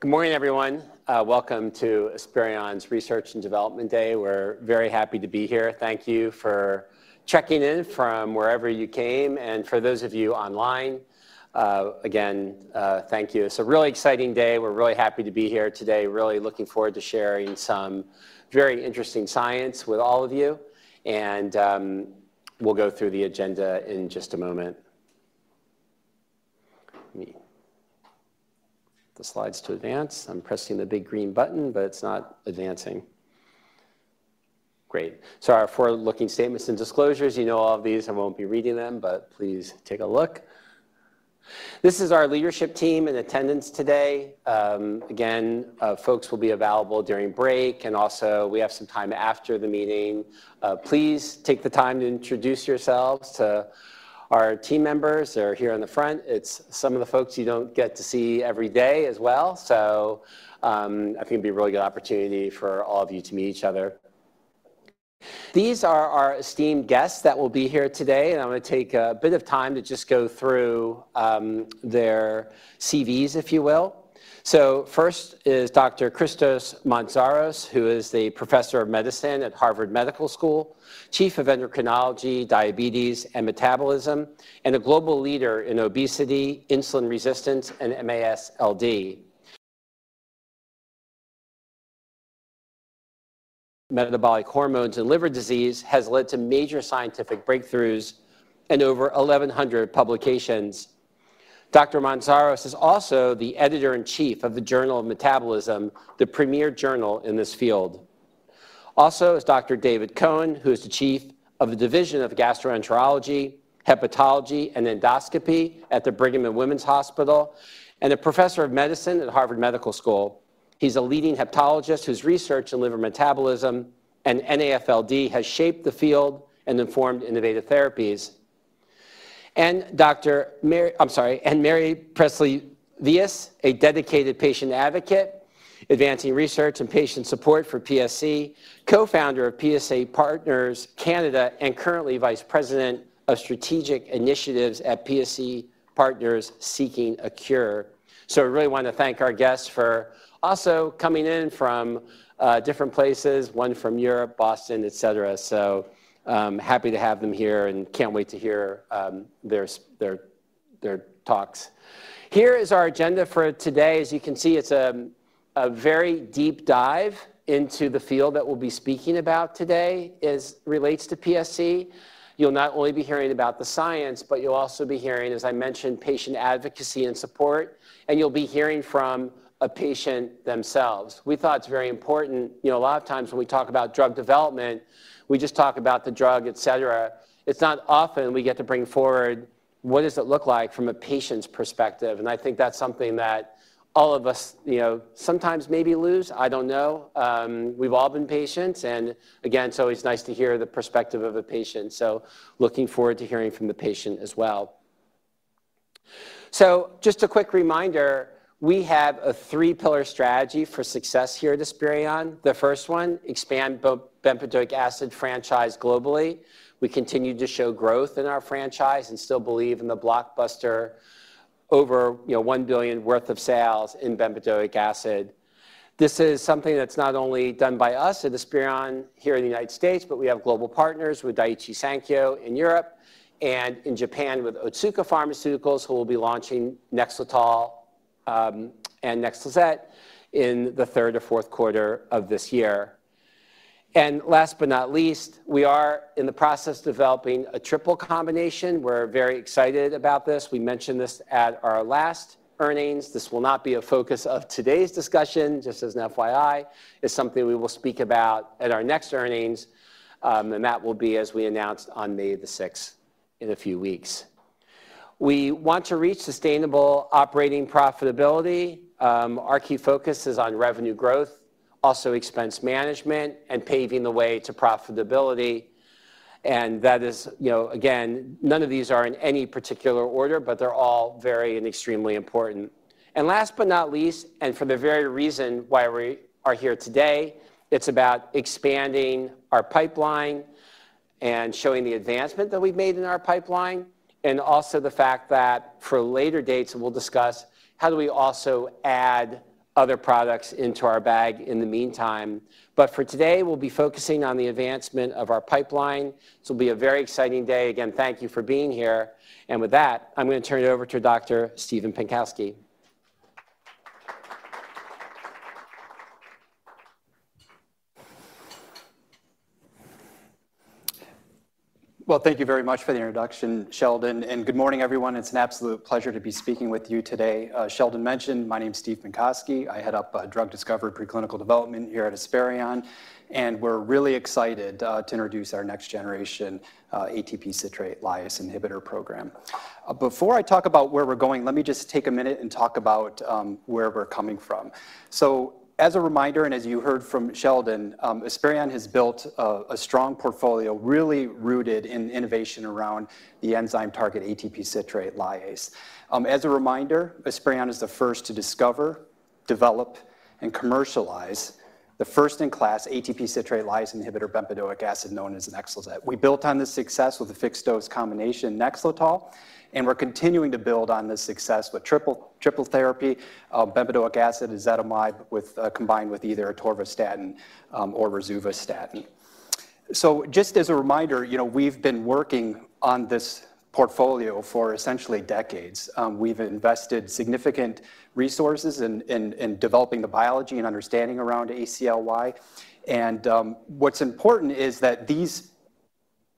Good morning, everyone. Welcome to Esperion's Research and Development Day. We're very happy to be here. Thank you for checking in from wherever you came. For those of you online, again, thank you. It's a really exciting day. We're really happy to be here today, really looking forward to sharing some very interesting science with all of you. We'll go through the agenda in just a moment. Let me get the slides to advance. I'm pressing the big green button, but it's not advancing. Great. Our forward-looking statements and disclosures, you know all of these. I won't be reading them, but please take a look. This is our leadership team in attendance today. Folks will be available during break. Also, we have some time after the meeting. Please take the time to introduce yourselves to our team members. They're here on the front. It's some of the folks you don't get to see every day as well. I think it'd be a really good opportunity for all of you to meet each other. These are our esteemed guests that will be here today. I want to take a bit of time to just go through their CVs, if you will. First is Dr. Christos Mantzoros, who is the Professor of Medicine at Harvard Medical School, Chief of Endocrinology, Diabetes, and Metabolism, and a global leader in obesity, insulin resistance, and MASLD. Metabolic hormones and liver disease has led to major scientific breakthroughs and over 1,100 publications. Dr. Mantzoros is also the Editor in Chief of the Journal of Metabolism, the premier journal in this field. Also is Dr. David Cohen, who is the Chief of the Division of Gastroenterology, Hepatology, and Endoscopy at the Brigham and Women's Hospital, and a Professor of Medicine at Harvard Medical School. He's a leading hepatologist whose research in liver metabolism and NAFLD has shaped the field and informed innovative therapies. Dr. I'm sorry, and Mary Pressley Vyas, a dedicated patient advocate, advancing research and patient support for PSC, co-founder of PSC Partners Canada, and currently Vice President of Strategic Initiatives at PSC Partners Seeking a Cure. I really want to thank our guests for also coming in from different places, one from Europe, Boston, et cetera. Happy to have them here and can't wait to hear their talks. Here is our agenda for today. As you can see, it's a very deep dive into the field that we'll be speaking about today as it relates to PSC. You'll not only be hearing about the science, but you'll also be hearing, as I mentioned, patient advocacy and support. You'll be hearing from a patient themselves. We thought it's very important. A lot of times when we talk about drug development, we just talk about the drug, et cetera. It's not often we get to bring forward what does it look like from a patient's perspective. I think that's something that all of us sometimes maybe lose. I don't know. We've all been patients. Again, it's always nice to hear the perspective of a patient. Looking forward to hearing from the patient as well. Just a quick reminder, we have a three-pillar strategy for success here at Esperion. The first one, expand bempedoic acid franchise globally. We continue to show growth in our franchise and still believe in the blockbuster over $1 billion worth of sales in bempedoic acid. This is something that's not only done by us at Esperion here in the United States, but we have global partners with Daiichi Sankyo in Europe and in Japan with Otsuka Pharmaceuticals, who will be launching NEXLETOL and NEXLIZET in the third or fourth quarter of this year. Last but not least, we are in the process of developing a triple combination. We're very excited about this. We mentioned this at our last earnings. This will not be a focus of today's discussion, just as an FYI. It's something we will speak about at our next earnings. That will be as we announced on May the 6th in a few weeks. We want to reach sustainable operating profitability. Our key focus is on revenue growth, also expense management, and paving the way to profitability. That is, again, none of these are in any particular order, but they're all very and extremely important. Last but not least, and for the very reason why we are here today, it's about expanding our pipeline and showing the advancement that we've made in our pipeline, and also the fact that for later dates, we'll discuss how do we also add other products into our bag in the meantime. For today, we'll be focusing on the advancement of our pipeline. This will be a very exciting day. Again, thank you for being here. With that, I'm going to turn it over to Dr. Stephen Pinkosky. Thank you very much for the introduction, Sheldon. Good morning, everyone. It's an absolute pleasure to be speaking with you today. Sheldon mentioned, my name's Stephen Pinkosky. I head up Drug Discovery Preclinical Development here at Esperion. We're really excited to introduce our next-generation ATP citrate lyase inhibitor program. Before I talk about where we're going, let me just take a minute and talk about where we're coming from. As a reminder, and as you heard from Sheldon, Esperion has built a strong portfolio really rooted in innovation around the enzyme target ATP citrate lyase. As a reminder, Esperion is the first to discover, develop, and commercialize the first-in-class ATP citrate lyase inhibitor bempedoic acid known as NEXLIZET. We built on this success with a fixed-dose combination, NEXLETOL. We're continuing to build on this success with triple therapy, bempedoic acid, ezetimibe combined with either atorvastatin or rosuvastatin. Just as a reminder, we've been working on this portfolio for essentially decades. We've invested significant resources in developing the biology and understanding around ACLY. What's important is that these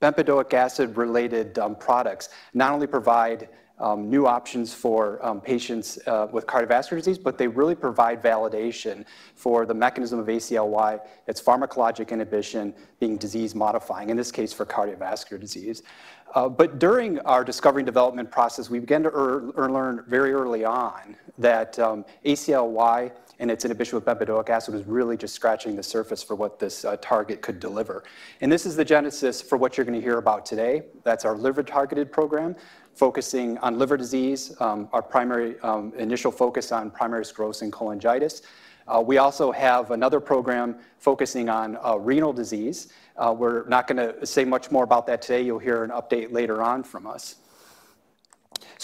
bempedoic acid-related products not only provide new options for patients with cardiovascular disease, they really provide validation for the mechanism of ACLY, its pharmacologic inhibition being disease-modifying, in this case for cardiovascular disease. During our discovery and development process, we began to learn very early on that ACLY and its inhibition with bempedoic acid was really just scratching the surface for what this target could deliver. This is the genesis for what you're going to hear about today. That's our liver-targeted program focusing on liver disease, our primary initial focus on primary sclerosing cholangitis. We also have another program focusing on renal disease. We're not going to say much more about that today. You'll hear an update later on from us.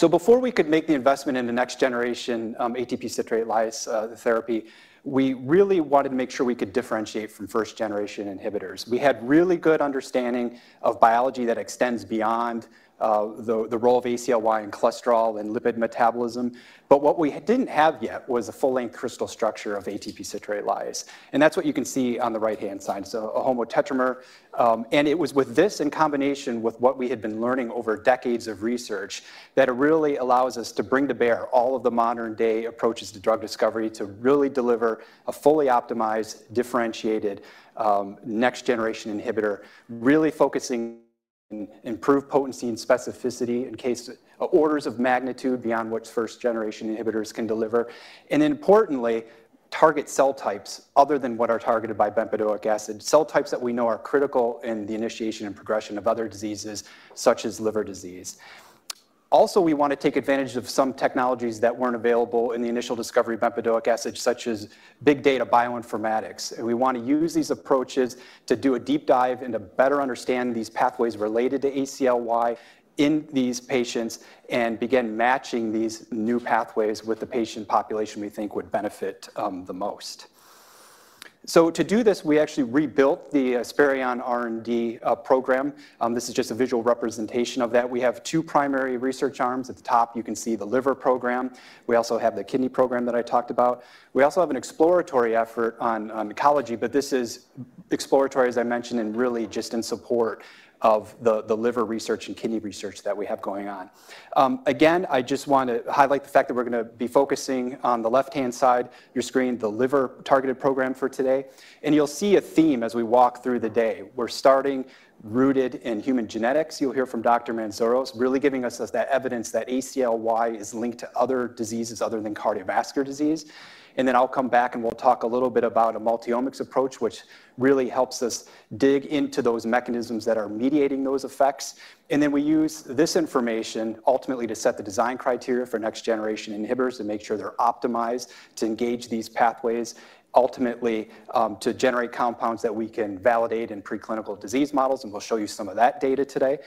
Before we could make the investment in the next-generation ATP citrate lyase therapy, we really wanted to make sure we could differentiate from first-generation inhibitors. We had really good understanding of biology that extends beyond the role of ACLY in cholesterol and lipid metabolism. What we didn't have yet was a full-length crystal structure of ATP citrate lyase. That's what you can see on the right-hand side, so a homotetramer. It was with this in combination with what we had been learning over decades of research that it really allows us to bring to bear all of the modern-day approaches to drug discovery to really deliver a fully optimized, differentiated next-generation inhibitor, really focusing on improved potency and specificity in case orders of magnitude beyond what first-generation inhibitors can deliver. Importantly, target cell types other than what are targeted by bempedoic acid, cell types that we know are critical in the initiation and progression of other diseases such as liver disease. Also, we want to take advantage of some technologies that were not available in the initial discovery of bempedoic acid, such as big data bioinformatics. We want to use these approaches to do a deep dive and to better understand these pathways related to ACLY in these patients and begin matching these new pathways with the patient population we think would benefit the most. To do this, we actually rebuilt the Esperion R&D program. This is just a visual representation of that. We have two primary research arms. At the top, you can see the liver program. We also have the kidney program that I talked about. We also have an exploratory effort on oncology. This is exploratory, as I mentioned, and really just in support of the liver research and kidney research that we have going on. Again, I just want to highlight the fact that we're going to be focusing on the left-hand side of your screen, the liver-targeted program for today. You'll see a theme as we walk through the day. We're starting rooted in human genetics. You'll hear from Dr. Mantzoros really giving us that evidence that ACLY is linked to other diseases other than cardiovascular disease. I'll come back and we'll talk a little bit about a multi-omics approach, which really helps us dig into those mechanisms that are mediating those effects. We use this information ultimately to set the design criteria for next-generation inhibitors and make sure they're optimized to engage these pathways, ultimately to generate compounds that we can validate in preclinical disease models. We'll show you some of that data today.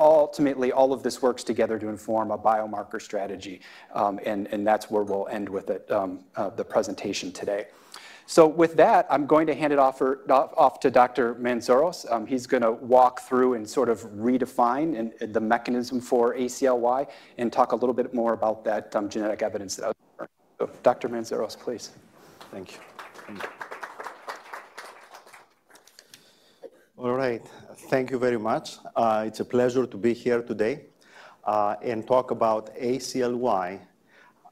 Ultimately, all of this works together to inform a biomarker strategy. That's where we'll end with the presentation today. With that, I'm going to hand it off to Dr. Mantzoros. He's going to walk through and sort of redefine the mechanism for ACLY and talk a little bit more about that genetic evidence. Dr. Mantzoros, please. Thank you. All right. Thank you very much. It's a pleasure to be here today and talk about ACLY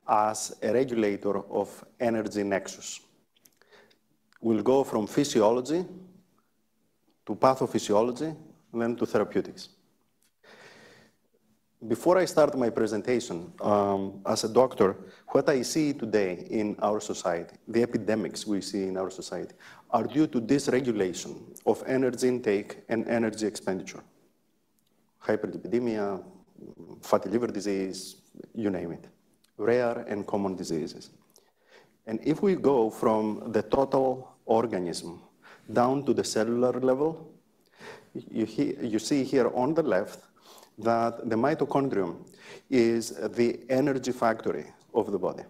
as a regulator of energy nexus. We'll go from physiology to pathophysiology, then to therapeutics. Before I start my presentation, as a doctor, what I see today in our society, the epidemics we see in our society are due to dysregulation of energy intake and energy expenditure: hyperlipidemia, fatty liver disease, you name it, rare and common diseases. If we go from the total organism down to the cellular level, you see here on the left that the mitochondrium is the energy factory of the body.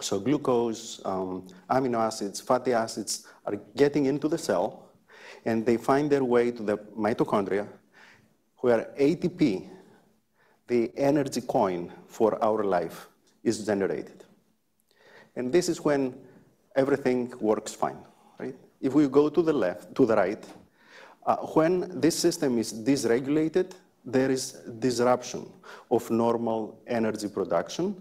Glucose, amino acids, fatty acids are getting into the cell. They find their way to the mitochondria where ATP, the energy coin for our life, is generated. This is when everything works fine. If we go to the right, when this system is dysregulated, there is disruption of normal energy production.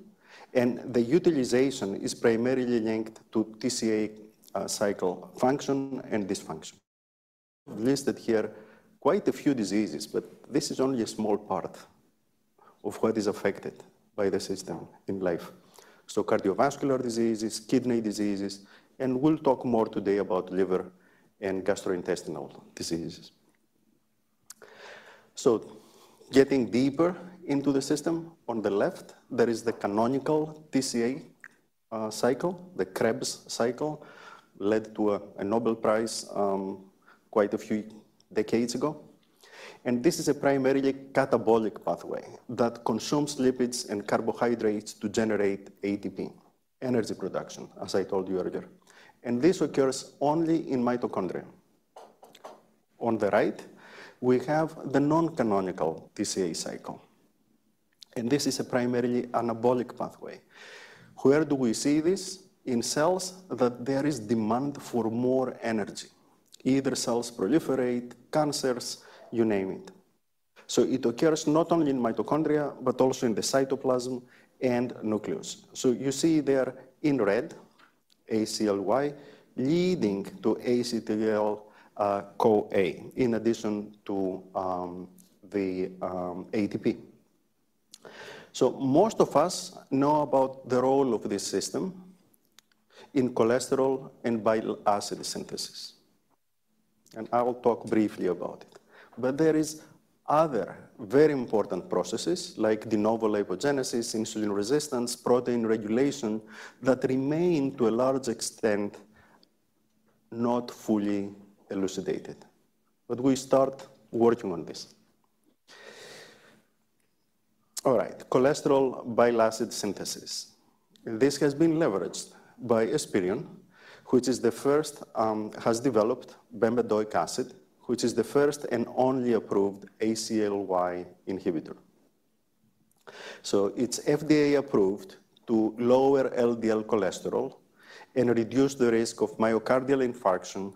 The utilization is primarily linked to TCA cycle function and dysfunction. Listed here are quite a few diseases, but this is only a small part of what is affected by the system in life. Cardiovascular diseases, kidney diseases. We will talk more today about liver and gastrointestinal diseases. Getting deeper into the system, on the left, there is the canonical TCA cycle, the Krebs cycle, led to a Nobel Prize quite a few decades ago. This is a primarily catabolic pathway that consumes lipids and carbohydrates to generate ATP, energy production, as I told you earlier. This occurs only in mitochondria. On the right, we have the non-canonical TCA cycle. This is a primarily anabolic pathway. Where do we see this? In cells that there is demand for more energy. Either cells proliferate, cancers, you name it. It occurs not only in mitochondria, but also in the cytoplasm and nucleus. You see there in red, ACLY leading to acetyl CoA in addition to the ATP. Most of us know about the role of this system in cholesterol and bile acid synthesis. I'll talk briefly about it. There are other very important processes like de novo lipogenesis, insulin resistance, protein regulation that remain, to a large extent, not fully elucidated. We start working on this. All right, cholesterol bile acid synthesis. This has been leveraged by Esperion, which is the first, has developed bempedoic acid, which is the first and only approved ACLY inhibitor. It is FDA approved to lower LDL cholesterol and reduce the risk of myocardial infarction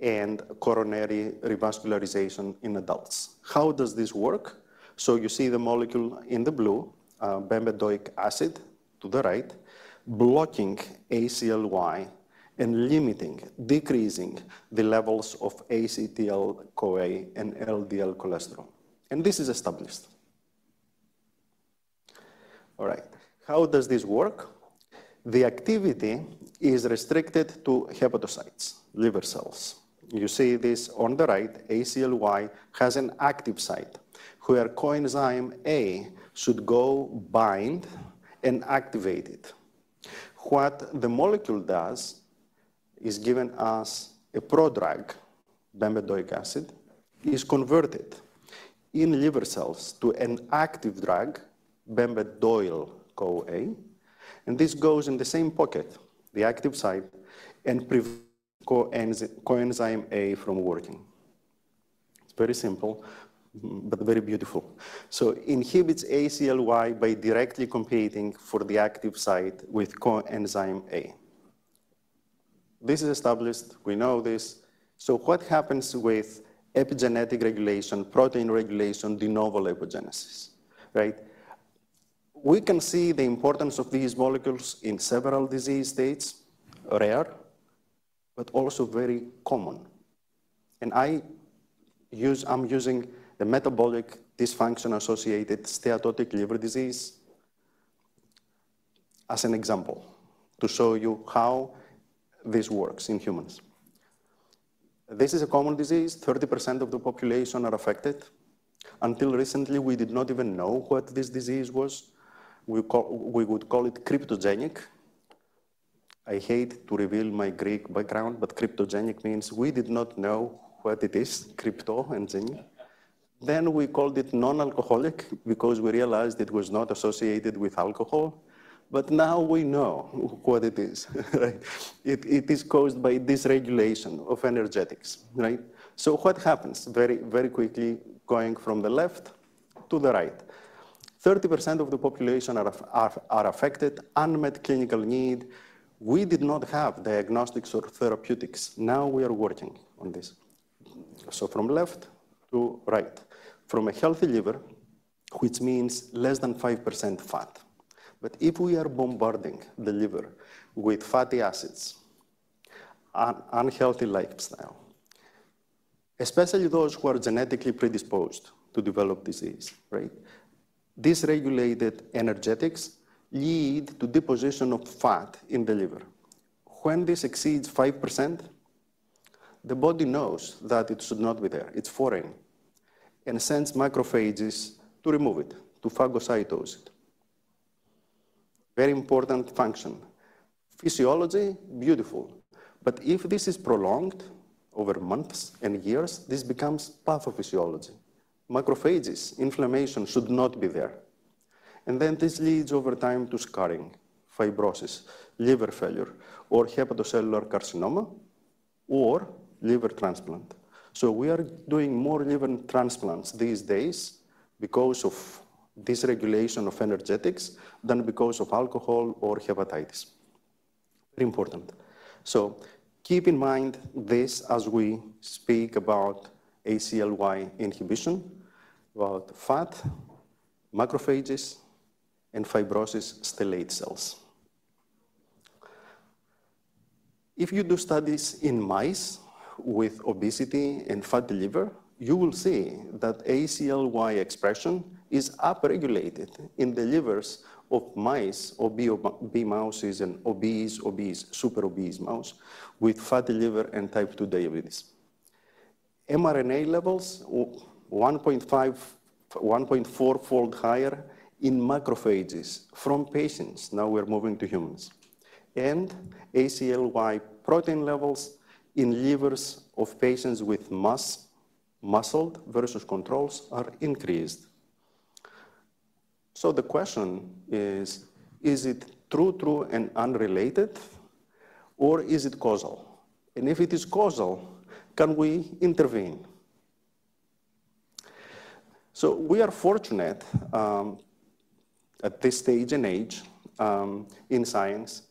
and coronary revascularization in adults. How does this work? You see the molecule in the blue, bempedoic acid to the right, blocking ACLY and limiting, decreasing the levels of acetyl CoA and LDL cholesterol. This is established. All right, how does this work? The activity is restricted to hepatocytes, liver cells. You see this on the right, ACLY has an active site where coenzyme A should go bind and activate it. What the molecule does is give us a prodrug, bempedoic acid, is converted in liver cells to an active drug, bempedoyl CoA. This goes in the same pocket, the active site, and prevents coenzyme A from working. It's very simple, but very beautiful. It inhibits ACLY by directly competing for the active site with coenzyme A. This is established. We know this. What happens with epigenetic regulation, protein regulation, de novo lipogenesis? We can see the importance of these molecules in several disease states, rare, but also very common. I am using the metabolic dysfunction-associated steatotic liver disease as an example to show you how this works in humans. This is a common disease. 30% of the population are affected. Until recently, we did not even know what this disease was. We would call it cryptogenic. I hate to reveal my Greek background, but cryptogenic means we did not know what it is, crypto and genic. We called it non-alcoholic because we realized it was not associated with alcohol. Now we know what it is. It is caused by dysregulation of energetics. What happens very, very quickly going from the left to the right? 30% of the population are affected, unmet clinical need. We did not have diagnostics or therapeutics. Now we are working on this. From left to right, from a healthy liver, which means less than 5% fat. If we are bombarding the liver with fatty acids, unhealthy lifestyle, especially those who are genetically predisposed to develop disease, dysregulated energetics lead to deposition of fat in the liver. When this exceeds 5%, the body knows that it should not be there. It's foreign. Sends macrophages to remove it, to phagocytose it. Very important function. Physiology, beautiful. If this is prolonged over months and years, this becomes pathophysiology. Macrophages, inflammation should not be there. This leads over time to scarring, fibrosis, liver failure, or hepatocellular carcinoma, or liver transplant. We are doing more liver transplants these days because of dysregulation of energetics than because of alcohol or hepatitis. Very important. Keep in mind this as we speak about ACLY inhibition, about fat, macrophages, and fibrosis stellate cells. If you do studies in mice with obesity and fatty liver, you will see that ACLY expression is upregulated in the livers of mice or obese mice and obese, obese, super obese mouse with fatty liver and type 2 diabetes. mRNA levels 1.4-fold higher in macrophages from patients. Now we're moving to humans. ACLY protein levels in livers of patients with MASLD versus controls are increased. The question is, is it true, true, and unrelated, or is it causal? If it is causal, can we intervene? We are fortunate at this stage in age in science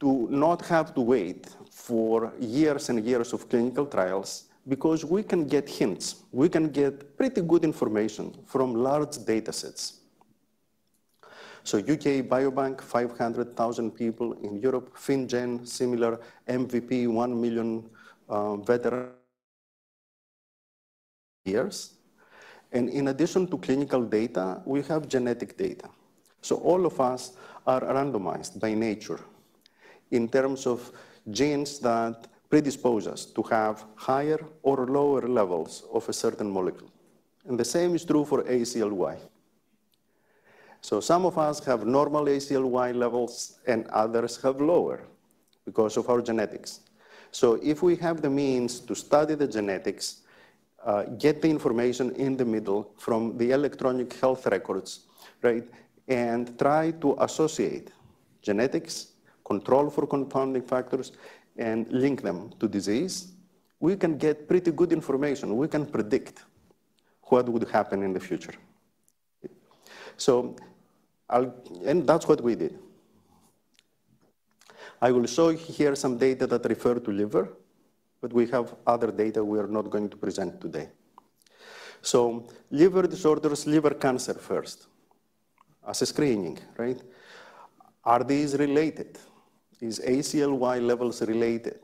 to not have to wait for years and years of clinical trials because we can get hints. We can get pretty good information from large data sets. U.K. Biobank, 500,000 people in Europe, FinGen, similar MVP, 1 million veterans. In addition to clinical data, we have genetic data. All of us are randomized by nature in terms of genes that predispose us to have higher or lower levels of a certain molecule. The same is true for ACLY. Some of us have normal ACLY levels and others have lower because of our genetics. If we have the means to study the genetics, get the information in the middle from the electronic health records and try to associate genetics, control for confounding factors, and link them to disease, we can get pretty good information. We can predict what would happen in the future. That is what we did. I will show you here some data that refer to liver, but we have other data we are not going to present today. Liver disorders, liver cancer first as a screening. Are these related? Is ACLY levels related?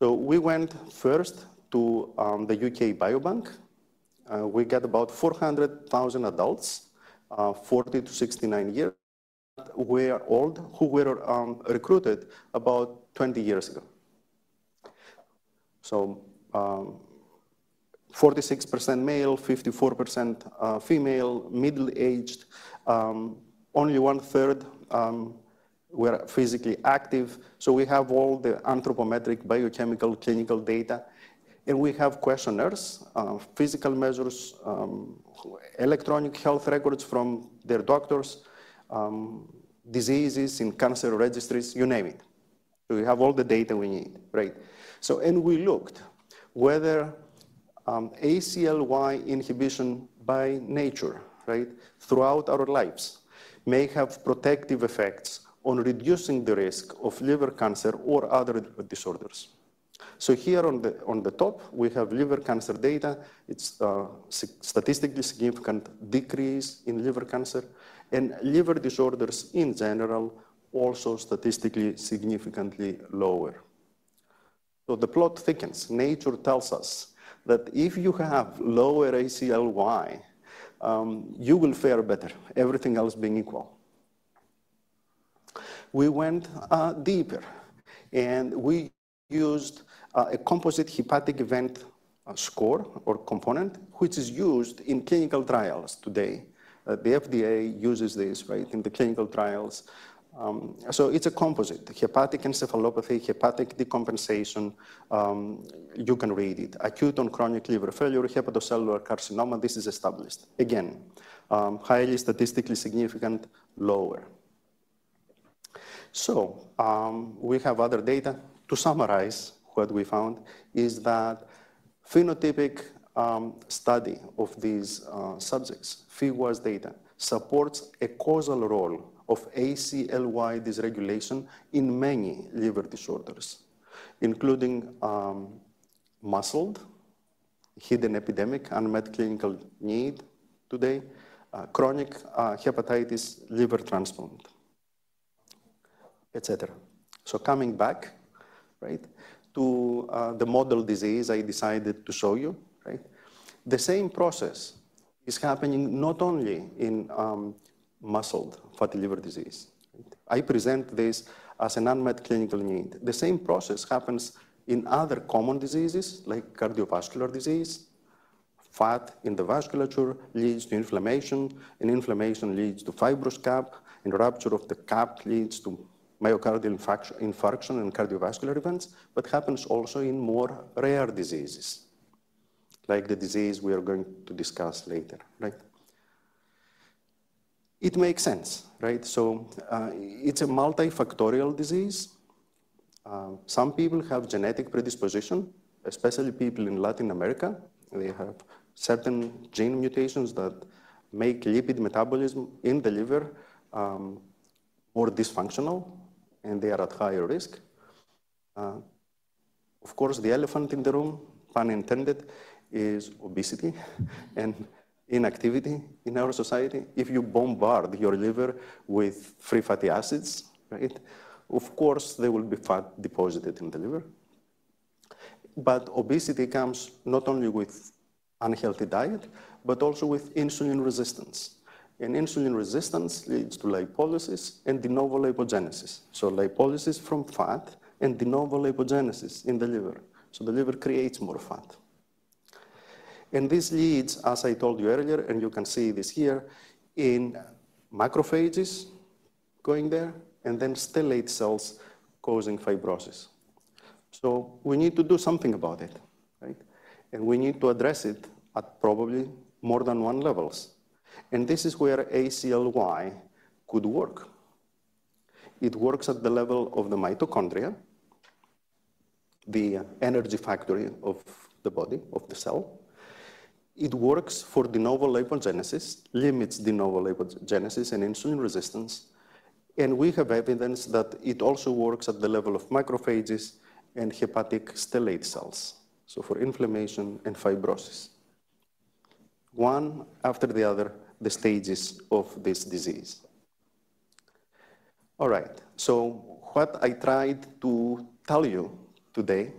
We went first to the U.K. Biobank. We got about 400,000 adults, 40-69 years old, who were recruited about 20 years ago. 46% male, 54% female, middle-aged, only 1/3 were physically active. We have all the anthropometric, biochemical, clinical data. We have questionnaires, physical measures, electronic health records from their doctors, diseases in cancer registries, you name it. We have all the data we need. We looked whether ACLY inhibition by nature throughout our lives may have protective effects on reducing the risk of liver cancer or other disorders. Here on the top, we have liver cancer data. It is statistically significant decrease in liver cancer and liver disorders in general, also statistically significantly lower. The plot thickens. Nature tells us that if you have lower ACLY, you will fare better, everything else being equal. We went deeper. We used a composite hepatic event score or component, which is used in clinical trials today. The FDA uses this in the clinical trials. It is a composite, hepatic encephalopathy, hepatic decompensation. You can read it. Acute on chronic liver failure, hepatocellular carcinoma, this is established. Again, highly statistically significant, lower. We have other data. To summarize what we found is that phenotypic study of these subjects, figures data, supports a causal role of ACLY dysregulation in many liver disorders, including MASLD, hidden epidemic, unmet clinical need today, chronic hepatitis, liver transplant, et cetera. Coming back to the model disease I decided to show you, the same process is happening not only in MASLD fatty liver disease. I present this as an unmet clinical need. The same process happens in other common diseases like cardiovascular disease. Fat in the vasculature leads to inflammation, and inflammation leads to fibrous cap, and rupture of the cap leads to myocardial infarction and cardiovascular events, but happens also in more rare diseases like the disease we are going to discuss later. It makes sense. It is a multifactorial disease. Some people have genetic predisposition, especially people in Latin America. They have certain gene mutations that make lipid metabolism in the liver more dysfunctional, and they are at higher risk. Of course, the elephant in the room, pun intended, is obesity and inactivity in our society. If you bombard your liver with free fatty acids, of course, there will be fat deposited in the liver. Obesity comes not only with unhealthy diet, but also with insulin resistance. Insulin resistance leads to lipolysis and de novo lipogenesis. Lipolysis from fat and de novo lipogenesis in the liver. The liver creates more fat. This leads, as I told you earlier, and you can see this here, in macrophages going there and then stellate cells causing fibrosis. We need to do something about it. We need to address it at probably more than one level. This is where ACLY could work. It works at the level of the mitochondria, the energy factory of the body, of the cell. It works for de novo lipogenesis, limits de novo lipogenesis and insulin resistance. We have evidence that it also works at the level of macrophages and hepatic stellate cells. For inflammation and fibrosis, one after the other, the stages of this disease. All right. What I tried to tell you today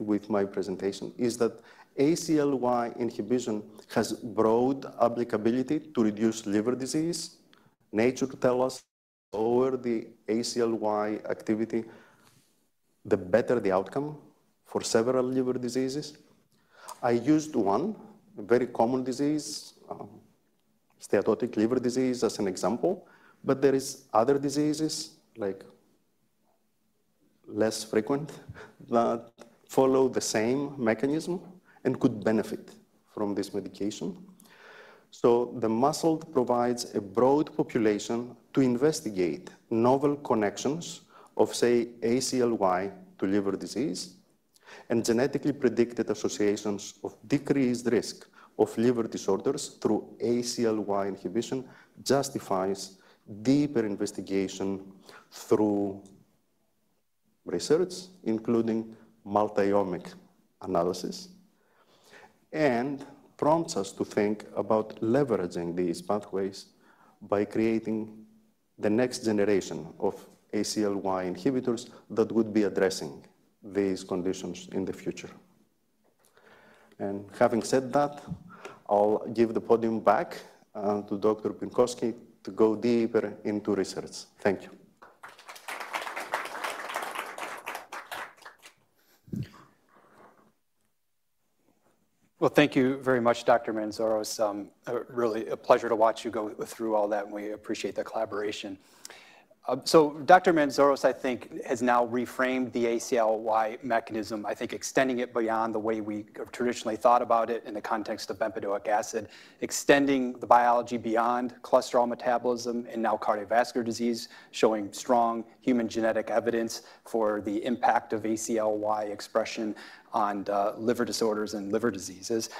with my presentation is that ACLY inhibition has broad applicability to reduce liver disease. Nature tells us lower the ACLY activity, the better the outcome for several liver diseases. I used one, a very common disease, steatotic liver disease as an example. There are other diseases like less frequent that follow the same mechanism and could benefit from this medication. The muscle provides a broad population to investigate novel connections of, say, ACLY to liver disease and genetically predicted associations of decreased risk of liver disorders through ACLY inhibition justifies deeper investigation through research, including multi-omic analysis, and prompts us to think about leveraging these pathways by creating the next generation of ACLY inhibitors that would be addressing these conditions in the future. Having said that, I'll give the podium back to Dr. Pinkosky to go deeper into research. Thank you. Thank you very much, Dr. Mantzoros. Really a pleasure to watch you go through all that, and we appreciate the collaboration. Dr. Mantzoros, I think, has now reframed the ACLY mechanism, I think, extending it beyond the way we have traditionally thought about it in the context of bempedoic acid, extending the biology beyond cholesterol metabolism and now cardiovascular disease, showing strong human genetic evidence for the impact of ACLY expression on liver disorders and liver diseases.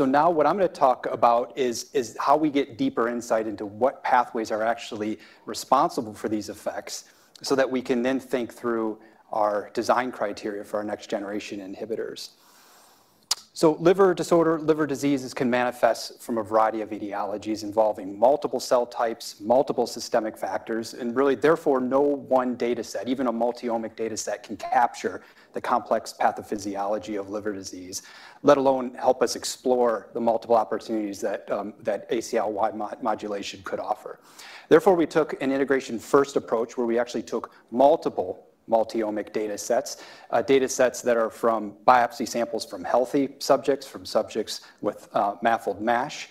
Now what I'm going to talk about is how we get deeper insight into what pathways are actually responsible for these effects so that we can then think through our design criteria for our next generation inhibitors. Liver disorder, liver diseases can manifest from a variety of etiologies involving multiple cell types, multiple systemic factors, and really, therefore, no one data set, even a multi-omic data set, can capture the complex pathophysiology of liver disease, let alone help us explore the multiple opportunities that ACLY modulation could offer. Therefore, we took an integration-first approach where we actually took multiple multi-omic data sets, data sets that are from biopsy samples from healthy subjects, from subjects with MASLD, MASH.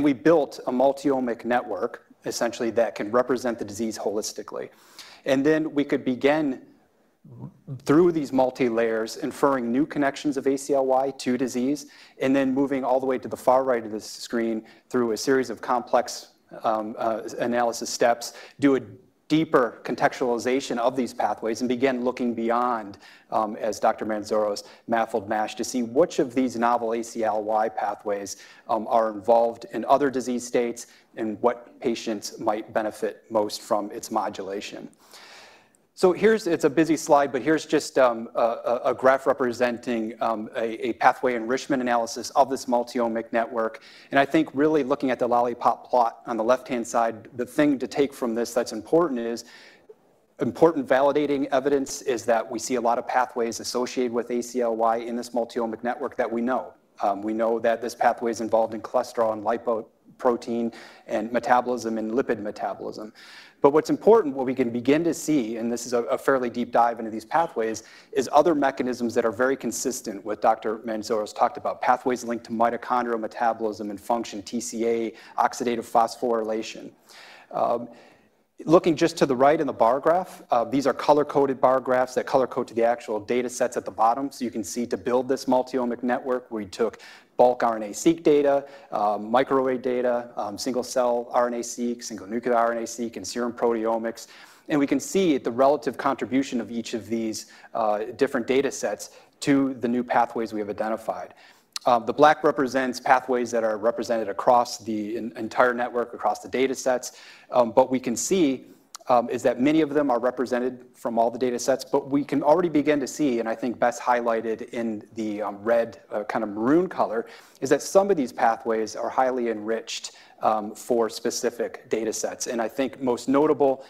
We built a multi-omic network, essentially, that can represent the disease holistically. Then we could begin through these multi-layers, inferring new connections of ACLY to disease, and then moving all the way to the far right of the screen through a series of complex analysis steps, do a deeper contextualization of these pathways, and begin looking beyond, as Dr.Mantzoros. MASH, to see which of these novel ACLY pathways are involved in other disease states and what patients might benefit most from its modulation. It's a busy slide, but here's just a graph representing a pathway enrichment analysis of this multi-omic network. I think really looking at the lollipop plot on the left-hand side, the thing to take from this that's important is important validating evidence is that we see a lot of pathways associated with ACLY in this multi-omic network that we know. We know that this pathway is involved in cholesterol and lipoprotein and metabolism and lipid metabolism. What's important, what we can begin to see, and this is a fairly deep dive into these pathways, is other mechanisms that are very consistent with what Dr. Mantzoros talked about, pathways linked to mitochondrial metabolism and function, TCA, oxidative phosphorylation. Looking just to the right in the bar graph, these are color-coded bar graphs that color-code to the actual data sets at the bottom. You can see to build this multi-omic network, we took bulk RNA-seq data, microarray data, single-cell RNA-seq, single-nuclear RNA-seq, and serum proteomics. We can see the relative contribution of each of these different data sets to the new pathways we have identified. The black represents pathways that are represented across the entire network, across the data sets. What we can see is that many of them are represented from all the data sets. We can already begin to see, and I think best highlighted in the red kind of maroon color, that some of these pathways are highly enriched for specific data sets. I think most notable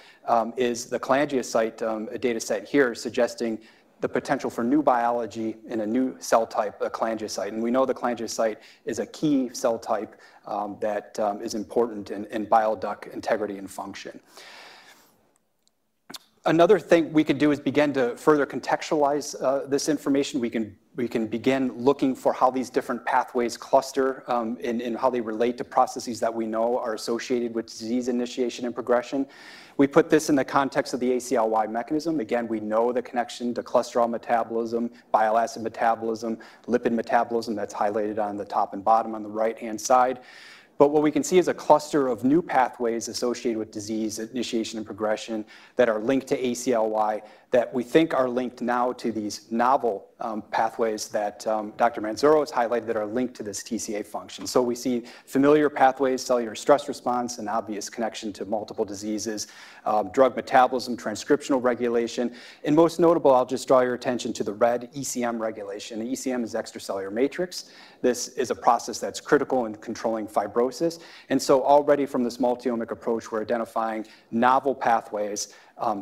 is the cholangiocyte data set here, suggesting the potential for new biology in a new cell type, a cholangiocyte. We know the cholangiocyte is a key cell type that is important in bile duct integrity and function. Another thing we can do is begin to further contextualize this information. We can begin looking for how these different pathways cluster and how they relate to processes that we know are associated with disease initiation and progression. We put this in the context of the ACLY mechanism. Again, we know the connection to cholesterol metabolism, bile acid metabolism, lipid metabolism that's highlighted on the top and bottom on the right-hand side. What we can see is a cluster of new pathways associated with disease initiation and progression that are linked to ACLY that we think are linked now to these novel pathways that Dr.Mantzoros highlighted that are linked to this TCA function. We see familiar pathways, cellular stress response, an obvious connection to multiple diseases, drug metabolism, transcriptional regulation. Most notable, I'll just draw your attention to the red ECM regulation. The ECM is extracellular matrix. This is a process that's critical in controlling fibrosis. Already from this multi-omic approach, we're identifying novel pathways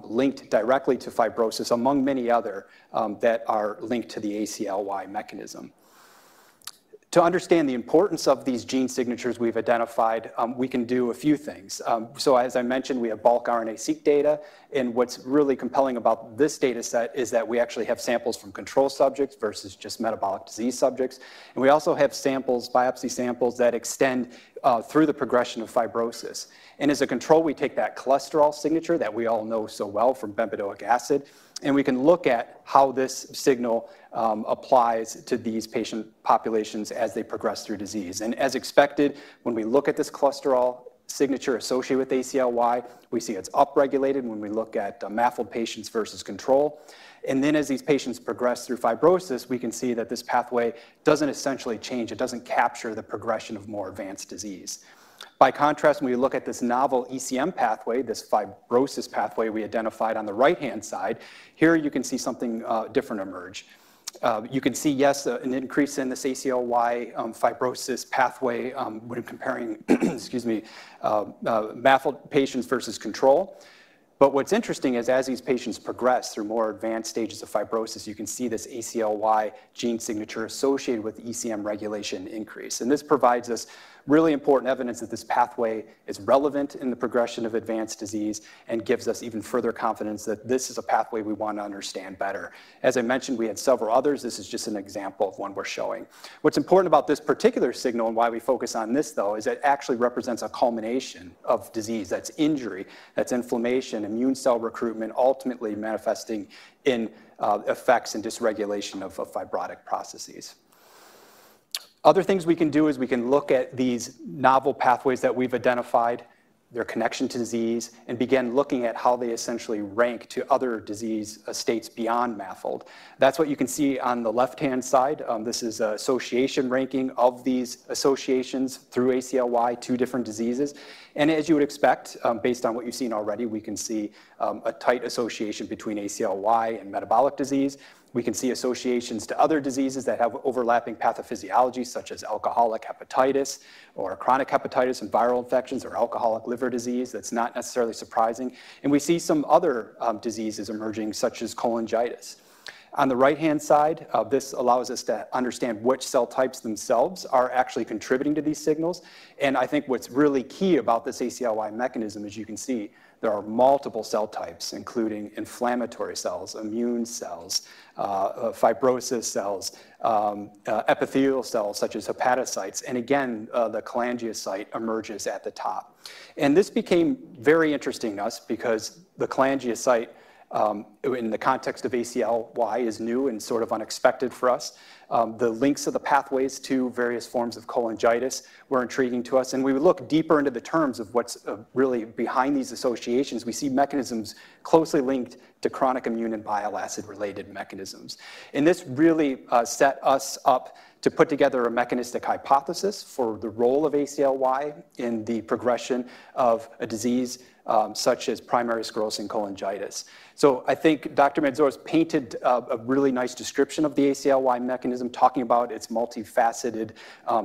linked directly to fibrosis, among many others, that are linked to the ACLY mechanism. To understand the importance of these gene signatures we've identified, we can do a few things. As I mentioned, we have bulk RNA-seq data. What's really compelling about this data set is that we actually have samples from control subjects versus just metabolic disease subjects. We also have samples, biopsy samples that extend through the progression of fibrosis. As a control, we take that cholesterol signature that we all know so well from bempedoic acid. We can look at how this signal applies to these patient populations as they progress through disease. As expected, when we look at this cholesterol signature associated with ACLY, we see it's upregulated when we look at MASLD patients versus control. As these patients progress through fibrosis, we can see that this pathway doesn't essentially change. It doesn't capture the progression of more advanced disease. By contrast, when we look at this novel ECM pathway, this fibrosis pathway we identified on the right-hand side, here you can see something different emerge. You can see, yes, an increase in this ACLY fibrosis pathway when comparing, excuse me, MASLD patients versus control. What's interesting is as these patients progress through more advanced stages of fibrosis, you can see this ACLY gene signature associated with ECM regulation increase. This provides us really important evidence that this pathway is relevant in the progression of advanced disease and gives us even further confidence that this is a pathway we want to understand better. As I mentioned, we had several others. This is just an example of one we're showing. What's important about this particular signal and why we focus on this, though, is it actually represents a culmination of disease. That's injury. That's inflammation, immune cell recruitment, ultimately manifesting in effects and dysregulation of fibrotic processes. Other things we can do is we can look at these novel pathways that we've identified, their connection to disease, and begin looking at how they essentially rank to other disease states beyond MASLD. That's what you can see on the left-hand side. This is an association ranking of these associations through ACLY to different diseases. As you would expect, based on what you've seen already, we can see a tight association between ACLY and metabolic disease. We can see associations to other diseases that have overlapping pathophysiology, such as alcoholic hepatitis or chronic hepatitis and viral infections or alcoholic liver disease. That's not necessarily surprising. We see some other diseases emerging, such as cholangitis. On the right-hand side, this allows us to understand which cell types themselves are actually contributing to these signals. I think what's really key about this ACLY mechanism is you can see there are multiple cell types, including inflammatory cells, immune cells, fibrosis cells, epithelial cells, such as hepatocytes. Again, the cholangiocyte emerges at the top. This became very interesting to us because the cholangiocyte, in the context of ACLY, is new and sort of unexpected for us. The links of the pathways to various forms of cholangitis were intriguing to us. We would look deeper into the terms of what's really behind these associations. We see mechanisms closely linked to chronic immune and bile acid-related mechanisms. This really set us up to put together a mechanistic hypothesis for the role of ACLY in the progression of a disease such as primary sclerosing cholangitis. I think Dr. Mantzoros painted a really nice description of the ACLY mechanism, talking about its multifaceted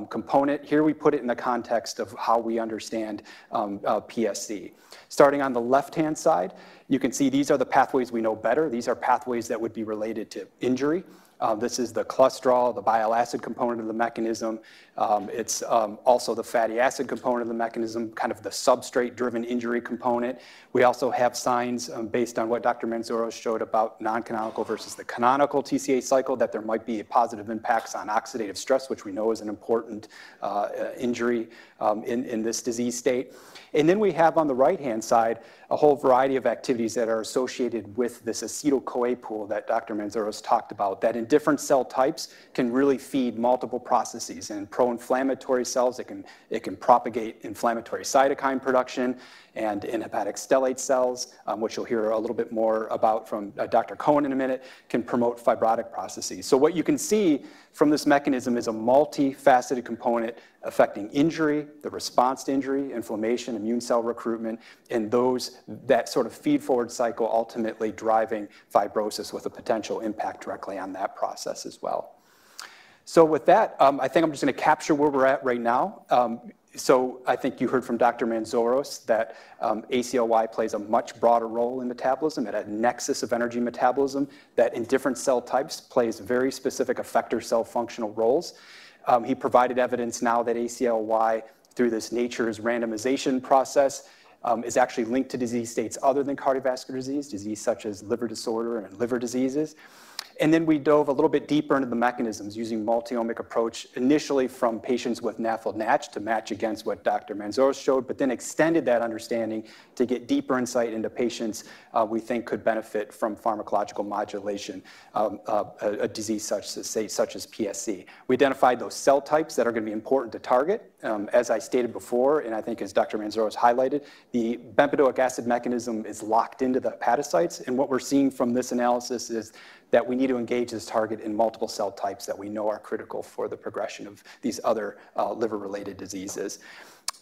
component. Here we put it in the context of how we understand PSC. Starting on the left-hand side, you can see these are the pathways we know better. These are pathways that would be related to injury. This is the cholesterol, the bile acid component of the mechanism. It's also the fatty acid component of the mechanism, kind of the substrate-driven injury component. We also have signs based on what Dr. Mantzoros showed about non-canonical versus the canonical TCA cycle that there might be positive impacts on oxidative stress, which we know is an important injury in this disease state. We have on the right-hand side a whole variety of activities that are associated with this acetyl-CoA pool that Dr. Mantzoros talked about that in different cell types can really feed multiple processes. In pro-inflammatory cells, it can propagate inflammatory cytokine production. In hepatic stellate cells, which you'll hear a little bit more about from Dr. Cohen in a minute, it can promote fibrotic processes. What you can see from this mechanism is a multifaceted component affecting injury, the response to injury, inflammation, immune cell recruitment, and that sort of feedforward cycle ultimately driving fibrosis with a potential impact directly on that process as well. With that, I think I'm just going to capture where we're at right now. I think you heard from Dr. Mantzoros that ACLY plays a much broader role in metabolism, that a nexus of energy metabolism that in different cell types plays very specific effector cell functional roles. He provided evidence now that ACLY, through this nature's randomization process, is actually linked to disease states other than cardiovascular disease, disease such as liver disorder and liver diseases. Then we dove a little bit deeper into the mechanisms using multi-omic approach, initially from patients with MASLD and MASH to match against what Dr. Mantzoros showed, but then extended that understanding to get deeper insight into patients we think could benefit from pharmacological modulation, a disease such as PSC. We identified those cell types that are going to be important to target. As I stated before, and I think as Dr. Mantzoros highlighted, the bempedoic acid mechanism is locked into the hepatocytes. What we're seeing from this analysis is that we need to engage this target in multiple cell types that we know are critical for the progression of these other liver-related diseases.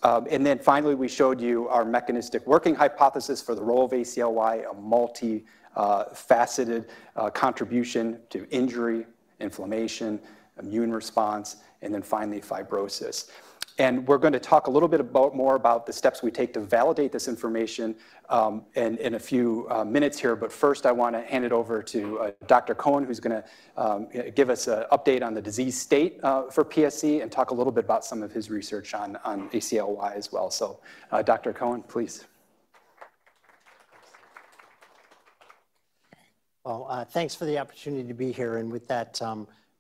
Finally, we showed you our mechanistic working hypothesis for the role of ACLY, a multifaceted contribution to injury, inflammation, immune response, and finally fibrosis. We're going to talk a little bit more about the steps we take to validate this information in a few minutes here. First, I want to hand it over to Dr. Cohen, who's going to give us an update on the disease state for PSC and talk a little bit about some of his research on ACLY as well. Dr. Cohen, please. Thanks for the opportunity to be here. With that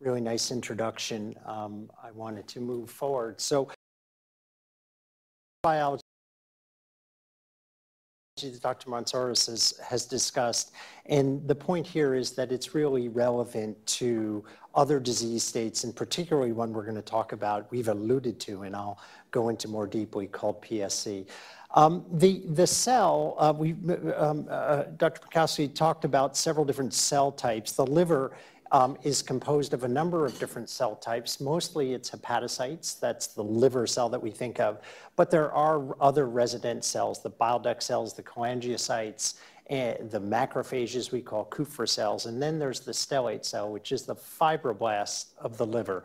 really nice introduction, I wanted to move forward. Dr. Mantzoros has discussed, and the point here is that it's really relevant to other disease states, and particularly one we're going to talk about, we've alluded to, and I'll go into more deeply, called PSC. The cell, Dr. Pikosky talked about several different cell types. The liver is composed of a number of different cell types. Mostly, it's hepatocytes. That's the liver cell that we think of. There are other resident cells, the bile duct cells, the cholangiocytes, the macrophages we call Kupffer cells. There is the stellate cell, which is the fibroblast of the liver.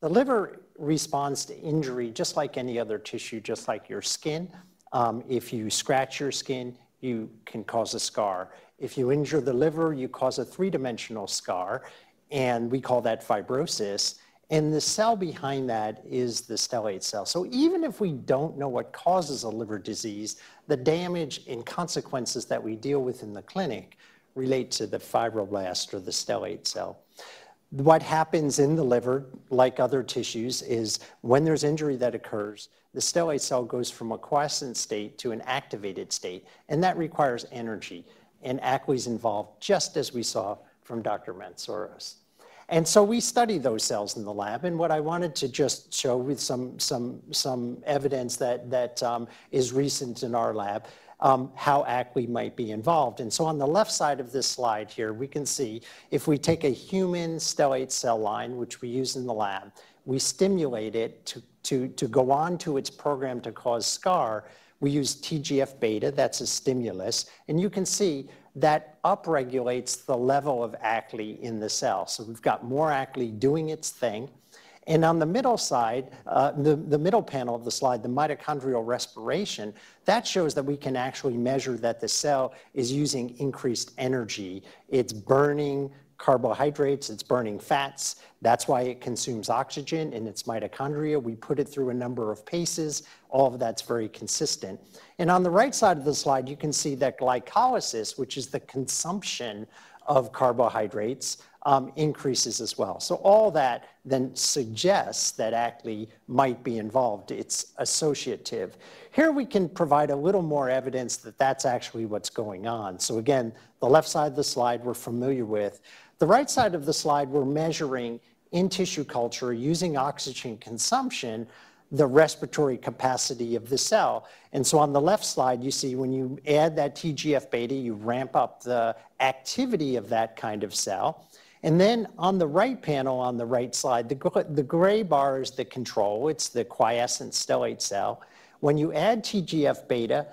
The liver responds to injury just like any other tissue, just like your skin. If you scratch your skin, you can cause a scar. If you injure the liver, you cause a three-dimensional scar. We call that fibrosis. The cell behind that is the stellate cell. Even if we do not know what causes a liver disease, the damage and consequences that we deal with in the clinic relate to the fibroblast or the stellate cell. What happens in the liver, like other tissues, is when there is injury that occurs, the stellate cell goes from a quiescent state to an activated state. That requires energy. ACLY is involved, just as we saw from Dr. Mantzoros. We study those cells in the lab. What I wanted to just show with some evidence that is recent in our lab is how ACLY might be involved. On the left side of this slide here, we can see if we take a human stellate cell line, which we use in the lab, we stimulate it to go on to its program to cause scar. We use TGF-β. That is a stimulus. You can see that upregulates the level of ACLY in the cell. We have got more ACLY doing its thing. On the middle side, the middle panel of the slide, the mitochondrial respiration shows that we can actually measure that the cell is using increased energy. It is burning carbohydrates. It is burning fats. That is why it consumes oxygen in its mitochondria. We put it through a number of paces. All of that is very consistent. On the right side of the slide, you can see that glycolysis, which is the consumption of carbohydrates, increases as well. All that then suggests that ACLY might be involved. It's associative. Here we can provide a little more evidence that that's actually what's going on. Again, the left side of the slide we're familiar with. The right side of the slide, we're measuring in tissue culture using oxygen consumption, the respiratory capacity of the cell. On the left slide, you see when you add that TGF-β, you ramp up the activity of that kind of cell. On the right panel on the right side, the gray bar is the control. It's the quiescent stellate cell. When you add TGF-β,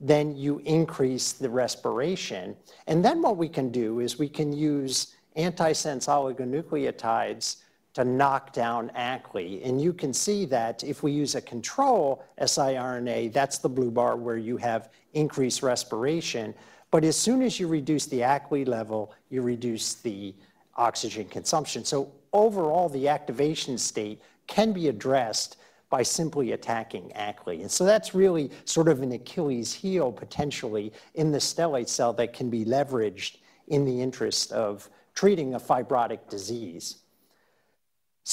then you increase the respiration. What we can do is we can use antisense oligonucleotides to knock down ACLY. You can see that if we use a control siRNA, that's the blue bar where you have increased respiration. As soon as you reduce the ACLY level, you reduce the oxygen consumption. Overall, the activation state can be addressed by simply attacking ACLY. That is really sort of an Achilles heel, potentially, in the stellate cell that can be leveraged in the interest of treating a fibrotic disease.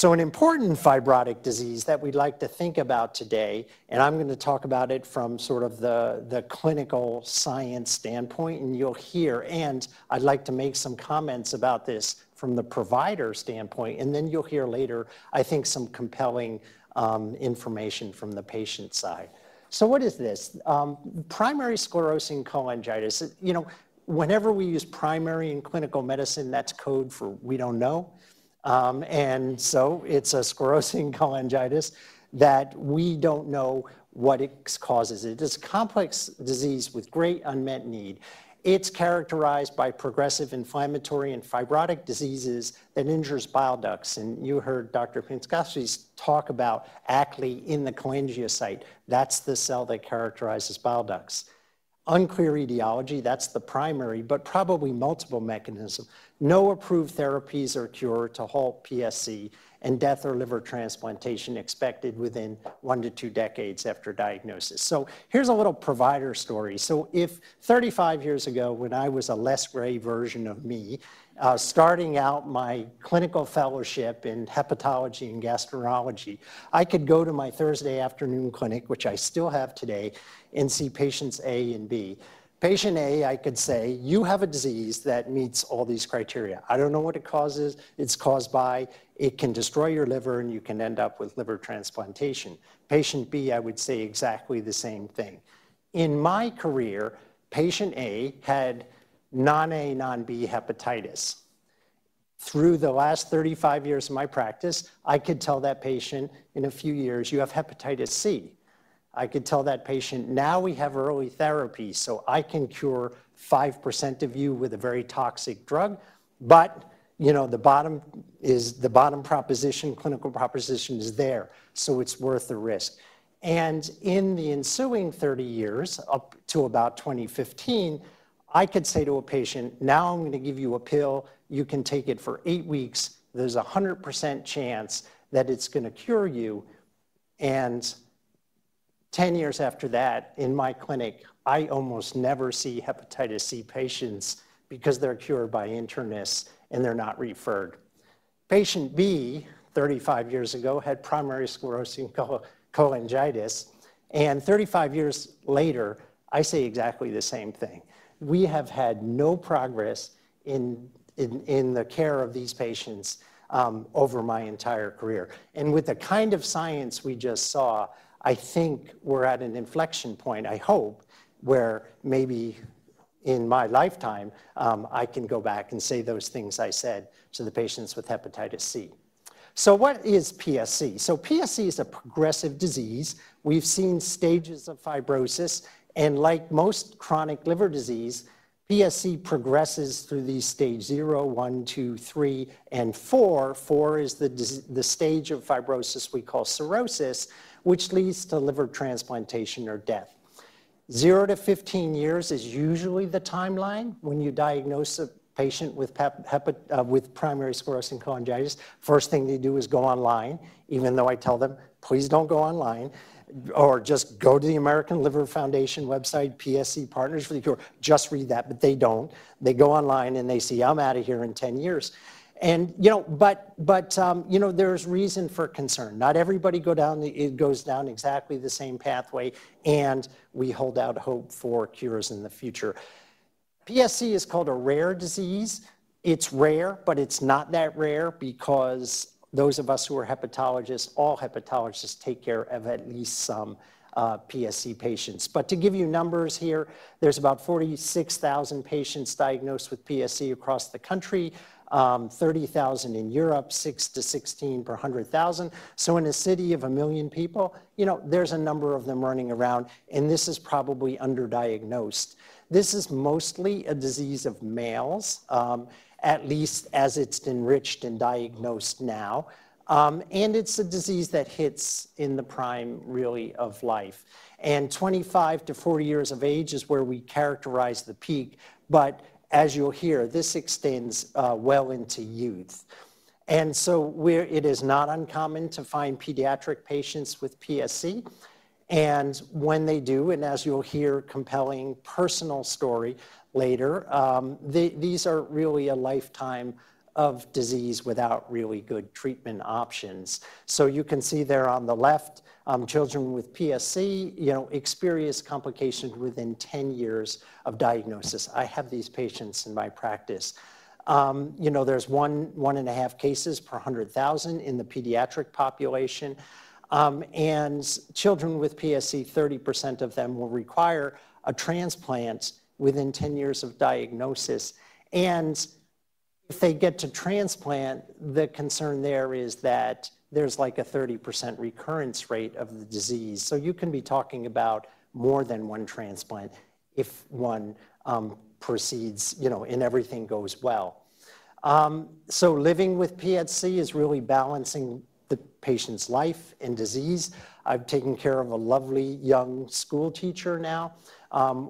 An important fibrotic disease that we'd like to think about today, and I'm going to talk about it from sort of the clinical science standpoint. You'll hear, and I'd like to make some comments about this from the provider standpoint. You'll hear later, I think, some compelling information from the patient side. What is this? Primary sclerosing cholangitis. Whenever we use primary in clinical medicine, that's code for we don't know. It is a sclerosing cholangitis that we don't know what it causes. It is a complex disease with great unmet need. It is characterized by progressive inflammatory and fibrotic diseases that injure bile ducts. You heard Dr. Pikosky talk about ACLY in the cholangiocytes. That is the cell that characterizes bile ducts. Unclear etiology. That is the primary, but probably multiple mechanisms. No approved therapies or cure to halt PSC and death or liver transplantation expected within one to two decades after diagnosis. Here is a little provider story. If 35 years ago, when I was a less gray version of me, starting out my clinical fellowship in hepatology and gastroenterology, I could go to my Thursday afternoon clinic, which I still have today, and see patients A and B. Patient A, I could say, you have a disease that meets all these criteria. I don't know what it causes. It's caused by it can destroy your liver, and you can end up with liver transplantation. Patient B, I would say exactly the same thing. In my career, patient A had non-A, non-B hepatitis. Through the last 35 years of my practice, I could tell that patient, in a few years, you have hepatitis C. I could tell that patient, now we have early therapy, so I can cure 5% of you with a very toxic drug. The bottom proposition, clinical proposition, is there. It's worth the risk. In the ensuing 30 years, up to about 2015, I could say to a patient, now I'm going to give you a pill. You can take it for eight weeks. There's a 100% chance that it's going to cure you. Ten years after that, in my clinic, I almost never see hepatitis C patients because they're cured by internists, and they're not referred. Patient B, 35 years ago, had primary sclerosing cholangitis. Thirty-five years later, I say exactly the same thing. We have had no progress in the care of these patients over my entire career. With the kind of science we just saw, I think we're at an inflection point, I hope, where maybe in my lifetime, I can go back and say those things I said to the patients with hepatitis C. What is PSC? PSC is a progressive disease. We've seen stages of fibrosis. Like most chronic liver disease, PSC progresses through these stage 0, 1, 2, 3, and 4. Four is the stage of fibrosis we call cirrhosis, which leads to liver transplantation or death. 0-15 years is usually the timeline when you diagnose a patient with primary sclerosing cholangitis. First thing they do is go online, even though I tell them, please don't go online, or just go to the American Liver Foundation website, PSC Partners for the Cure. Just read that, but they don't. They go online, and they see, I'm out of here in 10 years. There is reason for concern. Not everybody goes down exactly the same pathway. We hold out hope for cures in the future. PSC is called a rare disease. It's rare, but it's not that rare because those of us who are hepatologists, all hepatologists take care of at least some PSC patients. To give you numbers here, there's about 46,000 patients diagnosed with PSC across the country, 30,000 in Europe, 6-16 per 100,000. In a city of a million people, there's a number of them running around. This is probably underdiagnosed. This is mostly a disease of males, at least as it's enriched and diagnosed now. It's a disease that hits in the prime, really, of life, 25-40 years of age is where we characterize the peak. As you'll hear, this extends well into youth. It is not uncommon to find pediatric patients with PSC. When they do, and as you'll hear a compelling personal story later, these are really a lifetime of disease without really good treatment options. You can see there on the left, children with PSC experience complications within 10 years of diagnosis. I have these patients in my practice. There's 1.5 cases per 100,000 in the pediatric population. Children with PSC, 30% of them will require a transplant within 10 years of diagnosis. If they get to transplant, the concern there is that there's like a 30% recurrence rate of the disease. You can be talking about more than one transplant if one proceeds and everything goes well. Living with PSC is really balancing the patient's life and disease. I've taken care of a lovely young school teacher now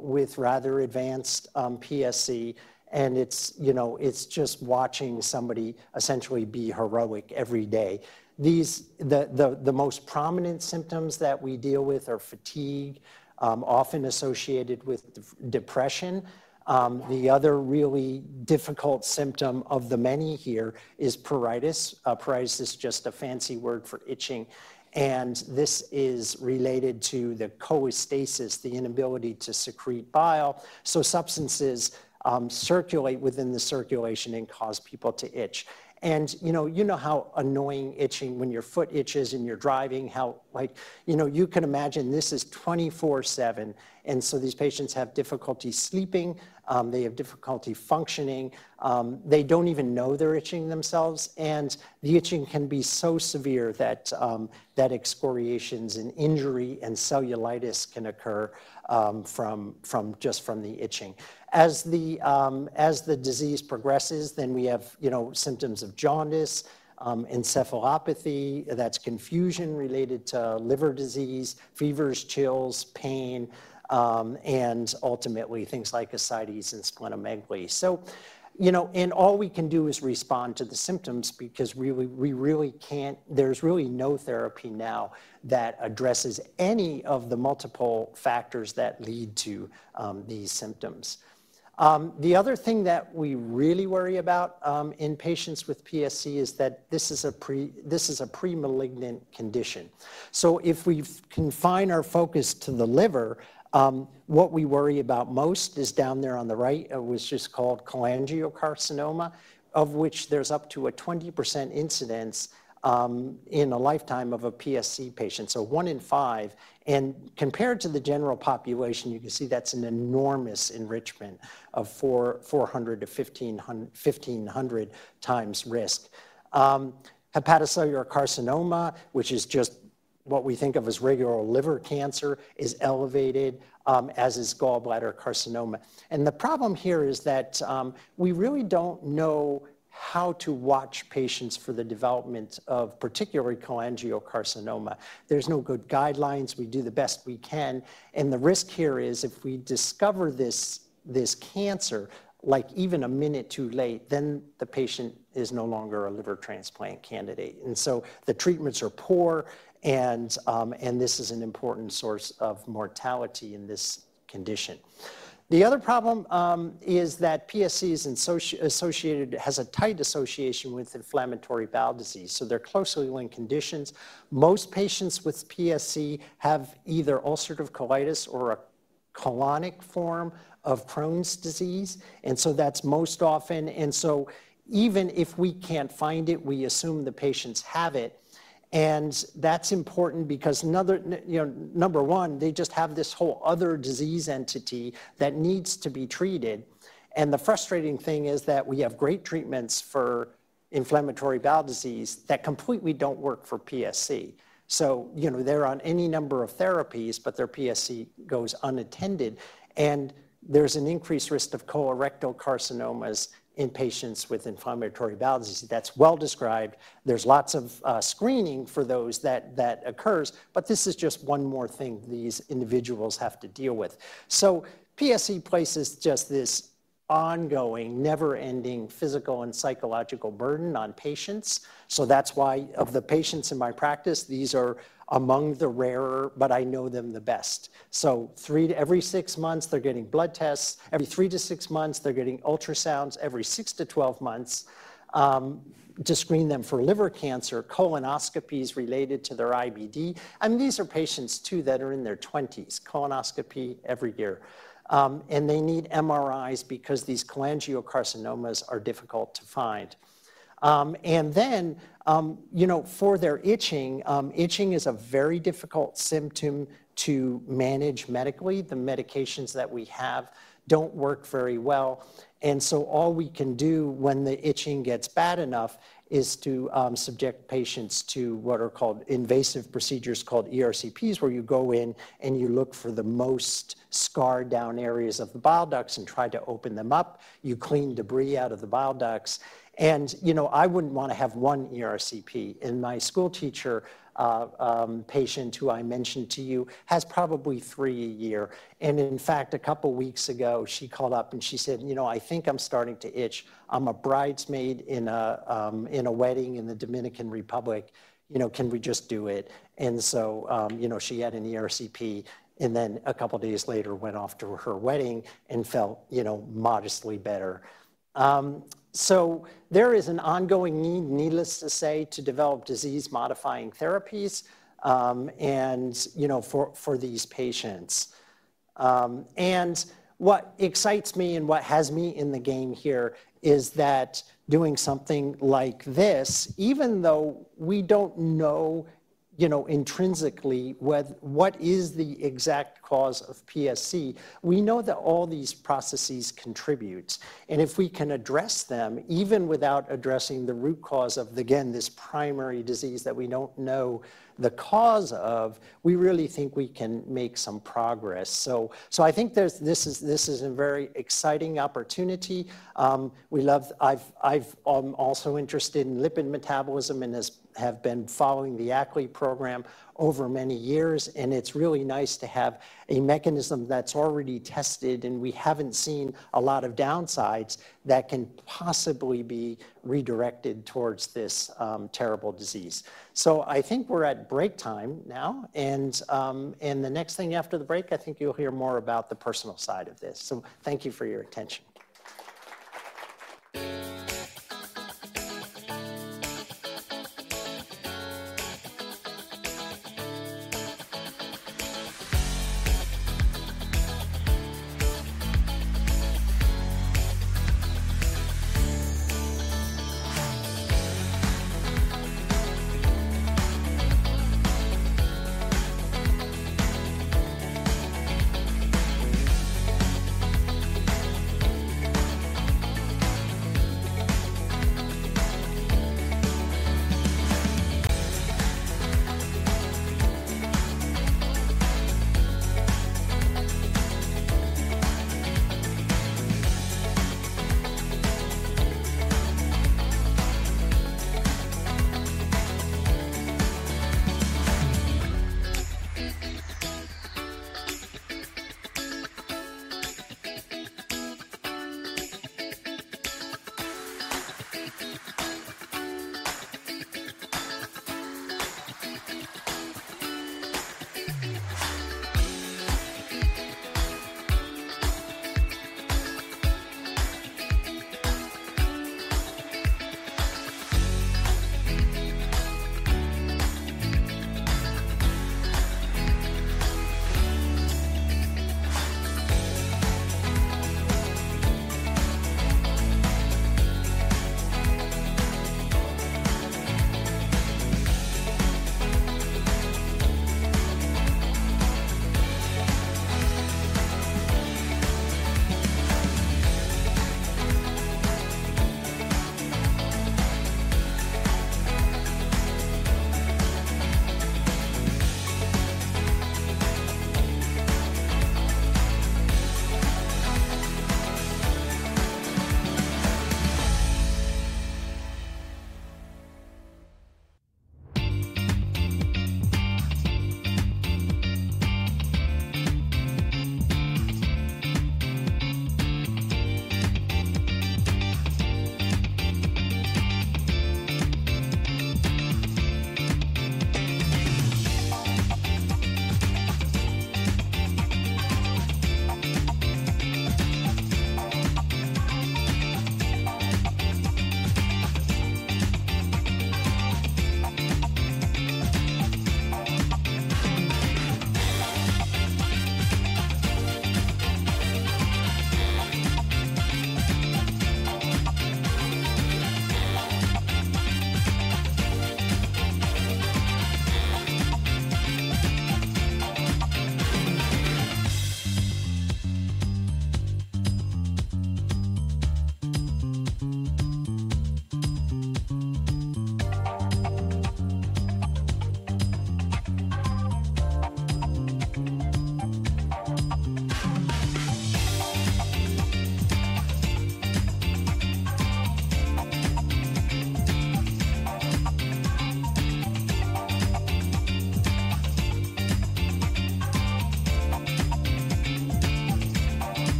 with rather advanced PSC. It's just watching somebody essentially be heroic every day. The most prominent symptoms that we deal with are fatigue, often associated with depression. The other really difficult symptom of the many here is pruritus. Pruritus is just a fancy word for itching. This is related to the cholestasis, the inability to secrete bile. Substances circulate within the circulation and cause people to itch. You know how annoying itching when your foot itches and you're driving, how you can imagine this is 24/7. These patients have difficulty sleeping. They have difficulty functioning. They don't even know they're itching themselves. The itching can be so severe that excoriations and injury and cellulitis can occur just from the itching. As the disease progresses, we have symptoms of jaundice, encephalopathy—that's confusion related to liver disease—fevers, chills, pain, and ultimately, things like ascites and splenomegaly. All we can do is respond to the symptoms because there's really no therapy now that addresses any of the multiple factors that lead to these symptoms. The other thing that we really worry about in patients with PSC is that this is a premalignant condition. If we confine our focus to the liver, what we worry about most is down there on the right. It was just called cholangiocarcinoma, of which there's up to a 20% incidence in a lifetime of a PSC patient. One in five. Compared to the general population, you can see that's an enormous enrichment of 400-1,500 times risk. Hepatocellular carcinoma, which is just what we think of as regular liver cancer, is elevated, as is gallbladder carcinoma. The problem here is that we really don't know how to watch patients for the development of particularly cholangiocarcinoma. There's no good guidelines. We do the best we can. The risk here is if we discover this cancer even a minute too late, then the patient is no longer a liver transplant candidate. The treatments are poor. This is an important source of mortality in this condition. The other problem is that PSC has a tight association with inflammatory bowel disease. They are closely linked conditions. Most patients with PSC have either ulcerative colitis or a colonic form of Crohn's disease. That is most often. Even if we can't find it, we assume the patients have it. That is important because, number one, they just have this whole other disease entity that needs to be treated. The frustrating thing is that we have great treatments for inflammatory bowel disease that completely don't work for PSC. They are on any number of therapies, but their PSC goes unattended. There is an increased risk of colorectal carcinomas in patients with inflammatory bowel disease. That is well described. There is lots of screening for those that occurs. This is just one more thing these individuals have to deal with. PSC places just this ongoing, never-ending physical and psychological burden on patients. That is why of the patients in my practice, these are among the rarer, but I know them the best. Every six months, they're getting blood tests. Every three to six months, they're getting ultrasounds. Every 6-12 months, to screen them for liver cancer, colonoscopies related to their IBD. These are patients, too, that are in their 20s. Colonoscopy every year. They need MRIs because these cholangiocarcinomas are difficult to find. For their itching, itching is a very difficult symptom to manage medically. The medications that we have do not work very well. All we can do when the itching gets bad enough is to subject patients to what are called invasive procedures called ERCPs, where you go in and you look for the most scarred down areas of the bile ducts and try to open them up. You clean debris out of the bile ducts. I would not want to have one ERCP. My school teacher patient, who I mentioned to you, has probably three a year. In fact, a couple of weeks ago, she called up and she said, "I think I'm starting to itch. I'm a bridesmaid in a wedding in the Dominican Republic. Can we just do it?" She had an ERCP. A couple of days later, she went off to her wedding and felt modestly better. There is an ongoing need, needless to say, to develop disease-modifying therapies for these patients. What excites me and what has me in the game here is that doing something like this, even though we do not know intrinsically what is the exact cause of PSC, we know that all these processes contribute. If we can address them, even without addressing the root cause of, again, this primary disease that we do not know the cause of, we really think we can make some progress. I think this is a very exciting opportunity. I am also interested in lipid metabolism and have been following the ACLY program over many years. It is really nice to have a mechanism that is already tested. We have not seen a lot of downsides that can possibly be redirected towards this terrible disease. I think we are at break time now. The next thing after the break, I think you'll hear more about the personal side of this. Thank you for your attention.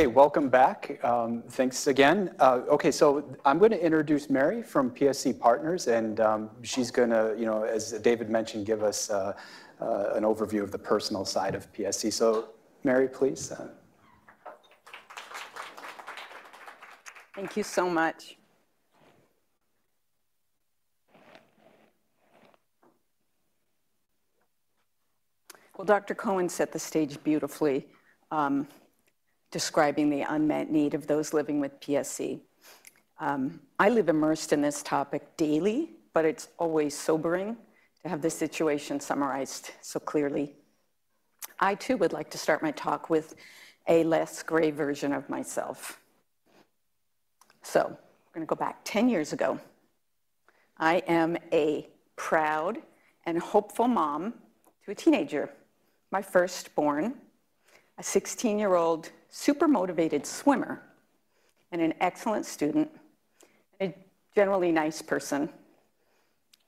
OK, welcome back. Thanks again. OK, I'm going to introduce Mary from PSC Partners. She's going to, as David mentioned, give us an overview of the personal side of PSC. Mary, please. Thank you so much. Dr. Cohen set the stage beautifully, describing the unmet need of those living with PSC. I live immersed in this topic daily, but it's always sobering to have this situation summarized so clearly. I, too, would like to start my talk with a less gray version of myself. We're going to go back 10 years ago. I am a proud and hopeful mom to a teenager, my firstborn, a 16-year-old super motivated swimmer, and an excellent student, and a generally nice person.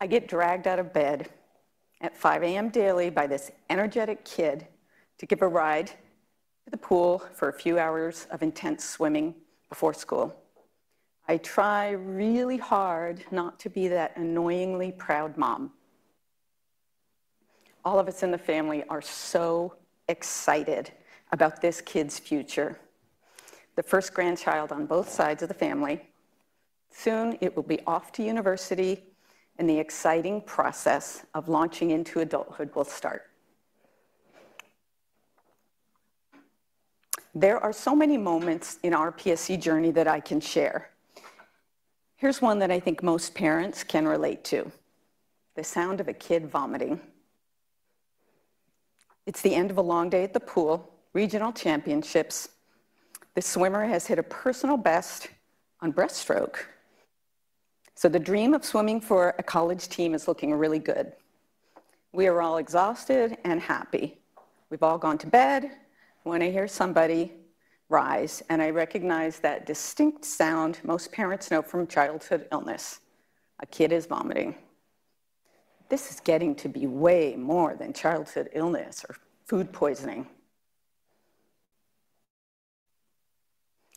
I get dragged out of bed at 5:00 A.M. daily by this energetic kid to give a ride to the pool for a few hours of intense swimming before school. I try really hard not to be that annoyingly proud mom. All of us in the family are so excited about this kid's future, the first grandchild on both sides of the family. Soon it will be off to university, and the exciting process of launching into adulthood will start. There are so many moments in our PSC journey that I can share. Here's one that I think most parents can relate to: the sound of a kid vomiting. It's the end of a long day at the pool, regional championships. The swimmer has hit a personal best on breaststroke. The dream of swimming for a college team is looking really good. We are all exhausted and happy. We've all gone to bed. We want to hear somebody rise. I recognize that distinct sound most parents know from childhood illness: a kid is vomiting. This is getting to be way more than childhood illness or food poisoning.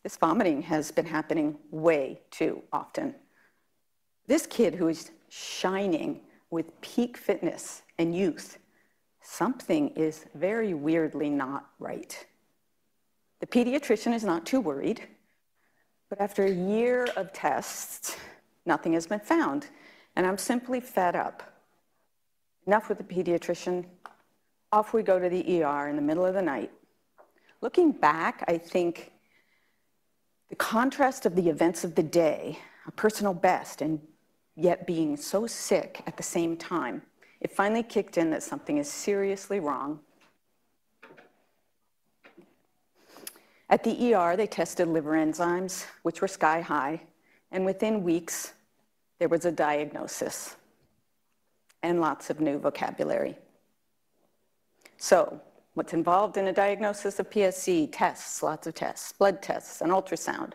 This vomiting has been happening way too often. This kid, who is shining with peak fitness and youth, something is very weirdly not right. The pediatrician is not too worried. After a year of tests, nothing has been found. I'm simply fed up. Enough with the pediatrician. Off we go in the middle of the night. Looking back, I think the contrast of the events of the day, a personal best, and yet being so sick at the same time, it finally kicked in that something is seriously wrong. At the hospital they tested liver enzymes, which were sky high. Within weeks, there was a diagnosis and lots of new vocabulary. What's involved in a diagnosis of PSC? Tests, lots of tests: blood tests, an ultrasound,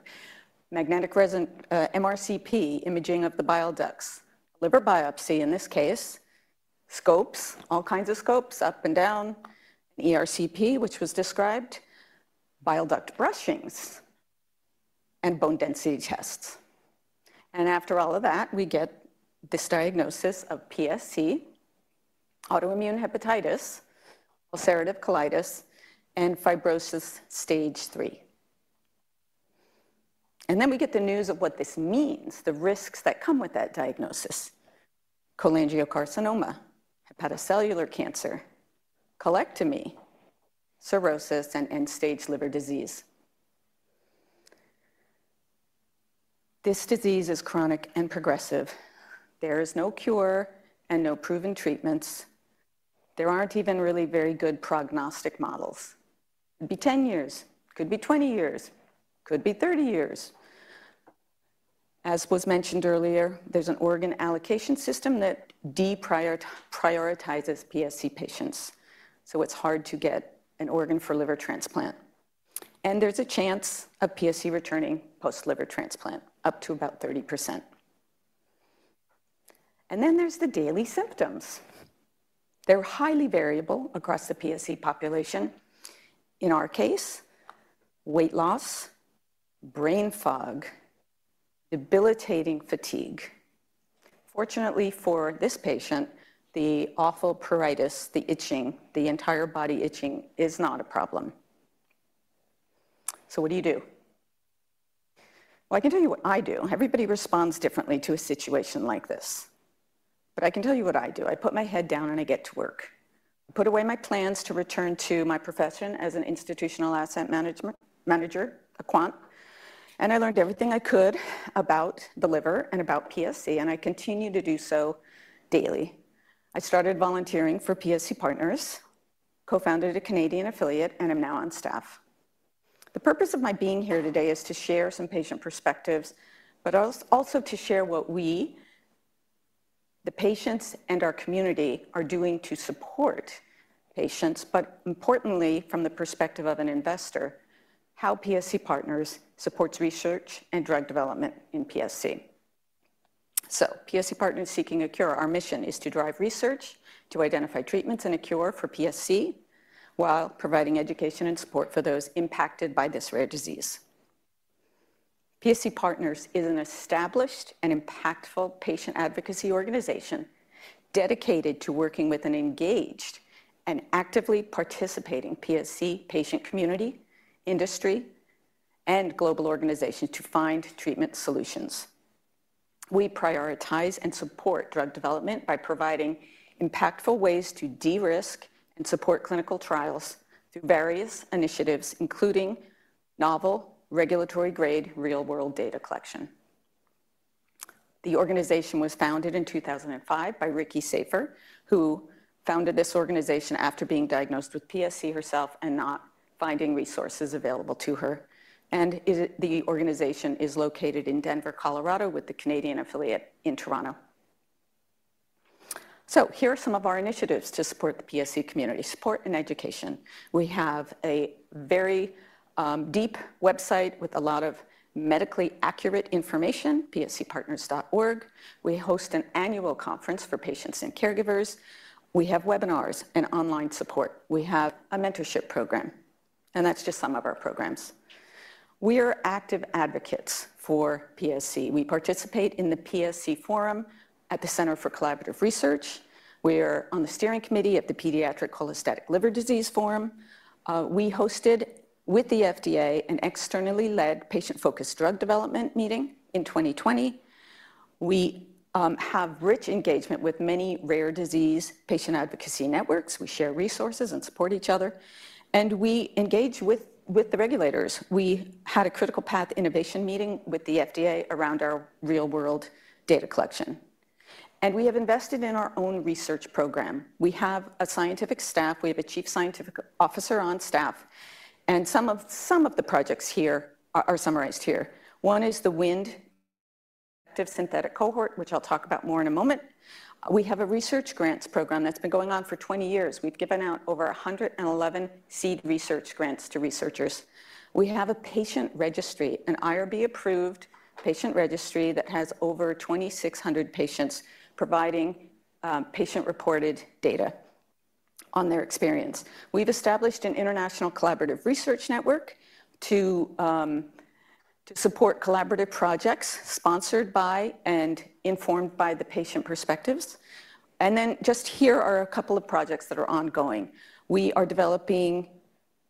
magnetic resonance, MRCP, imaging of the bile ducts, liver biopsy in this case, scopes, all kinds of scopes, up and down, an ERCP, which was described, bile duct brushings, and bone density tests. After all of that, we get this diagnosis of PSC, autoimmune hepatitis, ulcerative colitis, and fibrosis stage 3. Then we get the news of what this means, the risks that come with that diagnosis: cholangiocarcinoma, hepatocellular cancer, colectomy, cirrhosis, and end-stage liver disease. This disease is chronic and progressive. There is no cure and no proven treatments. There aren't even really very good prognostic models. It could be 10 years, could be 20 years, could be 30 years. As was mentioned earlier, there's an organ allocation system that deprioritizes PSC patients. It is hard to get an organ for liver transplant. There is a chance of PSC returning post-liver transplant, up to about 30%. Then there are the daily symptoms. They are highly variable across the PSC population. In our case, weight loss, brain fog, debilitating fatigue. Fortunately for this patient, the awful pruritus, the itching, the entire body itching is not a problem. What do you do? I can tell you what I do. Everybody responds differently to a situation like this. I can tell you what I do. I put my head down and I get to work. I put away my plans to return to my profession as an institutional asset manager, a quant. I learned everything I could about the liver and about PSC. I continue to do so daily. I started volunteering for PSC Partners, co-founded a Canadian affiliate, and I'm now on staff. The purpose of my being here today is to share some patient perspectives, but also to share what we, the patients and our community, are doing to support patients, but importantly, from the perspective of an investor, how PSC Partners supports research and drug development in PSC. PSC Partners Seeking a Cure, our mission is to drive research to identify treatments and a cure for PSC while providing education and support for those impacted by this rare disease. PSC Partners is an established and impactful patient advocacy organization dedicated to working with an engaged and actively participating PSC patient community, industry, and global organization to find treatment solutions. We prioritize and support drug development by providing impactful ways to de-risk and support clinical trials through various initiatives, including novel regulatory-grade real-world data collection. The organization was founded in 2005 by Ricky Safer, who founded this organization after being diagnosed with PSC herself and not finding resources available to her. The organization is located in Denver, Colorado, with the Canadian affiliate in Toronto. Here are some of our initiatives to support the PSC community: support and education. We have a very deep website with a lot of medically accurate information, pscpartners.org. We host an annual conference for patients and caregivers. We have webinars and online support. We have a mentorship program. That's just some of our programs. We are active advocates for PSC. We participate in the PSC Forum at the Center for Collaborative Research. We are on the steering committee at the Pediatric Cholecystatic Liver Disease Forum. We hosted, with the FDA, an externally led patient-focused drug development meeting in 2020. We have rich engagement with many rare disease patient advocacy networks. We share resources and support each other. We engage with the regulators. We had a critical path innovation meeting with the FDA around our real-world data collection. We have invested in our own research program. We have a scientific staff. We have a Chief Scientific Officer on staff. Some of the projects here are summarized here. One is the Wind Active Synthetic Cohort, which I'll talk about more in a moment. We have a research grants program that's been going on for 20 years. We've given out over 111 seed research grants to researchers. We have a patient registry, an IRB-approved patient registry that has over 2,600 patients providing patient-reported data on their experience. We've established an international collaborative research network to support collaborative projects sponsored by and informed by the patient perspectives. Here are a couple of projects that are ongoing. We are developing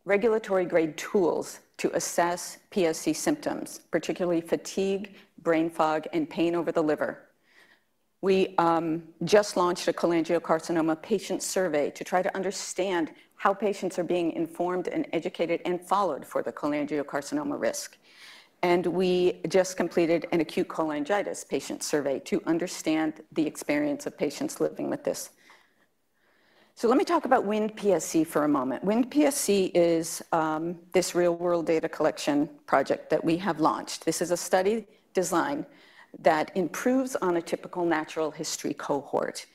regulatory-grade tools to assess PSC symptoms, particularly fatigue, brain fog, and pain over the liver. We just launched a cholangiocarcinoma patient survey to try to understand how patients are being informed and educated and followed for the cholangiocarcinoma risk. We just completed an acute cholangitis patient survey to understand the experience of patients living with this. Let me talk about WIND-PSC for a moment. WIND-PSC is this real-world data collection project that we have launched. This is a study design that improves on a typical natural history cohort.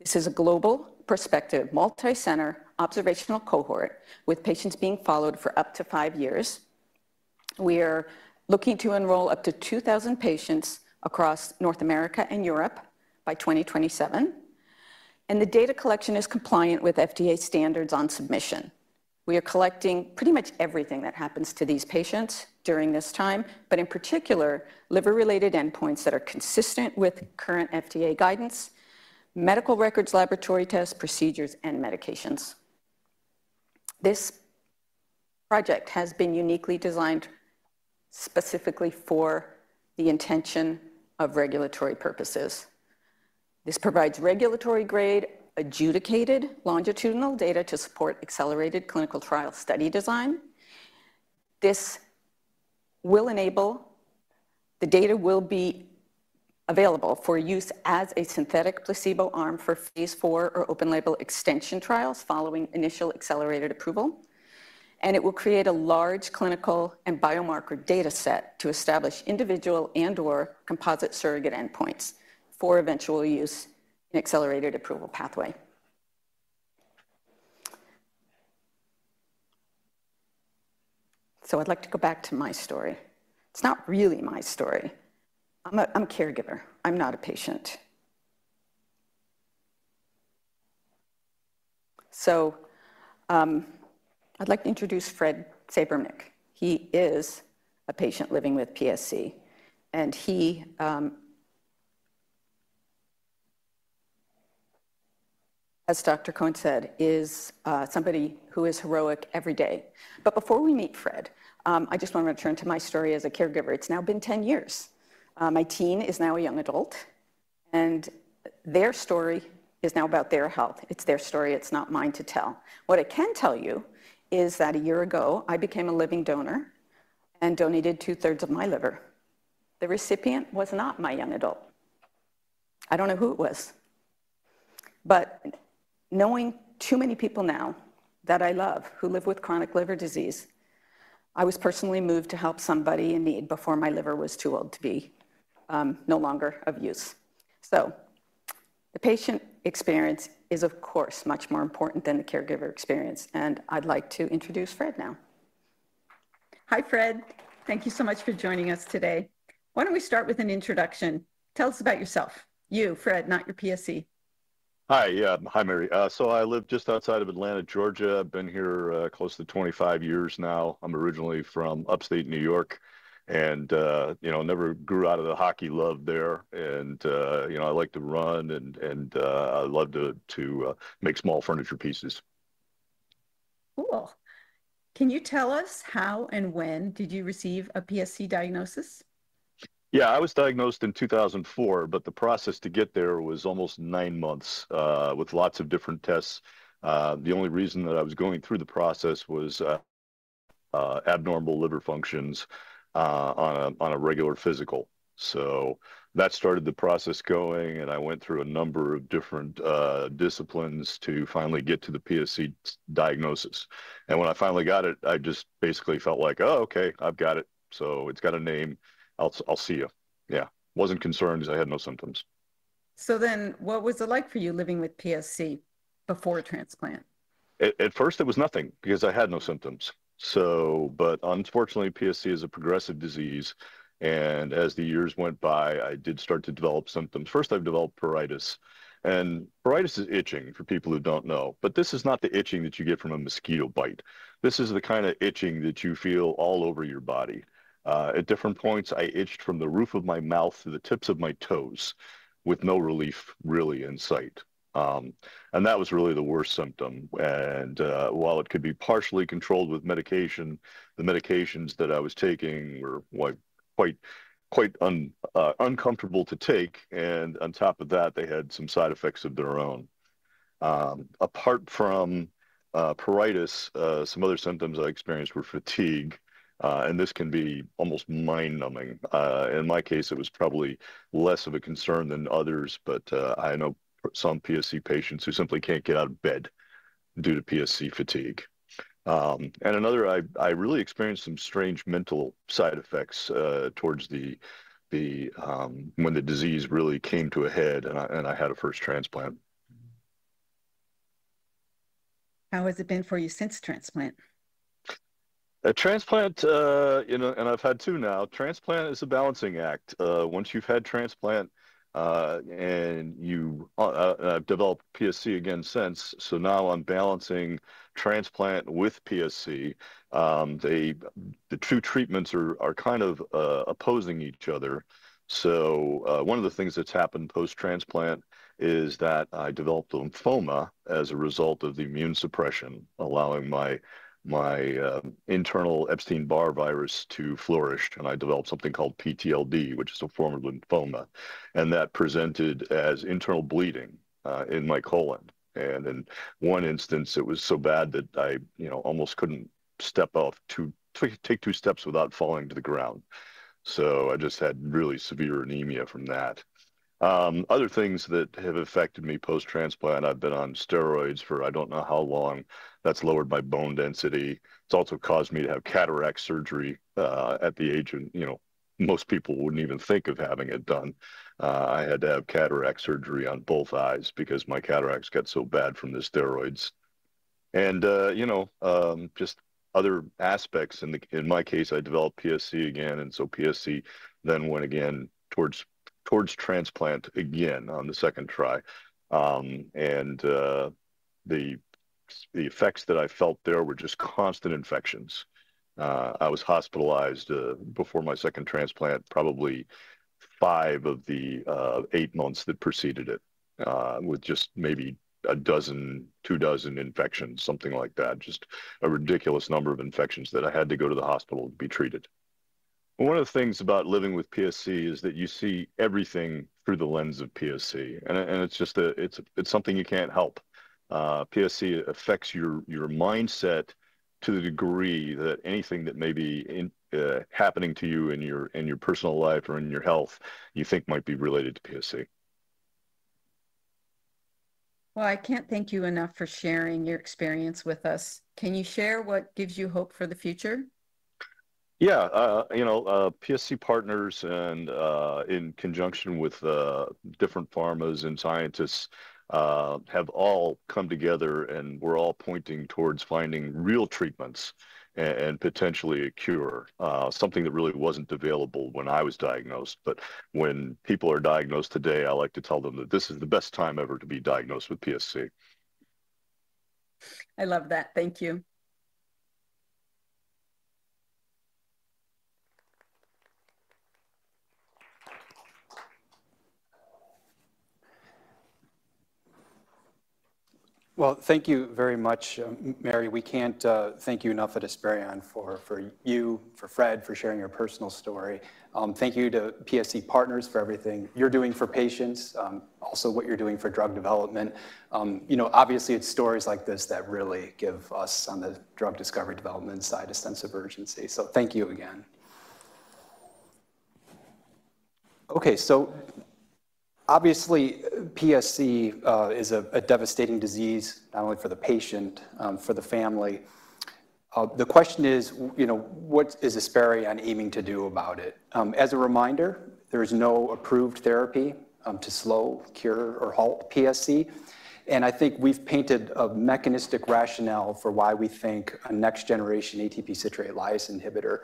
This is a global perspective, multi-center observational cohort with patients being followed for up to five years. We are looking to enroll up to 2,000 patients across North America and Europe by 2027. The data collection is compliant with FDA standards on submission. We are collecting pretty much everything that happens to these patients during this time, but in particular, liver-related endpoints that are consistent with current FDA guidance, medical records, laboratory tests, procedures, and medications. This project has been uniquely designed specifically for the intention of regulatory purposes. This provides regulatory-grade, adjudicated, longitudinal data to support accelerated clinical trial study design. This will enable the data will be available for use as a synthetic placebo arm for phase IV or open-label extension trials following initial accelerated approval. It will create a large clinical and biomarker data set to establish individual and/or composite surrogate endpoints for eventual use in accelerated approval pathway. I'd like to go back to my story. It's not really my story. I'm a caregiver. I'm not a patient. I'd like to introduce Fred Sabernick. He is a patient living with PSC. He, as Dr. Cohen said, is somebody who is heroic every day. Before we meet Fred, I just want to return to my story as a caregiver. It is now been 10 years. My teen is now a young adult. Their story is now about their health. It is their story. It is not mine to tell. What I can tell you is that a year ago, I became a living donor and donated 2/3 of my liver. The recipient was not my young adult. I do not know who it was. Knowing too many people now that I love who live with chronic liver disease, I was personally moved to help somebody in need before my liver was too old to be no longer of use. The patient experience is, of course, much more important than the caregiver experience. I'd like to introduce Fred now. Hi, Fred. Thank you so much for joining us today. Why don't we start with an introduction? Tell us about yourself. You, Fred, not your PSC. Hi. Hi, Mary. I live just outside of Atlanta, Georgia. I've been here close to 25 years now. I'm originally from Upstate New York. I never grew out of the hockey love there. I like to run. I love to make small furniture pieces. Cool. Can you tell us how and when did you receive a PSC diagnosis? Yeah. I was diagnosed in 2004. The process to get there was almost nine months with lots of different tests. The only reason that I was going through the process was abnormal liver functions on a regular physical. That started the process going. I went through a number of different disciplines to finally get to the PSC diagnosis. When I finally got it, I just basically felt like, "Oh, OK, I've got it. So it's got a name. I'll see you." Yeah. Wasn't concerned because I had no symptoms. What was it like for you living with PSC before transplant? At first, it was nothing because I had no symptoms. Unfortunately, PSC is a progressive disease. As the years went by, I did start to develop symptoms. First, I developed pruritus. Pruritus is itching, for people who don't know. This is not the itching that you get from a mosquito bite. This is the kind of itching that you feel all over your body. At different points, I itched from the roof of my mouth to the tips of my toes with no relief, really, in sight. That was really the worst symptom. While it could be partially controlled with medication, the medications that I was taking were quite uncomfortable to take. On top of that, they had some side effects of their own. Apart from pruritus, some other symptoms I experienced were fatigue. This can be almost mind-numbing. In my case, it was probably less of a concern than others. I know some PSC patients who simply can't get out of bed due to PSC fatigue. Another, I really experienced some strange mental side effects towards when the disease really came to a head. I had a first transplant. How has it been for you since transplant? A transplant, and I've had two now, transplant is a balancing act. Once you've had transplant and you've developed PSC again since, now I'm balancing transplant with PSC. The two treatments are kind of opposing each other. One of the things that's happened post-transplant is that I developed lymphoma as a result of the immune suppression, allowing my internal Epstein-Barr virus to flourish. I developed something called PTLD, which is a form of lymphoma. That presented as internal bleeding in my colon. In one instance, it was so bad that I almost couldn't step off, take two steps without falling to the ground. I just had really severe anemia from that. Other things that have affected me post-transplant, I've been on steroids for I don't know how long. That's lowered my bone density. It's also caused me to have cataract surgery at the age of most people wouldn't even think of having it done. I had to have cataract surgery on both eyes because my cataracts got so bad from the steroids. Just other aspects. In my case, I developed PSC again. PSC then went again towards transplant again on the second try. The effects that I felt there were just constant infections. I was hospitalized before my second transplant, probably five of the eight months that preceded it, with just maybe a dozen, two dozen infections, something like that, just a ridiculous number of infections that I had to go to the hospital to be treated. One of the things about living with PSC is that you see everything through the lens of PSC. It's just something you can't help. PSC affects your mindset to the degree that anything that may be happening to you in your personal life or in your health, you think might be related to PSC. I can't thank you enough for sharing your experience with us. Can you share what gives you hope for the future? Yeah. PSC Partners, in conjunction with different pharmas and scientists, have all come together. We are all pointing towards finding real treatments and potentially a cure, something that really was not available when I was diagnosed. When people are diagnosed today, I like to tell them that this is the best time ever to be diagnosed with PSC. I love that. Thank you. Thank you very much, Mary. We can't thank you enough at Esperion for you, for Fred, for sharing your personal story. Thank you to PSC Partners for everything you're doing for patients, also what you're doing for drug development. Obviously, it's stories like this that really give us on the drug discovery development side a sense of urgency. Thank you again. OK, PSC is a devastating disease, not only for the patient, for the family. The question is, what is Esperion aiming to do about it? As a reminder, there is no approved therapy to slow, cure, or halt PSC. I think we've painted a mechanistic rationale for why we think a next-generation ATP citrate lyase inhibitor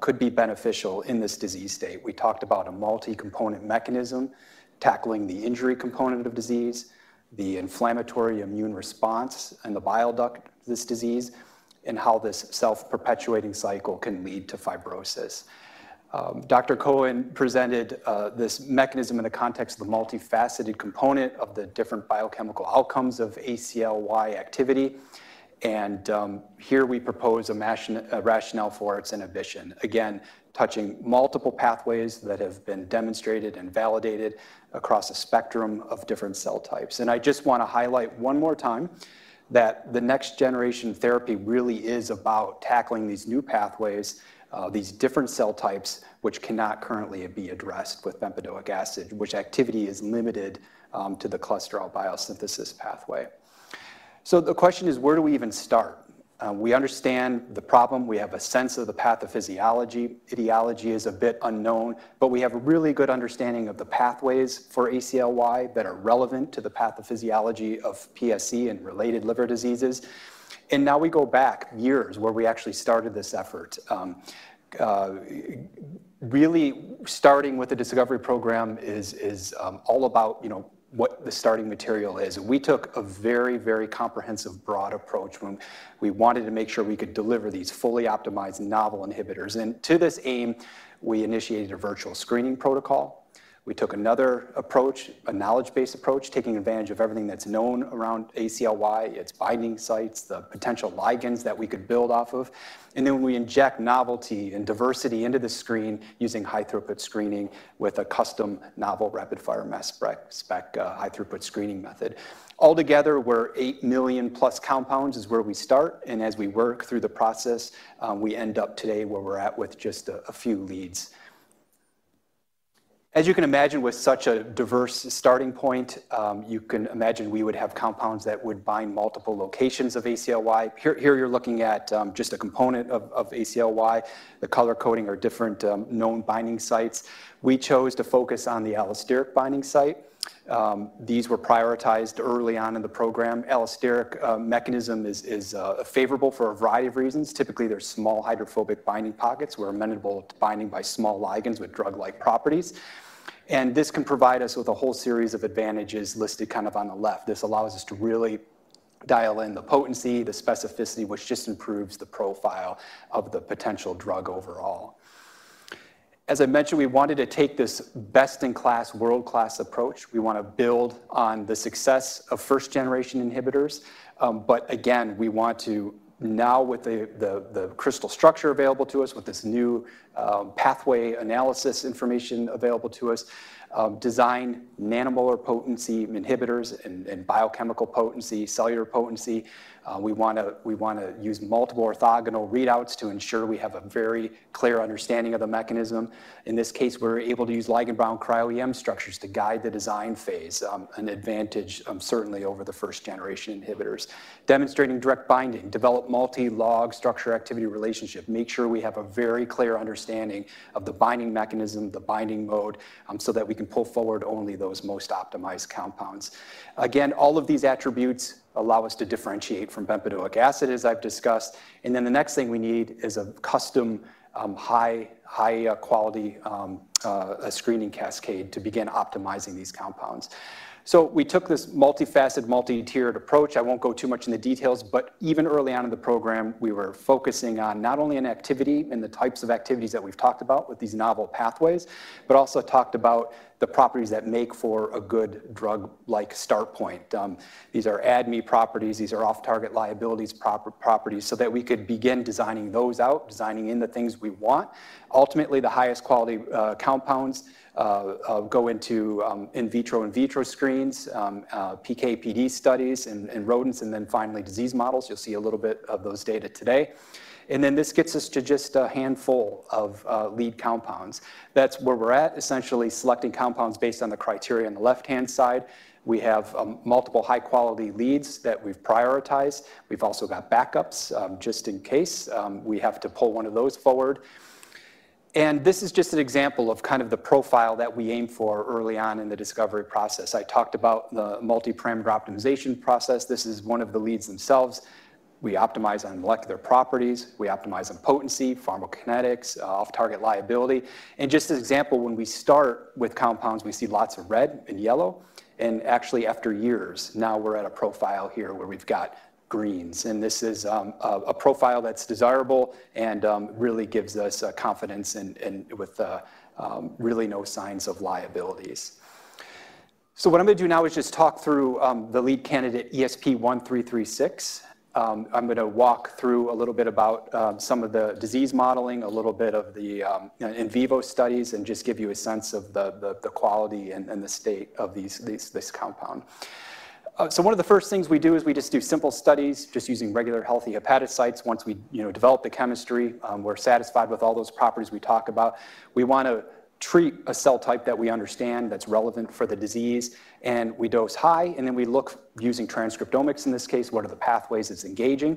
could be beneficial in this disease state. We talked about a multi-component mechanism tackling the injury component of disease, the inflammatory immune response, and the bile duct of this disease, and how this self-perpetuating cycle can lead to fibrosis. Dr. Cohen presented this mechanism in the context of the multifaceted component of the different biochemical outcomes of ACLY activity. We propose a rationale for its inhibition, again, touching multiple pathways that have been demonstrated and validated across a spectrum of different cell types. I just want to highlight one more time that the next-generation therapy really is about tackling these new pathways, these different cell types, which cannot currently be addressed with bempedoic acid, which activity is limited to the cholesterol biosynthesis pathway. The question is, where do we even start? We understand the problem. We have a sense of the pathophysiology. Etiology is a bit unknown. We have a really good understanding of the pathways for ACLY that are relevant to the pathophysiology of PSC and related liver diseases. Now we go back years where we actually started this effort. Really, starting with the discovery program is all about what the starting material is. We took a very, very comprehensive, broad approach. We wanted to make sure we could deliver these fully optimized novel inhibitors. To this aim, we initiated a virtual screening protocol. We took another approach, a knowledge-based approach, taking advantage of everything that's known around ACLY, its binding sites, the potential ligands that we could build off of. We inject novelty and diversity into the screen using high-throughput screening with a custom novel rapid-fire mass spec high-throughput screening method. Altogether, 8 million plus compounds is where we start. As we work through the process, we end up today where we're at with just a few leads. As you can imagine, with such a diverse starting point, you can imagine we would have compounds that would bind multiple locations of ACLY. Here, you're looking at just a component of ACLY. The color coding are different known binding sites. We chose to focus on the allosteric binding site. These were prioritized early on in the program. Allosteric mechanism is favorable for a variety of reasons. Typically, there are small hydrophobic binding pockets where amenable to binding by small ligands with drug-like properties. This can provide us with a whole series of advantages listed kind of on the left. This allows us to really dial in the potency, the specificity, which just improves the profile of the potential drug overall. As I mentioned, we wanted to take this best-in-class, world-class approach. We want to build on the success of first-generation inhibitors. We want to now, with the crystal structure available to us, with this new pathway analysis information available to us, design nanomolar potency inhibitors and biochemical potency, cellular potency. We want to use multiple orthogonal readouts to ensure we have a very clear understanding of the mechanism. In this case, we're able to use ligand-bound cryo-EM structures to guide the design phase, an advantage, certainly, over the first-generation inhibitors, demonstrating direct binding, develop multi-log structure activity relationship, make sure we have a very clear understanding of the binding mechanism, the binding mode, so that we can pull forward only those most optimized compounds. Again, all of these attributes allow us to differentiate from bempedoic acid, as I've discussed. The next thing we need is a custom high-quality screening cascade to begin optimizing these compounds. We took this multifaceted, multi-tiered approach. I won't go too much into details. Even early on in the program, we were focusing on not only an activity and the types of activities that we've talked about with these novel pathways, but also talked about the properties that make for a good drug-like start point. These are ADME properties. These are off-target liabilities properties so that we could begin designing those out, designing in the things we want. Ultimately, the highest quality compounds go into in vitro-in vitro screens, PK/PD studies, and rodents, and finally, disease models. You'll see a little bit of those data today. This gets us to just a handful of lead compounds. That's where we're at, essentially selecting compounds based on the criteria on the left-hand side. We have multiple high-quality leads that we've prioritized. We've also got backups just in case we have to pull one of those forward. This is just an example of kind of the profile that we aim for early on in the discovery process. I talked about the multi-parameter optimization process. This is one of the leads themselves. We optimize on molecular properties. We optimize on potency, pharmacokinetics, off-target liability. Just as an example, when we start with compounds, we see lots of red and yellow. Actually, after years, now we're at a profile here where we've got greens. This is a profile that's desirable and really gives us confidence with really no signs of liabilities. What I'm going to do now is just talk through the lead candidate ESP-1336. I'm going to walk through a little bit about some of the disease modeling, a little bit of the in vivo studies, and just give you a sense of the quality and the state of this compound. One of the first things we do is we just do simple studies just using regular healthy hepatocytes. Once we develop the chemistry, we're satisfied with all those properties we talk about. We want to treat a cell type that we understand that's relevant for the disease. We dose high. Then we look, using transcriptomics in this case, what are the pathways it's engaging.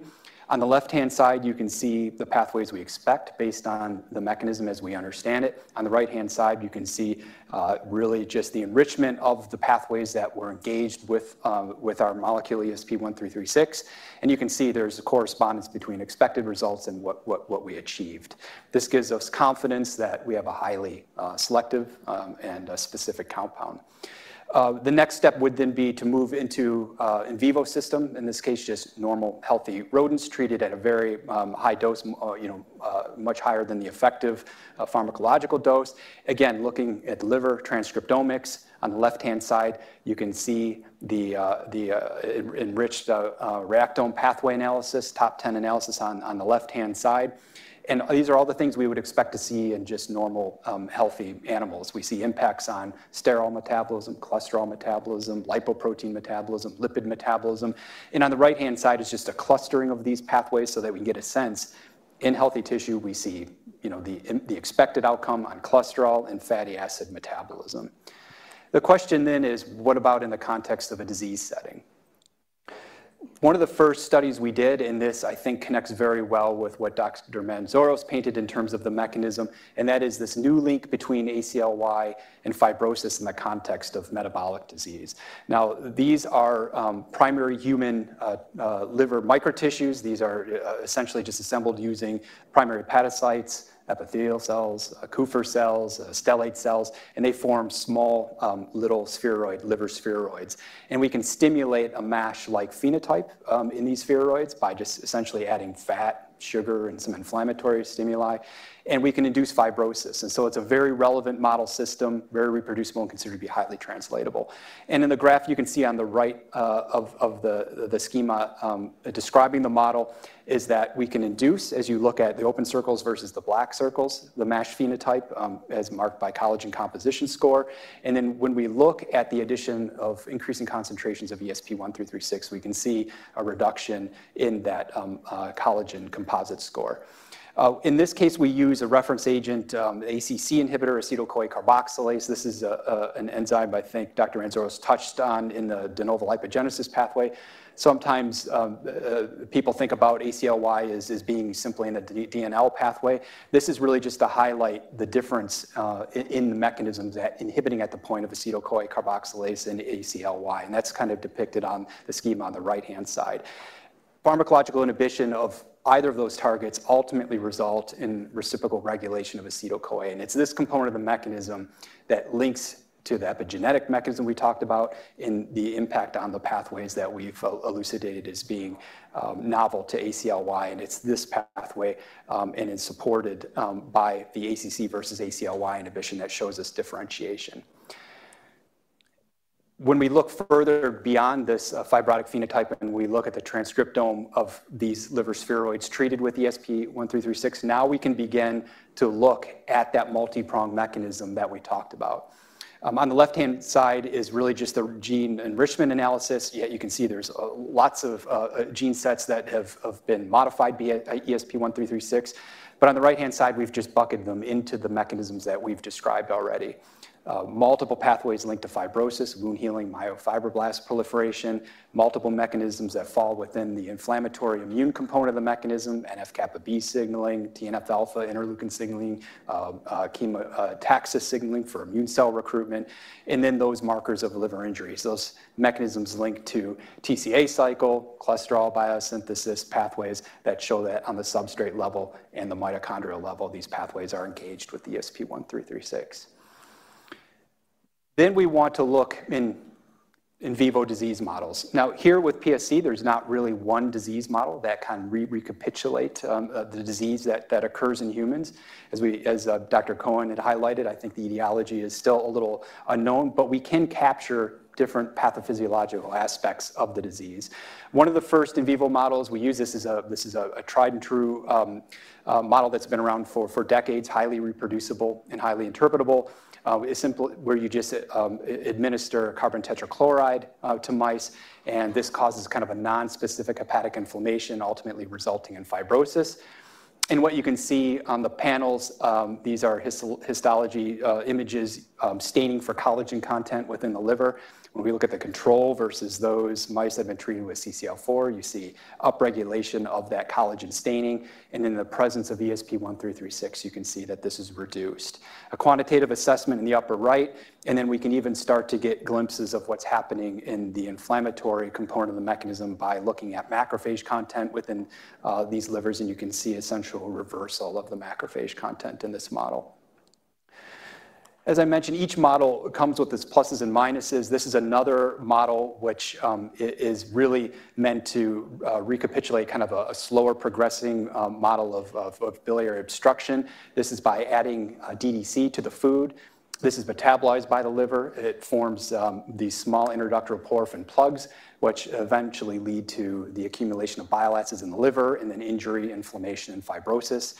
On the left-hand side, you can see the pathways we expect based on the mechanism as we understand it. On the right-hand side, you can see really just the enrichment of the pathways that were engaged with our molecule ESP-1336. You can see there's a correspondence between expected results and what we achieved. This gives us confidence that we have a highly selective and specific compound. The next step would then be to move into in vivo system, in this case, just normal healthy rodents treated at a very high dose, much higher than the effective pharmacological dose. Again, looking at the liver transcriptomics on the left-hand side, you can see the enriched reactome pathway analysis, top 10 analysis on the left-hand side. These are all the things we would expect to see in just normal healthy animals. We see impacts on sterile metabolism, cholesterol metabolism, lipoprotein metabolism, lipid metabolism. On the right-hand side is just a clustering of these pathways so that we can get a sense. In healthy tissue, we see the expected outcome on cholesterol and fatty acid metabolism. The question then is, what about in the context of a disease setting? One of the first studies we did in this, I think, connects very well with what Dr. Mantzoros painted in terms of the mechanism. That is this new link between ACLY and fibrosis in the context of metabolic disease. These are primary human liver microtissues. These are essentially just assembled using primary hepatocytes, epithelial cells, Kupffer cells, stellate cells. They form small little spheroid liver spheroids. We can stimulate a MASH-like phenotype in these spheroids by just essentially adding fat, sugar, and some inflammatory stimuli. We can induce fibrosis. It is a very relevant model system, very reproducible, and considered to be highly translatable. In the graph, you can see on the right of the schema describing the model that we can induce, as you look at the open circles versus the black circles, the MASH phenotype as marked by collagen composition score. When we look at the addition of increasing concentrations of ESP-1336, we can see a reduction in that collagen composite score. In this case, we use a reference agent, ACC inhibitor, acetyl-CoA carboxylase. This is an enzyme I think Dr. Mantzoros touched on in the de novo lipogenesis pathway. Sometimes people think about ACLY as being simply in a DNL pathway. This is really just to highlight the difference in the mechanisms inhibiting at the point of acetyl-CoA carboxylase and ACLY. That is kind of depicted on the schema on the right-hand side. Pharmacological inhibition of either of those targets ultimately results in reciprocal regulation of acetyl-CoA. It is this component of the mechanism that links to the epigenetic mechanism we talked about and the impact on the pathways that we have elucidated as being novel to ACLY. It is this pathway, and it is supported by the ACC versus ACLY inhibition that shows us differentiation. When we look further beyond this fibrotic phenotype and we look at the transcriptome of these liver spheroids treated with ESP-1336, now we can begin to look at that multi-prong mechanism that we talked about. On the left-hand side is really just the gene enrichment analysis. Yet you can see there are lots of gene sets that have been modified via ESP-1336. On the right-hand side, we have just bucketed them into the mechanisms that we have described already. Multiple pathways are linked to fibrosis, wound healing, myofibroblast proliferation, multiple mechanisms that fall within the inflammatory immune component of the mechanism, NF-kB signaling, TNF-alpha interleukin signaling, chemotaxis signaling for immune cell recruitment, and then those markers of liver injuries. Those mechanisms link to TCA cycle, cholesterol biosynthesis pathways that show that on the substrate level and the mitochondrial level, these pathways are engaged with ESP-1336. We want to look in vivo disease models. Here with PSC, there is not really one disease model that can recapitulate the disease that occurs in humans. As Dr. Cohen had highlighted, I think the etiology is still a little unknown. We can capture different pathophysiological aspects of the disease. One of the first in vivo models, we use this as a tried-and-true model that has been around for decades, highly reproducible and highly interpretable, where you just administer carbon tetrachloride to mice. This causes kind of a nonspecific hepatic inflammation, ultimately resulting in fibrosis. What you can see on the panels, these are histology images staining for collagen content within the liver. When we look at the control versus those mice that have been treated with CCl4, you see upregulation of that collagen staining. In the presence of ESP-1336, you can see that this is reduced. A quantitative assessment in the upper right. We can even start to get glimpses of what's happening in the inflammatory component of the mechanism by looking at macrophage content within these livers. You can see essential reversal of the macrophage content in this model. As I mentioned, each model comes with its pluses and minuses. This is another model which is really meant to recapitulate kind of a slower progressing model of biliary obstruction. This is by adding DDC to the food. This is metabolized by the liver. It forms these small interductoral porphyrin plugs, which eventually lead to the accumulation of bile acids in the liver and then injury, inflammation, and fibrosis.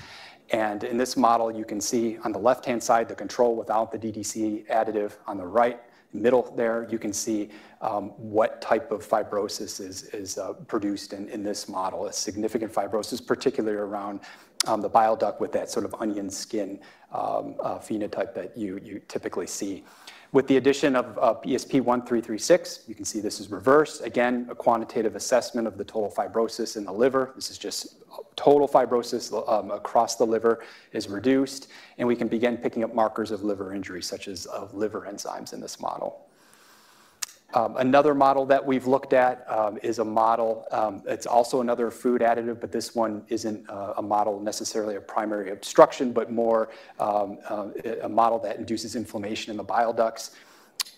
In this model, you can see on the left-hand side the control without the DDC additive. On the right middle there, you can see what type of fibrosis is produced in this model, a significant fibrosis, particularly around the bile duct with that sort of onion skin phenotype that you typically see. With the addition of ESP-1336, you can see this is reversed. Again, a quantitative assessment of the total fibrosis in the liver. This is just total fibrosis across the liver is reduced. We can begin picking up markers of liver injury, such as liver enzymes in this model. Another model that we've looked at is a model that's also another food additive. This one is not a model necessarily of primary obstruction, but more a model that induces inflammation in the bile ducts,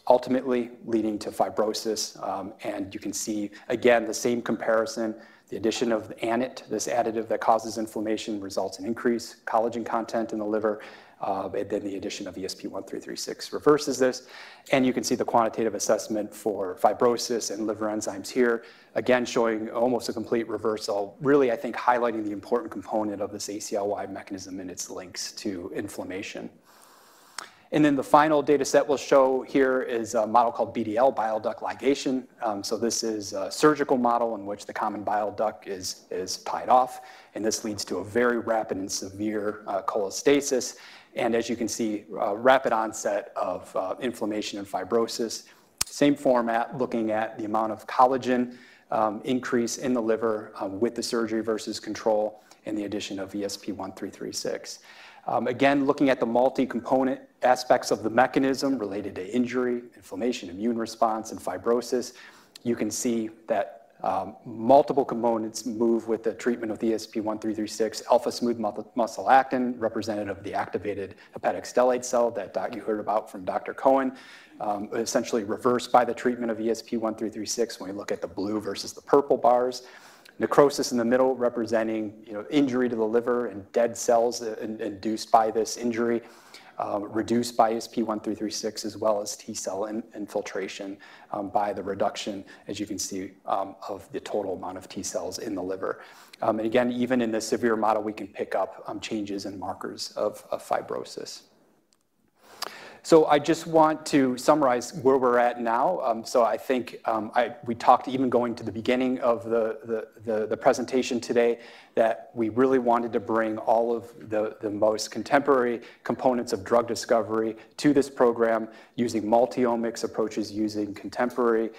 ultimately leading to fibrosis. You can see, again, the same comparison. The addition of ANIT, this additive that causes inflammation, results in increased collagen content in the liver. The addition of ESP-1336 reverses this. You can see the quantitative assessment for fibrosis and liver enzymes here, again, showing almost a complete reversal, really, I think, highlighting the important component of this ACLY mechanism and its links to inflammation. The final data set we will show here is a model called BDL bile duct ligation. This is a surgical model in which the common bile duct is tied off. This leads to a very rapid and severe cholestasis. As you can see, rapid onset of inflammation and fibrosis. Same format looking at the amount of collagen increase in the liver with the surgery versus control and the addition of ESP-1336. Again, looking at the multi-component aspects of the mechanism related to injury, inflammation, immune response, and fibrosis, you can see that multiple components move with the treatment of ESP-1336, alpha smooth muscle actin representative of the activated hepatic stellate cell that you heard about from Dr. Cohen, essentially reversed by the treatment of ESP-1336 when we look at the blue versus the purple bars. Necrosis in the middle representing injury to the liver and dead cells induced by this injury, reduced by ESP-1336, as well as T cell infiltration by the reduction, as you can see, of the total amount of T cells in the liver. Again, even in the severe model, we can pick up changes in markers of fibrosis. I just want to summarize where we're at now. I think we talked even going to the beginning of the presentation today that we really wanted to bring all of the most contemporary components of drug discovery to this program using multi-omics approaches, using contemporary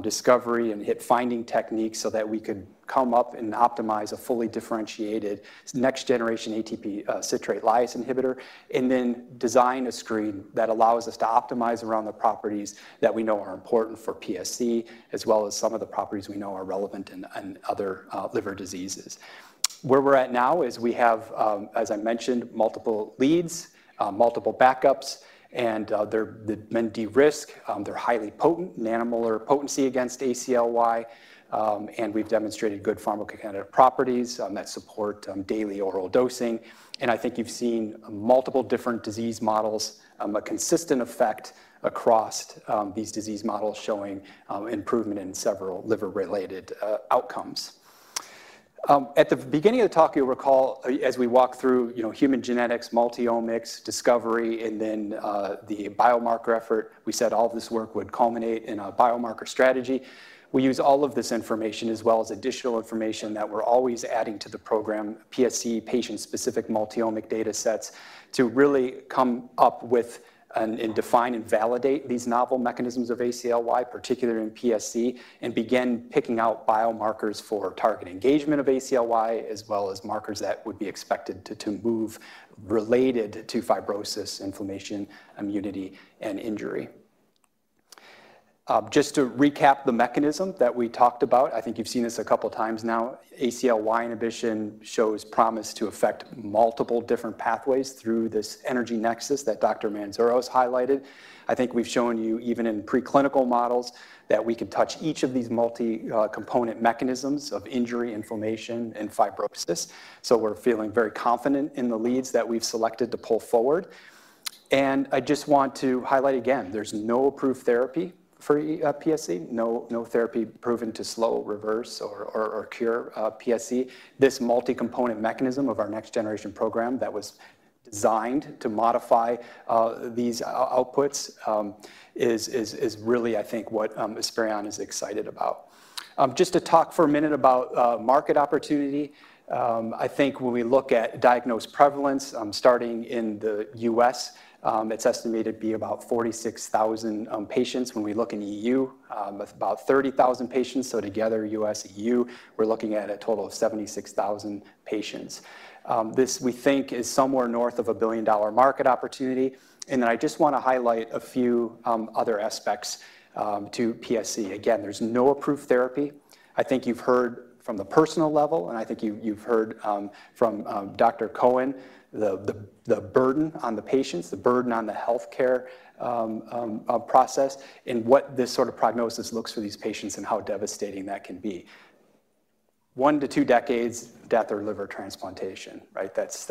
discovery and hit finding techniques so that we could come up and optimize a fully differentiated next-generation ATP citrate lyase inhibitor and then design a screen that allows us to optimize around the properties that we know are important for PSC, as well as some of the properties we know are relevant in other liver diseases. Where we're at now is we have, as I mentioned, multiple leads, multiple backups. And they're many risk. They're highly potent, nanomolar potency against ACLY. And we've demonstrated good pharmacokinetic properties that support daily oral dosing. I think you've seen multiple different disease models, a consistent effect across these disease models showing improvement in several liver-related outcomes. At the beginning of the talk, you'll recall, as we walk through human genetics, multi-omics, discovery, and then the biomarker effort, we said all of this work would culminate in a biomarker strategy. We use all of this information, as well as additional information that we're always adding to the program, PSC patient-specific multi-omic data sets to really come up with and define and validate these novel mechanisms of ACLY, particularly in PSC, and begin picking out biomarkers for target engagement of ACLY, as well as markers that would be expected to move related to fibrosis, inflammation, immunity, and injury. Just to recap the mechanism that we talked about, I think you've seen this a couple of times now. ACLY inhibition shows promise to affect multiple different pathways through this energy nexus that Dr. Mantzoros highlighted. I think we've shown you, even in preclinical models, that we can touch each of these multi-component mechanisms of injury, inflammation, and fibrosis. We're feeling very confident in the leads that we've selected to pull forward. I just want to highlight again, there's no approved therapy for PSC, no therapy proven to slow, reverse, or cure PSC. This multi-component mechanism of our next-generation program that was designed to modify these outputs is really, I think, what Esperion is excited about. Just to talk for a minute about market opportunity, I think when we look at diagnosed prevalence, starting in the U.S., it's estimated to be about 46,000 patients. When we look in the EU, about 30,000 patients. Together, U.S., EU, we're looking at a total of 76,000 patients. This, we think, is somewhere north of a billion-dollar market opportunity. I just want to highlight a few other aspects to PSC. Again, there's no approved therapy. I think you've heard from the personal level, and I think you've heard from Dr. Cohen, the burden on the patients, the burden on the healthcare process, and what this sort of prognosis looks for these patients and how devastating that can be. One to two decades, death or liver transplantation, right? That's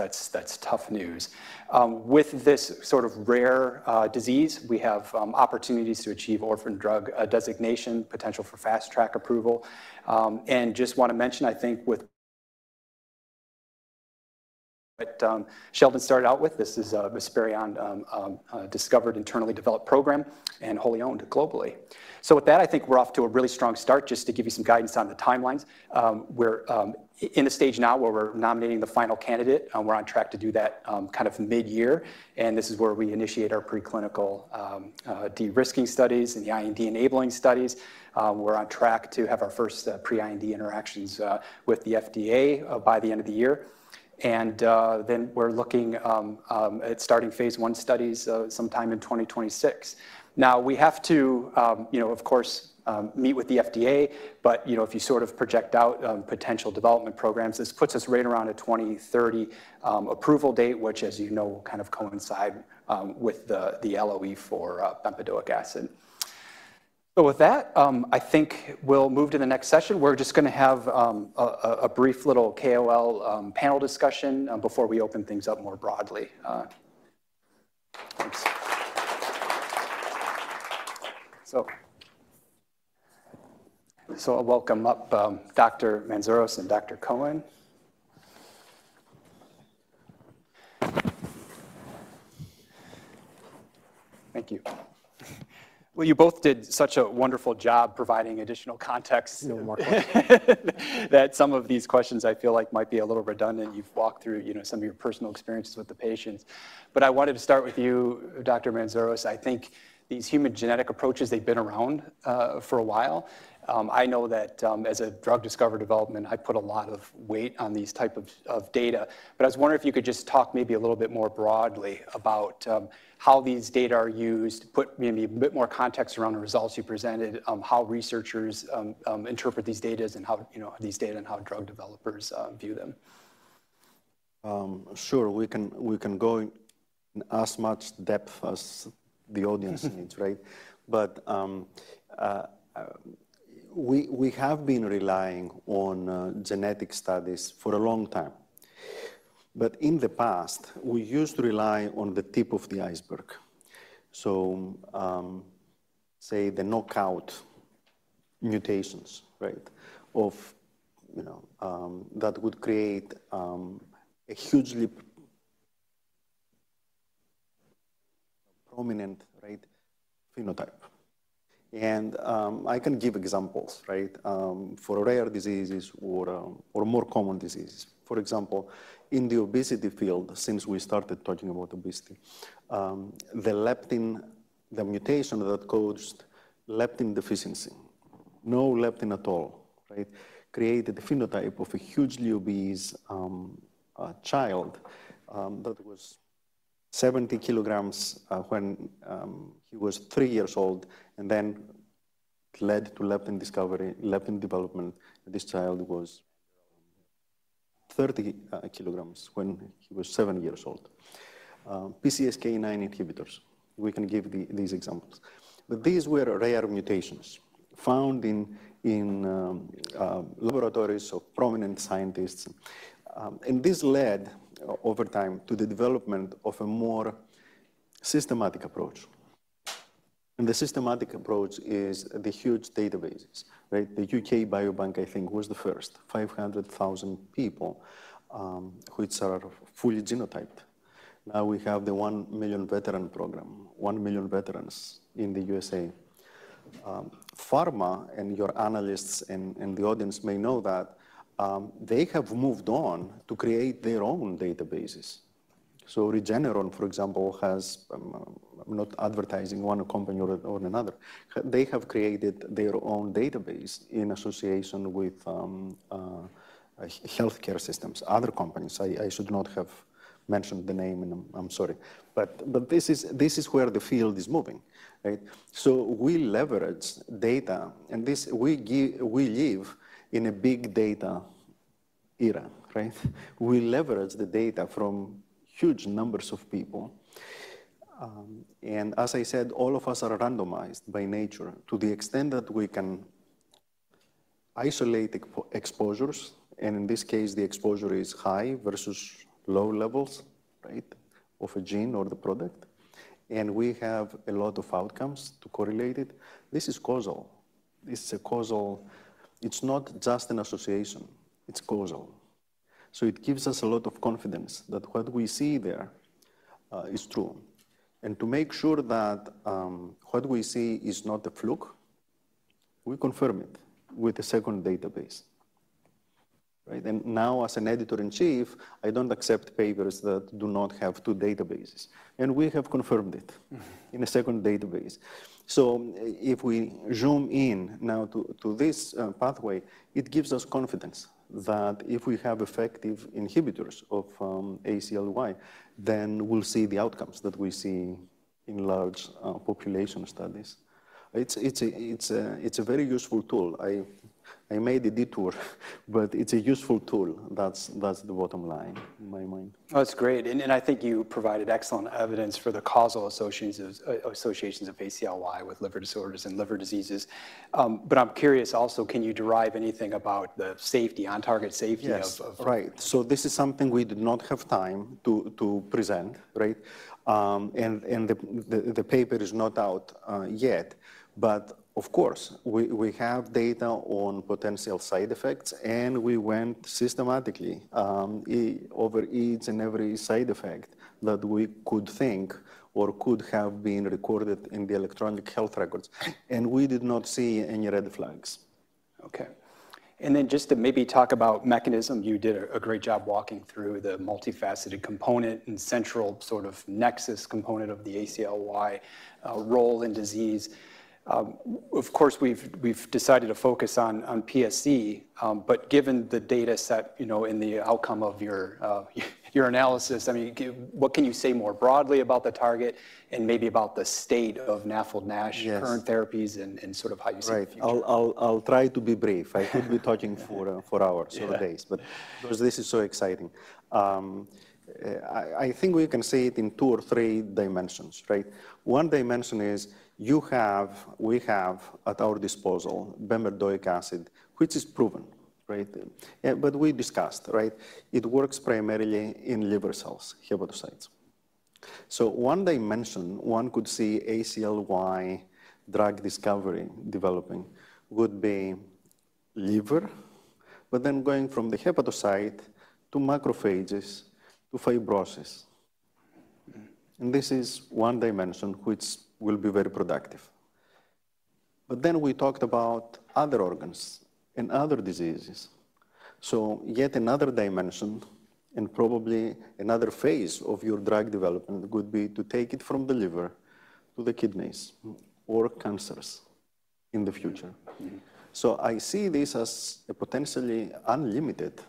tough news. With this sort of rare disease, we have opportunities to achieve orphan drug designation, potential for fast track approval. I just want to mention, I think, with what Sheldon started out with, this is an Esperion discovered internally developed program and wholly owned globally. With that, I think we're off to a really strong start. Just to give you some guidance on the timelines, we're in a stage now where we're nominating the final candidate. We're on track to do that kind of mid-year. This is where we initiate our preclinical de-risking studies and the IND-enabling studies. We're on track to have our first pre-IND interactions with the FDA by the end of the year. We're looking at starting phase I studies sometime in 2026. We have to, of course, meet with the FDA. If you sort of project out potential development programs, this puts us right around a 2030 approval date, which, as you know, will kind of coincide with the LOE for bempedoic acid. With that, I think we'll move to the next session. We're just going to have a brief little KOL panel discussion before we open things up more broadly. Thanks. I'll welcome up Dr. Mantzoros and Dr. Cohen. Thank you. You both did such a wonderful job providing additional context that some of these questions, I feel like, might be a little redundant. You've walked through some of your personal experiences with the patients. I wanted to start with you, Dr. Mantzoros. I think these human genetic approaches, they've been around for a while. I know that as a drug discovery development, I put a lot of weight on these types of data. I was wondering if you could just talk maybe a little bit more broadly about how these data are used, put maybe a bit more context around the results you presented, how researchers interpret these data, and how these data and how drug developers view them. Sure. We can go in as much depth as the audience needs, right? We have been relying on genetic studies for a long time. In the past, we used to rely on the tip of the iceberg. Say the knockout mutations, right, that would create a hugely prominent phenotype. I can give examples, right, for rare diseases or more common diseases. For example, in the obesity field, since we started talking about obesity, the leptin, the mutation that caused leptin deficiency, no leptin at all, right, created a phenotype of a hugely obese child that was 70 kg when he was three years old. It led to leptin discovery, leptin development. This child was 30 kg when he was seven years old. PCSK9 inhibitors, we can give these examples. These were rare mutations found in laboratories of prominent scientists. This led over time to the development of a more systematic approach. The systematic approach is the huge databases, right? The U.K. Biobank, I think, was the first, 500,000 people which are fully genotyped. Now we have the 1 million veteran program, 1 million veterans in the U.S.A. Pharma, and your analysts and the audience may know that they have moved on to create their own databases. Regeneron, for example, has—I'm not advertising one company or another. They have created their own database in association with healthcare systems, other companies. I should not have mentioned the name, and I'm sorry. This is where the field is moving, right? We leverage data. We live in a big data era, right? We leverage the data from huge numbers of people. As I said, all of us are randomized by nature to the extent that we can isolate exposures. In this case, the exposure is high versus low levels, right, of a gene or the product. We have a lot of outcomes to correlate it. This is causal. It's not just an association. It's causal. It gives us a lot of confidence that what we see there is true. To make sure that what we see is not a fluke, we confirm it with a second database, right? Now, as an Editor in Chief, I don't accept papers that do not have two databases. We have confirmed it in a second database. If we zoom in now to this pathway, it gives us confidence that if we have effective inhibitors of ACLY, then we'll see the outcomes that we see in large population studies. It's a very useful tool. I made a detour, but it's a useful tool. That's the bottom line in my mind. That's great. I think you provided excellent evidence for the causal associations of ACLY with liver disorders and liver diseases. I'm curious also, can you derive anything about the safety, on-target safety of? Yes, right. This is something we did not have time to present, right? The paper is not out yet. Of course, we have data on potential side effects. We went systematically over each and every side effect that we could think or could have been recorded in the electronic health records. We did not see any red flags. Okay. Just to maybe talk about mechanism, you did a great job walking through the multifaceted component and central sort of nexus component of the ACLY role in disease. Of course, we've decided to focus on PSC. Given the data set in the outcome of your analysis, I mean, what can you say more broadly about the target and maybe about the state of NAFLD-NASH current therapies and sort of how you see the future? I'll try to be brief. I could be talking for hours or days, because this is so exciting. I think we can see it in two or three dimensions, right? One dimension is you have, we have at our disposal bempedoic acid, which is proven, right? But we discussed, right? It works primarily in liver cells, hepatocytes. So one dimension one could see ACLY drug discovery developing would be liver, but then going from the hepatocyte to macrophages to fibrosis. This is one dimension which will be very productive. We talked about other organs and other diseases. Yet another dimension and probably another phase of your drug development would be to take it from the liver to the kidneys or cancers in the future. I see this as a potentially unlimited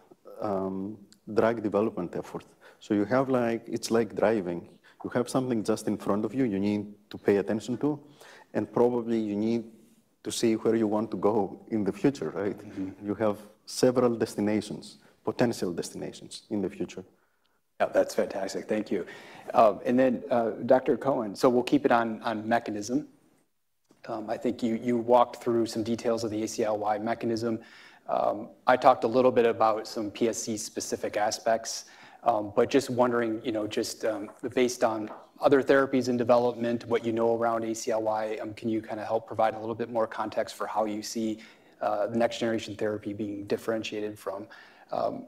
drug development effort. You have, like, it's like driving. You have something just in front of you you need to pay attention to, and probably you need to see where you want to go in the future, right? You have several destinations, potential destinations in the future. Yeah, that's fantastic. Thank you. Then, Dr. Cohen, we'll keep it on mechanism. I think you walked through some details of the ACLY mechanism. I talked a little bit about some PSC-specific aspects. Just wondering, just based on other therapies in development, what you know around ACLY, can you kind of help provide a little bit more context for how you see the next-generation therapy being differentiated from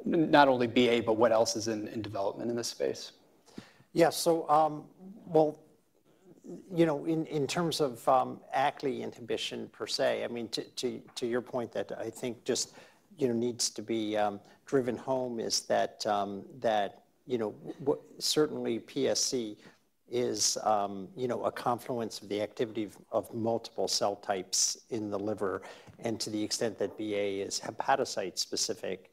not only BA, but what else is in development in this space? Yeah. In terms of ACLY inhibition per se, I mean, to your point that I think just needs to be driven home is that certainly PSC is a confluence of the activity of multiple cell types in the liver. To the extent that BA is hepatocyte-specific,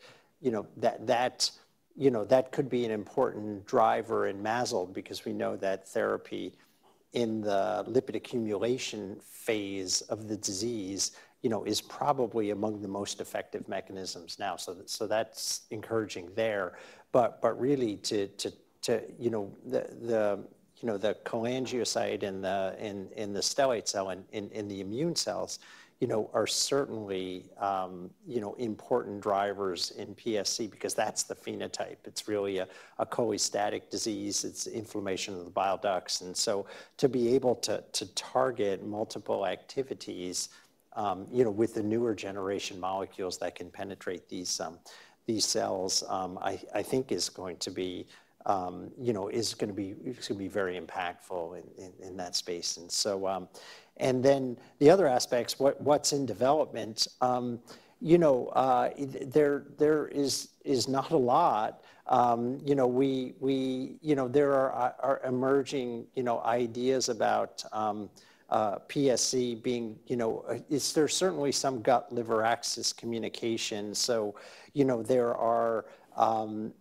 that could be an important driver and mazzel because we know that therapy in the lipid accumulation phase of the disease is probably among the most effective mechanisms now. That's encouraging there. Really, the cholangiocyte and the stellate cell and the immune cells are certainly important drivers in PSC because that's the phenotype. It's really a cholestatic disease. It's inflammation of the bile ducts. To be able to target multiple activities with the newer generation molecules that can penetrate these cells, I think is going to be very impactful in that space. The other aspects, what's in development, there is not a lot. There are emerging ideas about PSC being, is there certainly some gut-liver axis communication. There are, and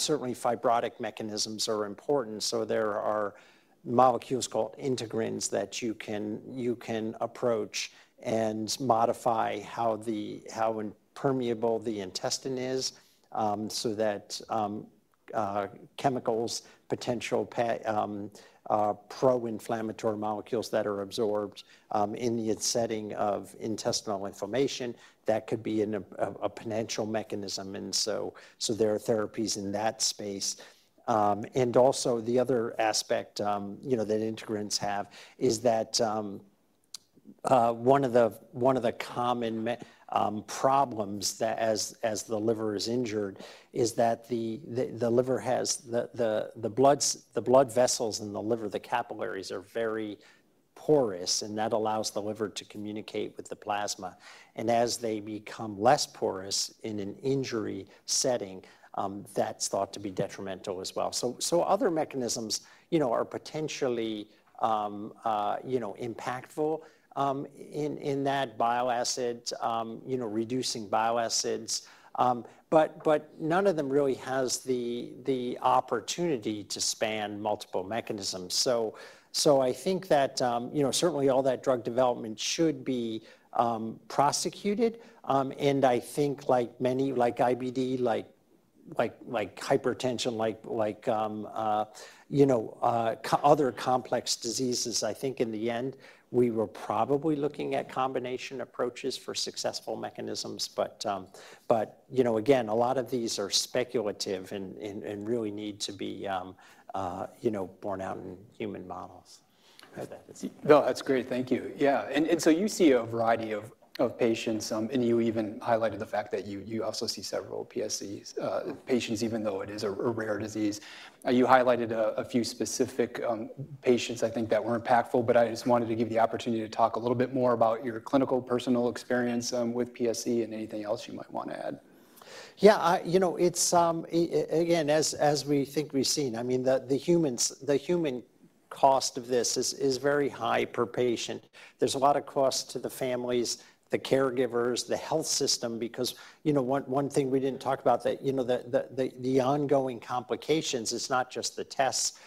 certainly fibrotic mechanisms are important. There are molecules called integrins that you can approach and modify how permeable the intestine is so that chemicals, potential pro-inflammatory molecules that are absorbed in the setting of intestinal inflammation, that could be a potential mechanism. There are therapies in that space. Also, the other aspect that integrins have is that one of the common problems that as the liver is injured is that the liver has the blood vessels in the liver, the capillaries are very porous. That allows the liver to communicate with the plasma. As they become less porous in an injury setting, that is thought to be detrimental as well. Other mechanisms are potentially impactful in that bile acid, reducing bile acids. None of them really has the opportunity to span multiple mechanisms. I think that certainly all that drug development should be prosecuted. I think like IBD, like hypertension, like other complex diseases, I think in the end, we are probably looking at combination approaches for successful mechanisms. Again, a lot of these are speculative and really need to be borne out in human models. No, that's great. Thank you. Yeah. You see a variety of patients. You even highlighted the fact that you also see several PSC patients, even though it is a rare disease. You highlighted a few specific patients, I think, that were impactful. I just wanted to give you the opportunity to talk a little bit more about your clinical personal experience with PSC and anything else you might want to add. Yeah. Again, as we think we've seen, I mean, the human cost of this is very high per patient. There is a lot of cost to the families, the caregivers, the health system. One thing we did not talk about, the ongoing complications, it is not just the tests.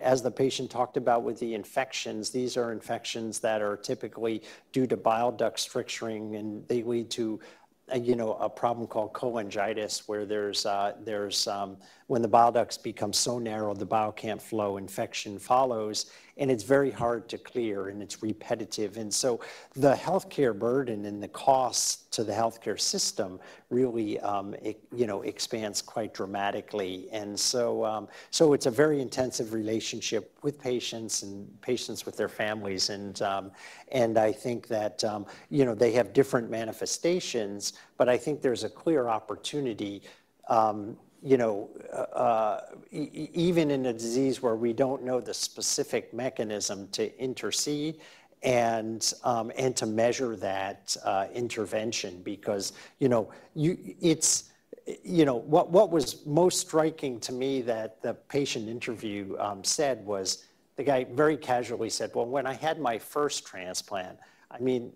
As the patient talked about with the infections, these are infections that are typically due to bile ducts stricturing. They lead to a problem called cholangitis, where when the bile ducts become so narrow, the bile can't flow, infection follows. It is very hard to clear. It is repetitive. The healthcare burden and the costs to the healthcare system really expand quite dramatically. It is a very intensive relationship with patients and patients with their families. I think that they have different manifestations. I think there is a clear opportunity, even in a disease where we don't know the specific mechanism, to intercede and to measure that intervention. Because what was most striking to me that the patient interview said was the guy very casually said, "Well, when I had my first transplant, I mean,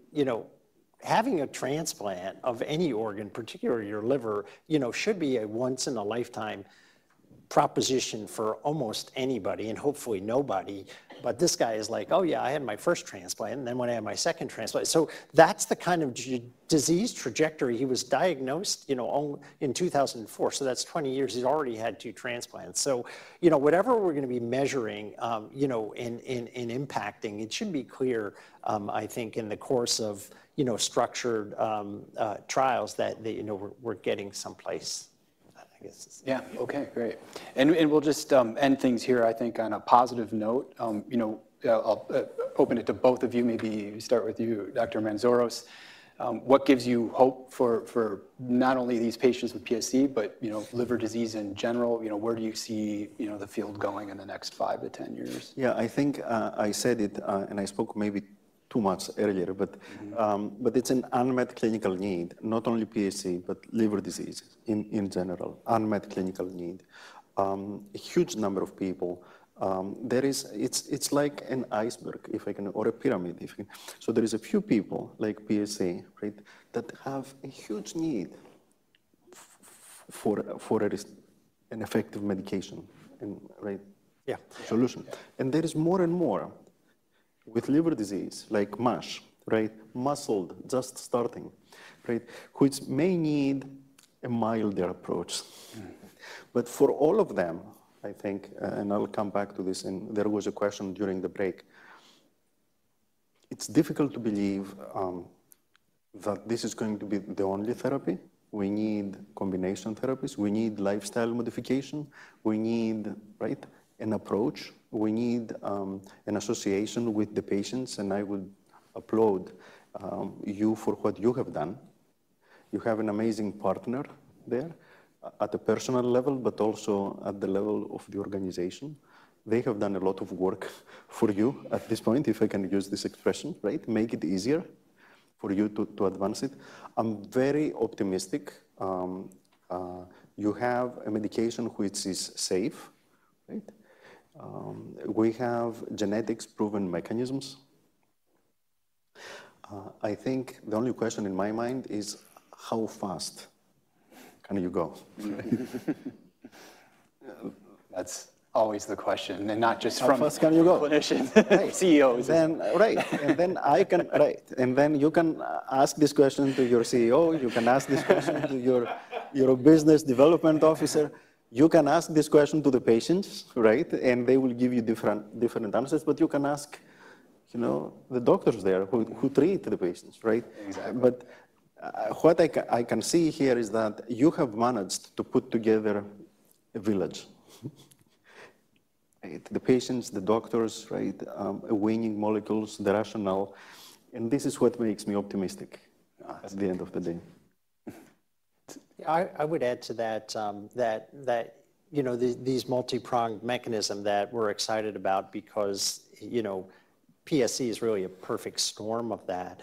having a transplant of any organ, particularly your liver, should be a once-in-a-lifetime proposition for almost anybody and hopefully nobody." But this guy is like, "Oh, yeah, I had my first transplant. And then when I had my second transplant." That is the kind of disease trajectory. He was diagnosed in 2004. That is 20 years. He has already had two transplants. Whatever we are going to be measuring and impacting, it should be clear, I think, in the course of structured trials that we are getting someplace. Yeah. Okay. Great. We will just end things here, I think, on a positive note. I will open it to both of you. Maybe start with you, Dr. Mantzoros. What gives you hope for not only these patients with PSC, but liver disease in general? Where do you see the field going in the next 5-10 years? Yeah. I think I said it, and I spoke maybe too much earlier. It is an unmet clinical need, not only PSC, but liver disease in general, unmet clinical need. A huge number of people. It is like an iceberg, if I can, or a pyramid, if you can. There are a few people like PSC, right, that have a huge need for an effective medication, right, solution. There are more and more with liver disease like MASH, right, MASLD, just starting, right, which may need a milder approach. For all of them, I think, and I will come back to this. There was a question during the break. It's difficult to believe that this is going to be the only therapy. We need combination therapies. We need lifestyle modification. We need, right, an approach. We need an association with the patients. I would applaud you for what you have done. You have an amazing partner there at a personal level, but also at the level of the organization. They have done a lot of work for you at this point, if I can use this expression, right, make it easier for you to advance it. I'm very optimistic. You have a medication which is safe, right? We have genetics-proven mechanisms. I think the only question in my mind is, how fast can you go? That's always the question. Not just from clinicians. Right. I can, right. You can ask this question to your CEO. You can ask this question to your business development officer. You can ask this question to the patients, right? They will give you different answers. You can ask the doctors there who treat the patients, right? What I can see here is that you have managed to put together a village. The patients, the doctors, right, winning molecules, the rationale. This is what makes me optimistic at the end of the day. I would add to that that these multi-pronged mechanisms that we're excited about because PSC is really a perfect storm of that.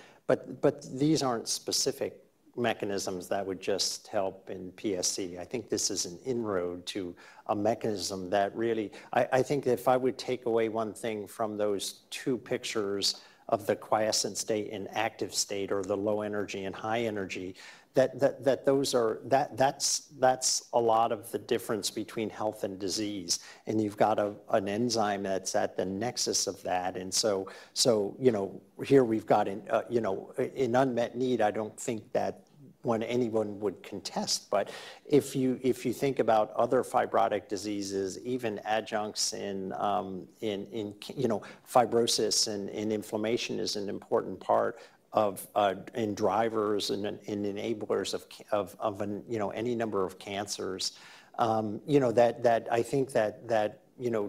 These aren't specific mechanisms that would just help in PSC. I think this is an inroad to a mechanism that really I think if I would take away one thing from those two pictures of the quiescent state and active state or the low energy and high energy, that that's a lot of the difference between health and disease. You have got an enzyme that's at the nexus of that. Here we have got an unmet need. I do not think that anyone would contest. If you think about other fibrotic diseases, even adjuncts in fibrosis and inflammation is an important part and drivers and enablers of any number of cancers, I think that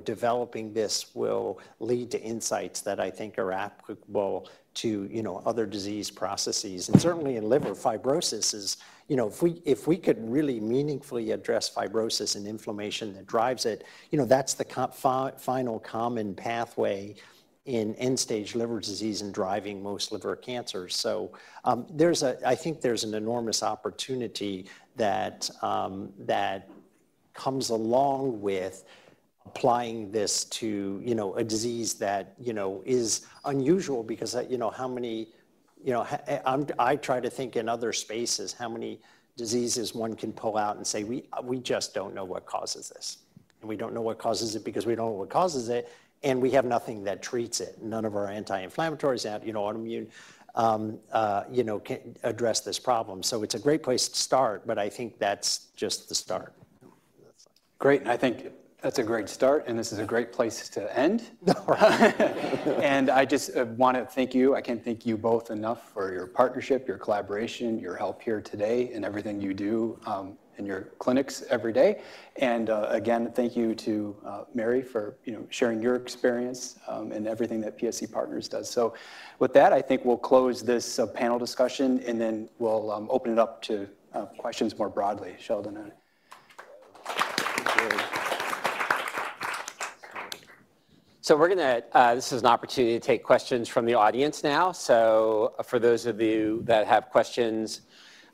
developing this will lead to insights that I think are applicable to other disease processes. Certainly in liver, fibrosis is if we could really meaningfully address fibrosis and inflammation that drives it, that's the final common pathway in end-stage liver disease and driving most liver cancers. I think there's an enormous opportunity that comes along with applying this to a disease that is unusual. Because how many I try to think in other spaces, how many diseases one can pull out and say, "We just don't know what causes this." We don't know what causes it because we don't know what causes it. We have nothing that treats it. None of our anti-inflammatories and autoimmune can address this problem. It's a great place to start. I think that's just the start. Great. I think that's a great start. This is a great place to end. I just want to thank you. I can't thank you both enough for your partnership, your collaboration, your help here today, and everything you do in your clinics every day. Again, thank you to Mary for sharing your experience and everything that PSC Partners does. With that, I think we'll close this panel discussion. Then we'll open it up to questions more broadly. Sheldon. This is an opportunity to take questions from the audience now. For those of you that have questions,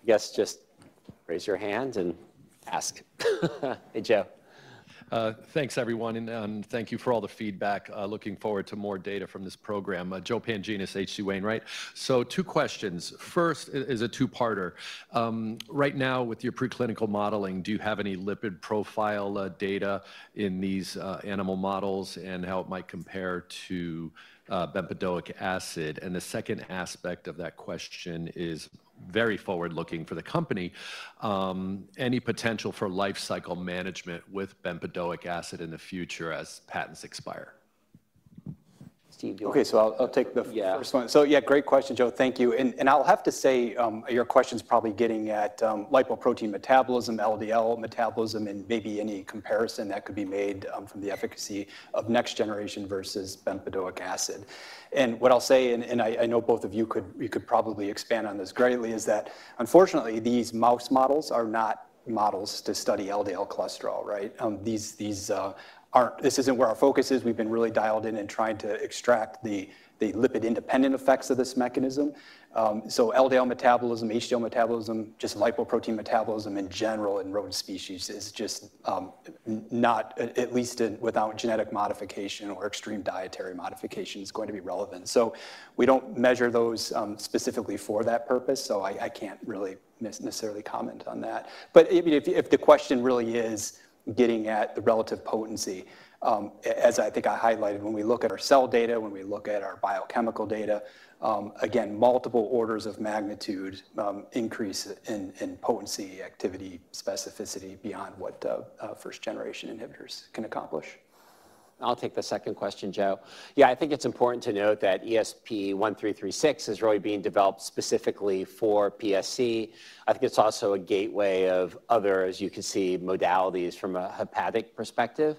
I guess just raise your hand and ask. Hey, Joe. Thanks, everyone. Thank you for all the feedback. Looking forward to more data from this program. Joe Pantginis, H.C. Wainwright, right? Two questions. First is a two-parter. Right now, with your preclinical modeling, do you have any lipid profile data in these animal models and how it might compare to bempedoic acid? The second aspect of that question is very forward-looking for the company. Any potential for lifecycle management with bempedoic acid in the future as patents expire? Okay. I'll take the first one. Yeah, great question, Joe. Thank you. I'll have to say your question is probably getting at lipoprotein metabolism, LDL metabolism, and maybe any comparison that could be made from the efficacy of next generation versus bempedoic acid. What I'll say, and I know both of you could probably expand on this greatly, is that unfortunately, these mouse models are not models to study LDL cholesterol, right? This is not where our focus is. We've been really dialed in and trying to extract the lipid-independent effects of this mechanism. LDL metabolism, HDL metabolism, just lipoprotein metabolism in general in rodent species is just not, at least without genetic modification or extreme dietary modification, going to be relevant. We do not measure those specifically for that purpose. I cannot really necessarily comment on that. If the question really is getting at the relative potency, as I think I highlighted, when we look at our cell data, when we look at our biochemical data, again, multiple orders of magnitude increase in potency, activity, specificity beyond what first-generation inhibitors can accomplish. I will take the second question, Joe. I think it is important to note that ESP-1336 is really being developed specifically for PSC. I think it is also a gateway of other, as you can see, modalities from a hepatic perspective.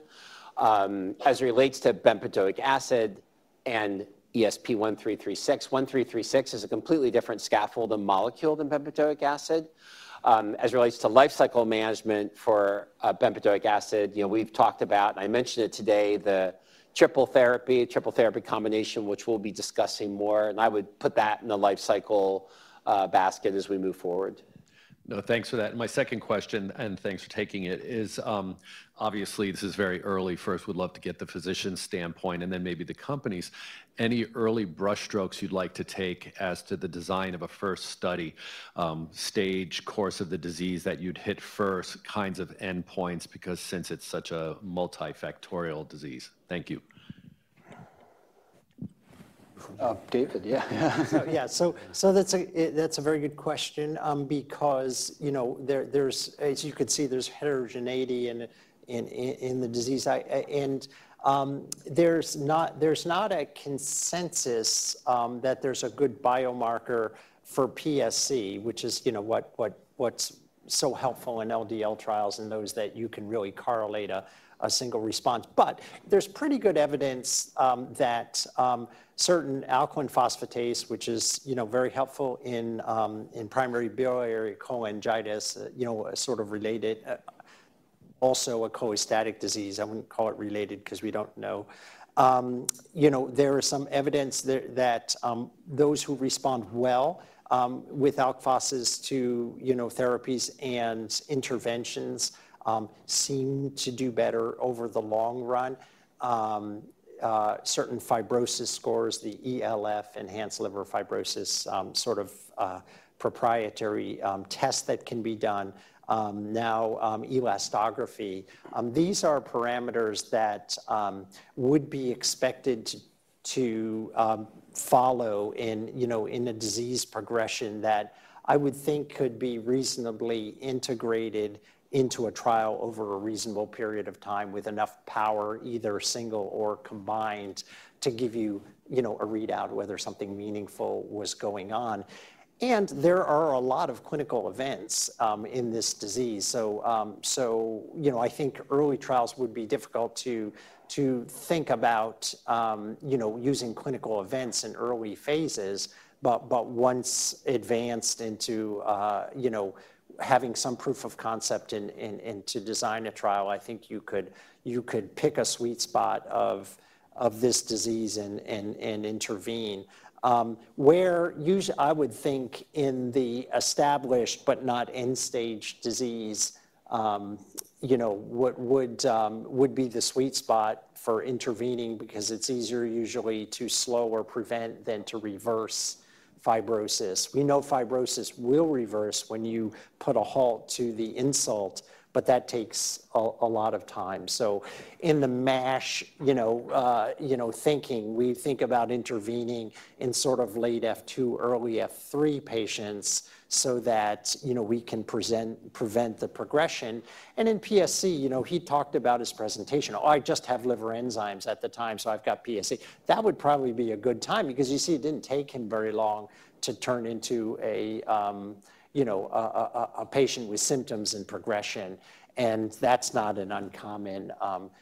As it relates to bempedoic acid and ESP-1336, 1336 is a completely different scaffold and molecule than bempedoic acid. As it relates to lifecycle management for bempedoic acid, we've talked about, and I mentioned it today, the triple therapy, triple therapy combination, which we'll be discussing more. I would put that in the lifecycle basket as we move forward. No, thanks for that. My second question, and thanks for taking it, is obviously this is very early. First, we'd love to get the physician's standpoint and then maybe the company's, any early brushstrokes you'd like to take as to the design of a first study, stage, course of the disease that you'd hit first, kinds of endpoints, because since it's such a multifactorial disease. Thank you. David, yeah. Yeah. That's a very good question. Because as you can see, there's heterogeneity in the disease. There is not a consensus that there is a good biomarker for PSC, which is what is so helpful in LDL trials in that you can really correlate a single response. There is pretty good evidence that certain alkaline phosphatase, which is very helpful in primary biliary cholangitis, sort of related, also a cholestatic disease. I would not call it related because we do not know. There is some evidence that those who respond well with alk phos to therapies and interventions seem to do better over the long run. Certain fibrosis scores, the ELF, enhanced liver fibrosis, sort of proprietary tests that can be done. Now, elastography, these are parameters that would be expected to follow in a disease progression that I would think could be reasonably integrated into a trial over a reasonable period of time with enough power, either single or combined, to give you a readout whether something meaningful was going on. There are a lot of clinical events in this disease. I think early trials would be difficult to think about using clinical events in early phases. Once advanced into having some proof of concept and to design a trial, I think you could pick a sweet spot of this disease and intervene. Where I would think in the established but not end-stage disease would be the sweet spot for intervening because it's easier usually to slow or prevent than to reverse fibrosis. We know fibrosis will reverse when you put a halt to the insult, but that takes a lot of time. In the MASH thinking, we think about intervening in sort of late F2, early F3 patients so that we can prevent the progression. In PSC, he talked about his presentation, "Oh, I just have liver enzymes at the time, so I've got PSC." That would probably be a good time because you see it did not take him very long to turn into a patient with symptoms and progression. That is not an uncommon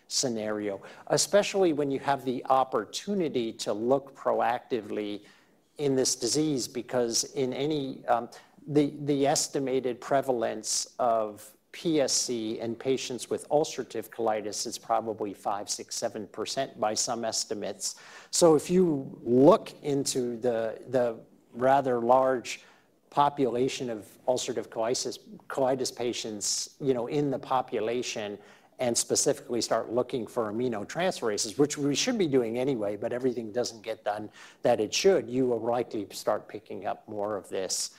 scenario, especially when you have the opportunity to look proactively in this disease because in any, the estimated prevalence of PSC in patients with ulcerative colitis is probably 5%, 6%, 7% by some estimates. If you look into the rather large population of ulcerative colitis patients in the population and specifically start looking for aminotransferases, which we should be doing anyway, but everything does not get done that it should, you will likely start picking up more of this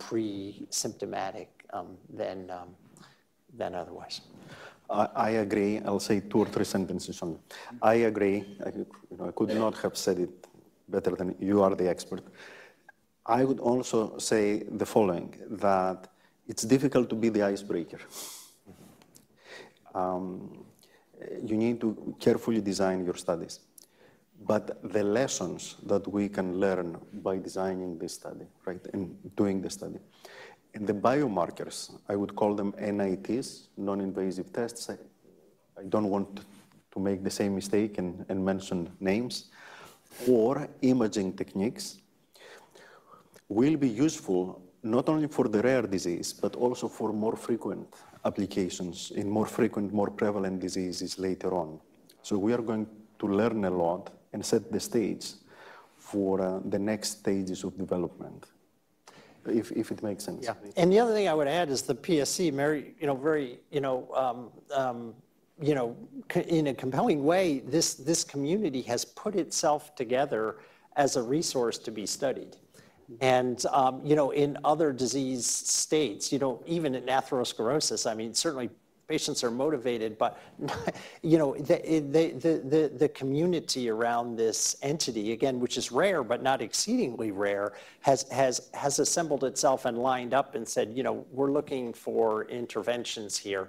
pre-symptomatic than otherwise. I agree. I'll say two or three sentences on it. I agree. I could not have said it better than you are the expert. I would also say the following: that it's difficult to be the icebreaker. You need to carefully design your studies. The lessons that we can learn by designing this study, right, and doing the study. The biomarkers, I would call them NITs, non-invasive tests. I do not want to make the same mistake and mention names. Imaging techniques will be useful not only for the rare disease, but also for more frequent applications in more frequent, more prevalent diseases later on. We are going to learn a lot and set the stage for the next stages of development, if it makes sense. Yeah. The other thing I would add is the PSC, very in a compelling way, this community has put itself together as a resource to be studied. In other disease states, even in atherosclerosis, I mean, certainly patients are motivated. The community around this entity, again, which is rare but not exceedingly rare, has assembled itself and lined up and said, "We're looking for interventions here."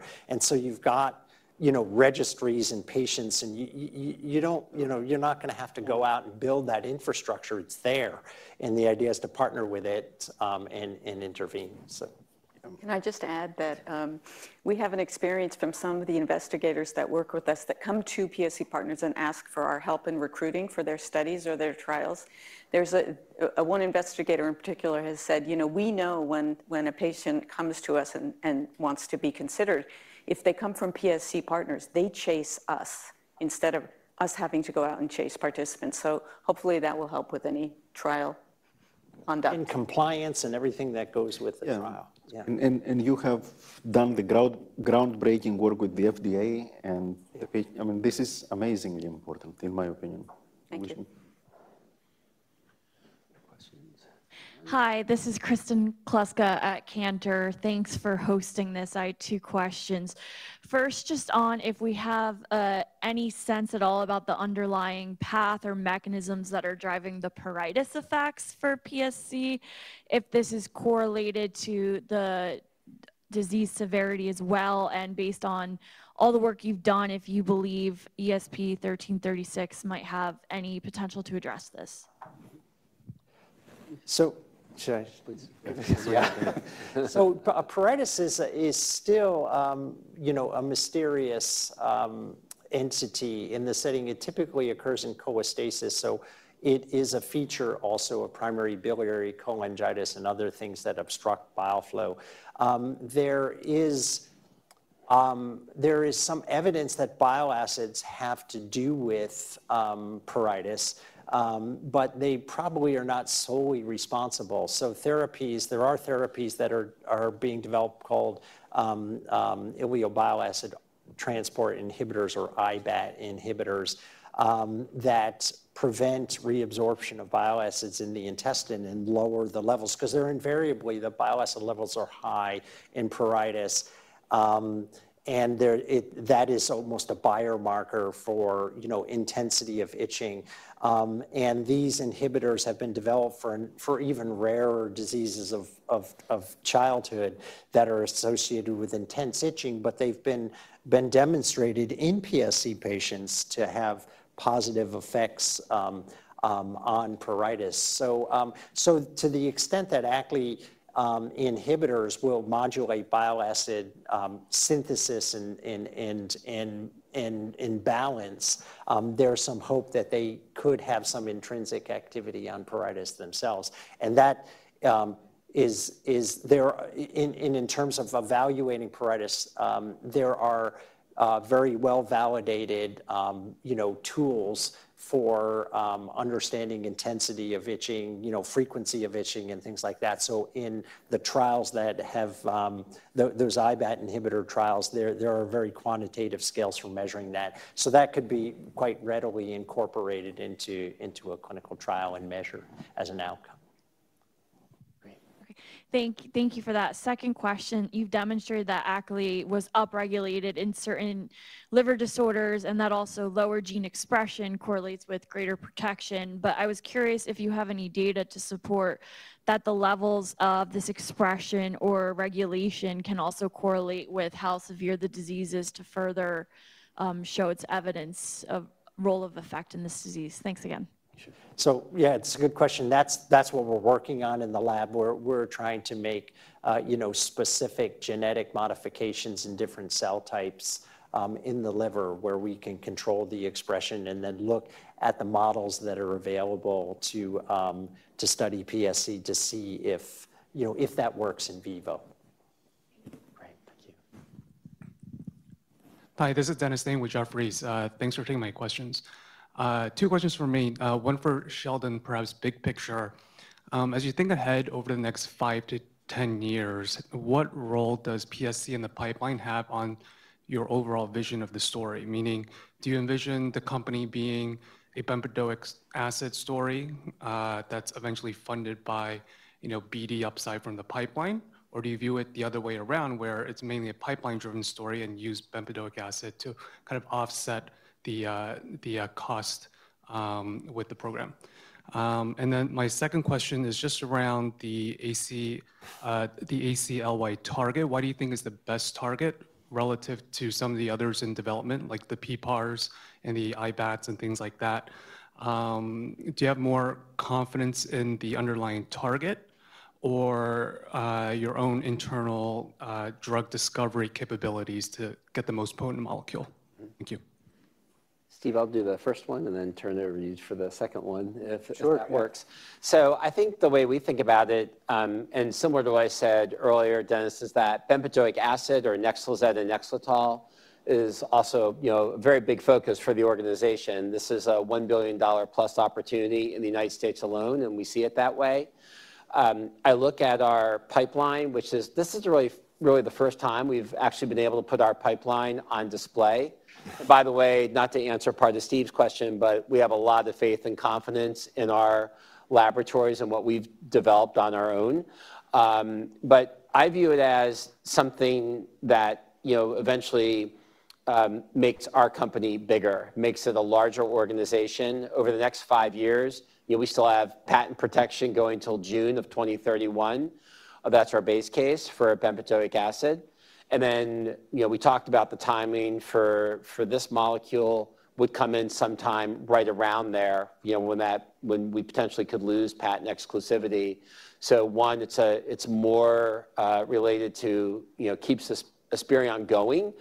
You have registries and patients. You're not going to have to go out and build that infrastructure. It's there. The idea is to partner with it and intervene. Can I just add that we have an experience from some of the investigators that work with us that come to PSC Partners and ask for our help in recruiting for their studies or their trials. There is one investigator in particular who has said, "We know when a patient comes to us and wants to be considered, if they come from PSC Partners, they chase us instead of us having to go out and chase participants." Hopefully that will help with any trial conduct. And compliance and everything that goes with the trial. Yeah. You have done the groundbreaking work with the FDA. I mean, this is amazingly important, in my opinion. Thank you. Hi. This is Kristen Kluska at Cantor. Thanks for hosting this. I have two questions. First, just on if we have any sense at all about the underlying path or mechanisms that are driving the pruritus effects for PSC, if this is correlated to the disease severity as well. Based on all the work you've done, if you believe ESP-1336 might have any potential to address this. Pruritus is still a mysterious entity in the setting. It typically occurs in cholestasis. It is a feature also of primary biliary cholangitis and other things that obstruct bile flow. There is some evidence that bile acids have to do with pruritus, but they probably are not solely responsible. There are therapies that are being developed called ileal bile acid transport inhibitors or IBAT inhibitors that prevent reabsorption of bile acids in the intestine and lower the levels. Because invariably the bile acid levels are high in pruritus. That is almost a biomarker for intensity of itching. These inhibitors have been developed for even rarer diseases of childhood that are associated with intense itching. They have been demonstrated in PSC patients to have positive effects on pruritus. To the extent that ACLY inhibitors will modulate bile acid synthesis and balance, there is some hope that they could have some intrinsic activity on pruritus themselves. In terms of evaluating pruritus, there are very well-validated tools for understanding intensity of itching, frequency of itching, and things like that. In the trials that have those IBAT inhibitor trials, there are very quantitative scales for measuring that. That could be quite readily incorporated into a clinical trial and measured as an outcome. Great. Okay. Thank you for that. Second question. You've demonstrated that ACLY was upregulated in certain liver disorders and that also lower gene expression correlates with greater protection. I was curious if you have any data to support that the levels of this expression or regulation can also correlate with how severe the disease is to further show its evidence of role of effect in this disease. Thanks again. Yeah, it's a good question. That's what we're working on in the lab. We're trying to make specific genetic modifications in different cell types in the liver where we can control the expression and then look at the models that are available to study PSC to see if that works in vivo. Great. Thank you. Hi. This is Dennis [Thane] with Jefferies. Thanks for taking my questions. Two questions for me. One for Sheldon, perhaps big picture. As you think ahead over the next 5-10 years, what role does PSC in the pipeline have on your overall vision of the story? Meaning, do you envision the company being a bempedoic acid story that's eventually funded by BD upside from the pipeline? Or do you view it the other way around where it's mainly a pipeline-driven story and use bempedoic acid to kind of offset the cost with the program? My second question is just around the ACLY target. Why do you think is the best target relative to some of the others in development, like the PPARs and the IBATs and things like that? Do you have more confidence in the underlying target or your own internal drug discovery capabilities to get the most potent molecule? Thank you. Stephen, I'll do the first one and then turn it over to you for the second one if that works. I think the way we think about it, and similar to what I said earlier, Dennis, is that bempedoic acid or NEXLIZET and NEXLETOL is also a very big focus for the organization. This is a $1 billion-plus opportunity in the United States alone, and we see it that way. I look at our pipeline, which is this is really the first time we've actually been able to put our pipeline on display. By the way, not to answer part of Stephen's question, but we have a lot of faith and confidence in our laboratories and what we've developed on our own. I view it as something that eventually makes our company bigger, makes it a larger organization. Over the next five years, we still have patent protection going till June of 2031. That's our base case for bempedoic acid. We talked about the timing for this molecule would come in sometime right around there when we potentially could lose patent exclusivity. One, it's more related to keeps Esperion going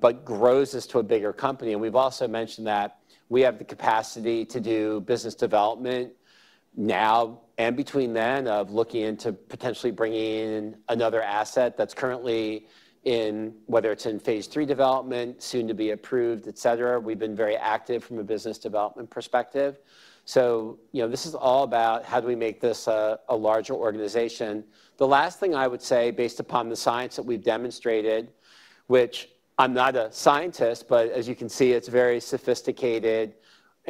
but grows as to a bigger company. We've also mentioned that we have the capacity to do business development now and between then of looking into potentially bringing in another asset that's currently in whether it's in phase III development, soon to be approved, etc. We've been very active from a business development perspective. This is all about how do we make this a larger organization. The last thing I would say, based upon the science that we've demonstrated, which I'm not a scientist, but as you can see, it's very sophisticated.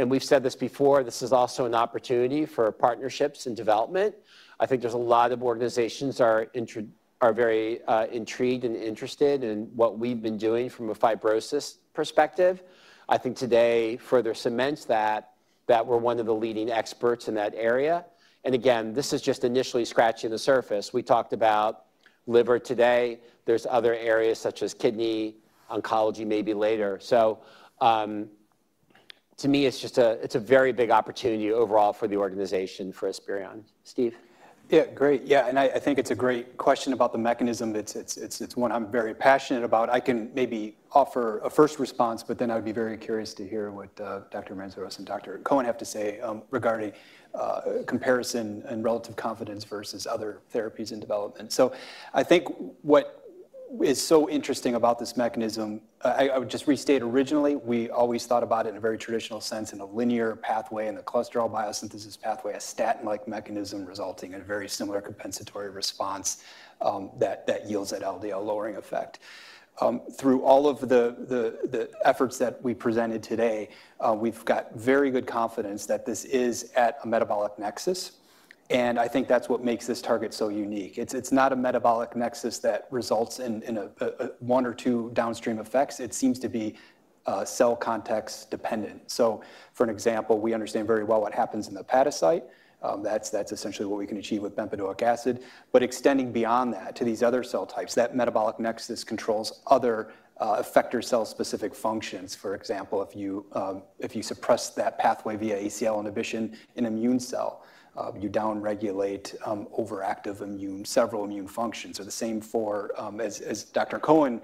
We have said this before, this is also an opportunity for partnerships and development. I think there are a lot of organizations that are very intrigued and interested in what we have been doing from a fibrosis perspective. I think today further cements that we are one of the leading experts in that area. This is just initially scratching the surface. We talked about liver today. There are other areas such as kidney, oncology maybe later. To me, it is a very big opportunity overall for the organization for Esperion. Stephen? Yeah. Great. Yeah. I think it is a great question about the mechanism. It is one I am very passionate about. I can maybe offer a first response, but then I would be very curious to hear what Dr. Mantzoros and Dr. Cohen have to say regarding comparison and relative confidence versus other therapies in development. I think what is so interesting about this mechanism, I would just restate originally, we always thought about it in a very traditional sense in a linear pathway and a cholesterol biosynthesis pathway, a statin-like mechanism resulting in a very similar compensatory response that yields that LDL-lowering effect. Through all of the efforts that we presented today, we've got very good confidence that this is at a metabolic nexus. I think that's what makes this target so unique. It's not a metabolic nexus that results in one or two downstream effects. It seems to be cell context dependent. For an example, we understand very well what happens in the hepatocyte. That's essentially what we can achieve with bempedoic acid. Extending beyond that to these other cell types, that metabolic nexus controls other effector cell-specific functions. For example, if you suppress that pathway via ACLY inhibition in immune cell, you downregulate overactive immune, several immune functions. The same as Dr. Cohen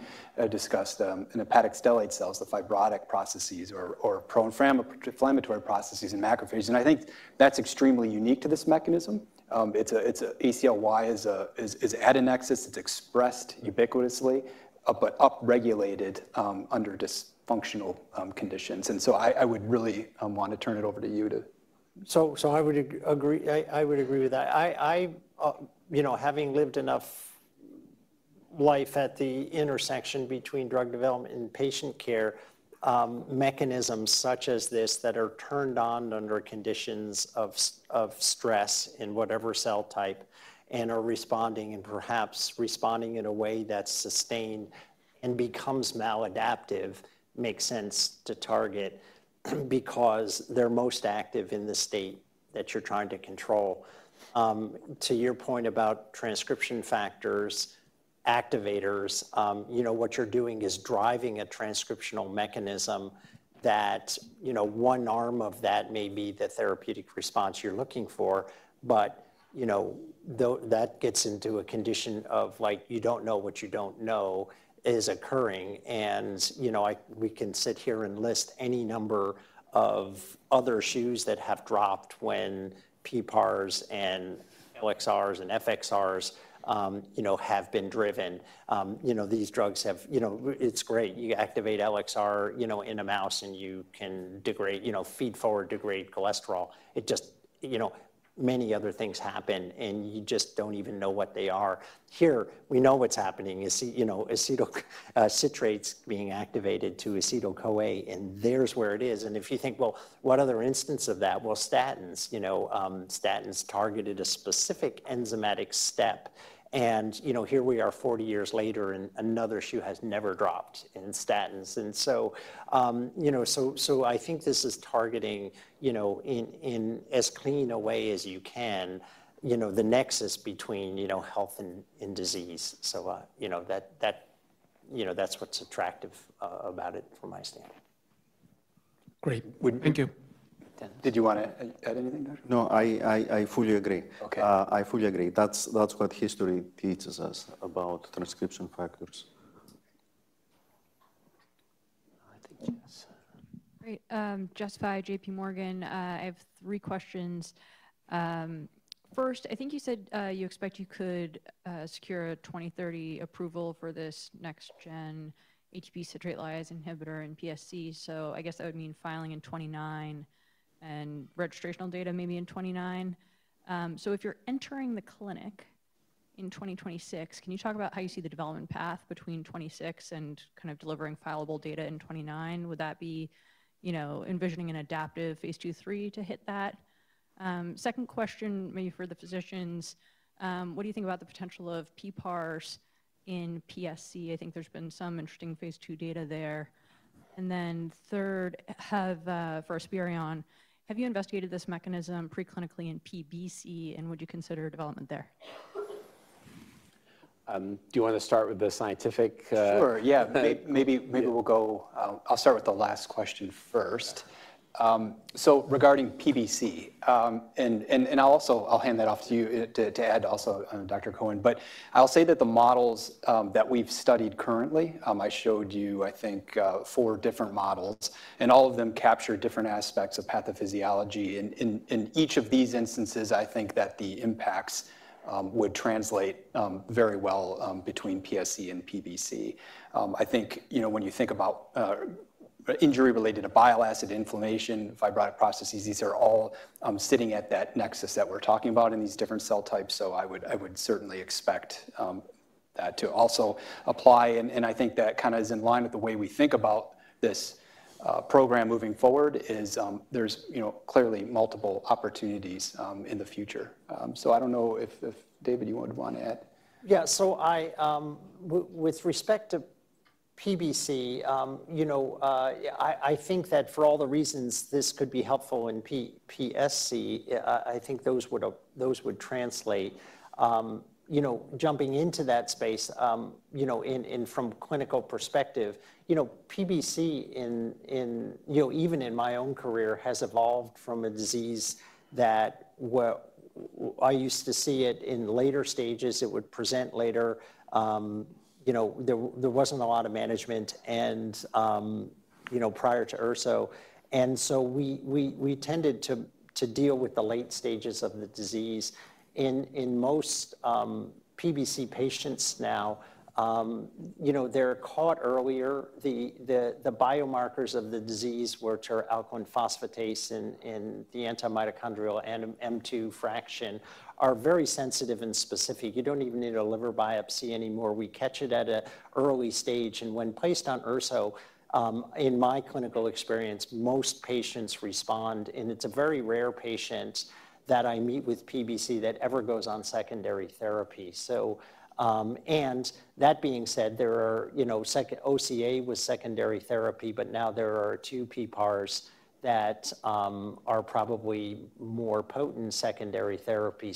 discussed, in hepatic stellate cells, the fibrotic processes or pro-inflammatory processes in macrophages. I think that's extremely unique to this mechanism. ACLY is at a nexus. It's expressed ubiquitously but upregulated under dysfunctional conditions. I would really want to turn it over to you . I would agree with that. Having lived enough life at the intersection between drug development and patient care, mechanisms such as this that are turned on under conditions of stress in whatever cell type and are responding and perhaps responding in a way that's sustained and becomes maladaptive makes sense to target because they're most active in the state that you're trying to control. To your point about transcription factors, activators, what you're doing is driving a transcriptional mechanism that one arm of that may be the therapeutic response you're looking for. That gets into a condition of you don't know what you don't know is occurring. We can sit here and list any number of other shoes that have dropped when PPARs and LXRs and FXRs have been driven. These drugs have, it's great. You activate LXR in a mouse and you can feed forward degrade cholesterol. Many other things happen, and you just don't even know what they are. Here, we know what's happening. Acetyl citrate is being activated to acetyl-CoA, and there's where it is. If you think, what other instance of that? Statins. Statins targeted a specific enzymatic step. Here we are 40 years later, and another shoe has never dropped in statins. I think this is targeting in as clean a way as you can the nexus between health and disease. That's what's attractive about it from my standpoint. Great. Thank you. Did you want to add anything? No, I fully agree. I fully agree. That's what history teaches us about transcription factors. [Jessica I] JPMorgan. I have three questions. First, I think you said you expect you could secure a 2030 approval for this next-gen HB citrate lysis inhibitor in PSC. I guess that would mean filing in 2029 and registrational data maybe in 2029. If you're entering the clinic in 2026, can you talk about how you see the development path between 2026 and kind of delivering fillable data in 2029? Would that be envisioning an adaptive phase II, III to hit that? Second question, maybe for the physicians, what do you think about the potential of PPARs in PSC? I think there's been some interesting phase II data there. Third, for Esperion, have you investigated this mechanism preclinically in PBC, and would you consider development there? Do you want to start with the scientific? Sure. Yeah. Maybe I'll start with the last question first. Regarding PBC, and I'll hand that off to you to add also, Dr. Cohen, but I'll say that the models that we've studied currently, I showed you, I think, four different models, and all of them capture different aspects of pathophysiology. In each of these instances, I think that the impacts would translate very well between PSC and PBC. I think when you think about injury related to bile acid inflammation, fibrotic processes, these are all sitting at that nexus that we're talking about in these different cell types. I would certainly expect that to also apply. I think that kind of is in line with the way we think about this program moving forward. There are clearly multiple opportunities in the future. I do not know if David, you would want to add? Yeah. With respect to PBC, I think that for all the reasons this could be helpful in PSC, I think those would translate. Jumping into that space, from a clinical perspective, PBC, even in my own career, has evolved from a disease that I used to see in later stages. It would present later. There was not a lot of management prior to IRSO. We tended to deal with the late stages of the disease. In most PBC patients now, they're caught earlier. The biomarkers of the disease, which are alkaline phosphatase and the antimitochondrial M2 fraction, are very sensitive and specific. You don't even need a liver biopsy anymore. We catch it at an early stage. When placed on IRSO, in my clinical experience, most patients respond. It's a very rare patient that I meet with PBC that ever goes on secondary therapy. That being said, OCA was secondary therapy, but now there are two PPARs that are probably more potent secondary therapy.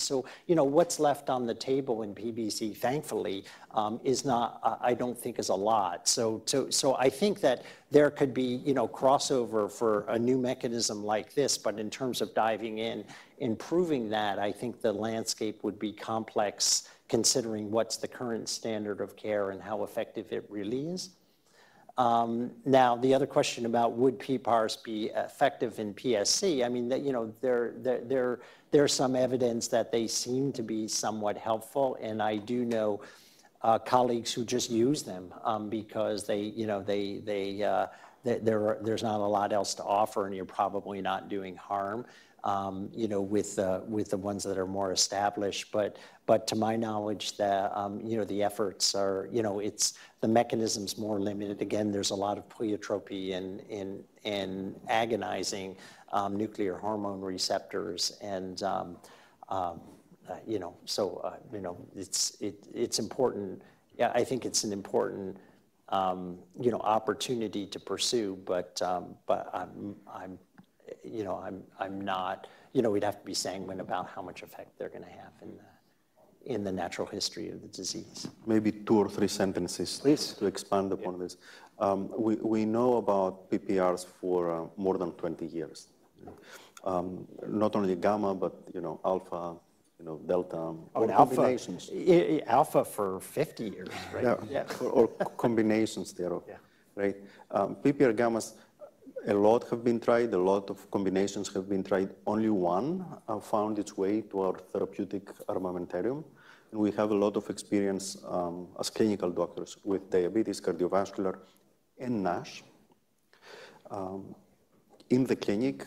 What's left on the table in PBC, thankfully, I don't think is a lot. I think that there could be crossover for a new mechanism like this. In terms of diving in, improving that, I think the landscape would be complex considering what's the current standard of care and how effective it really is. Now, the other question about would PPARs be effective in PSC? I mean, there's some evidence that they seem to be somewhat helpful. I do know colleagues who just use them because there's not a lot else to offer, and you're probably not doing harm with the ones that are more established. To my knowledge, the efforts are the mechanism's more limited. Again, there's a lot of pleiotropy in agonizing nuclear hormone receptors. It's important. Yeah, I think it's an important opportunity to pursue, but I'm not—we'd have to be sanguine about how much effect they're going to have in the natural history of the disease. Maybe two or three sentences to expand upon this. We know about PPARs for more than 20 years. Not only gamma, but alpha, delta. When alpha. Alpha for 50 years, right? Yeah. Or combinations there. Right. PPAR gammas, a lot have been tried. A lot of combinations have been tried. Only one found its way to our therapeutic armamentarium. We have a lot of experience as clinical doctors with diabetes, cardiovascular, and NASH. In the clinic,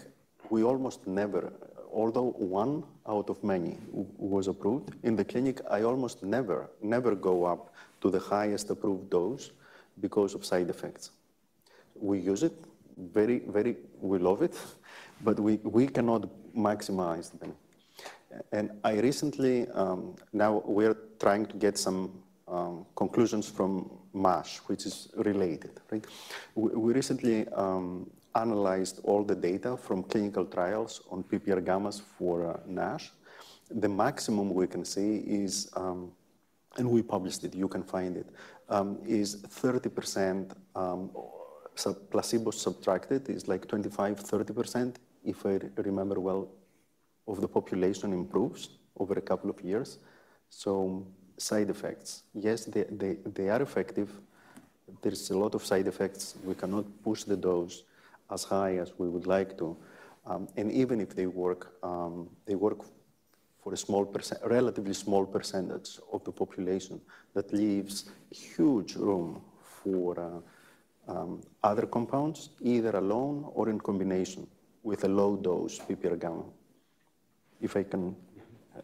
we almost never, although one out of many was approved. In the clinic, I almost never, never go up to the highest approved dose because of side effects. We use it. We love it, but we cannot maximize them. Now we're trying to get some conclusions from MASH, which is related. We recently analyzed all the data from clinical trials on PPAR gammas for NASH. The maximum we can see is and we published it. You can find it is 30% placebo-subtracted. It's like 25-30%, if I remember well, of the population improves over a couple of years. Side effects, yes, they are effective. There's a lot of side effects. We cannot push the dose as high as we would like to. Even if they work, they work for a relatively small percentage of the population. That leaves huge room for other compounds, either alone or in combination with a low-dose PPR gamma.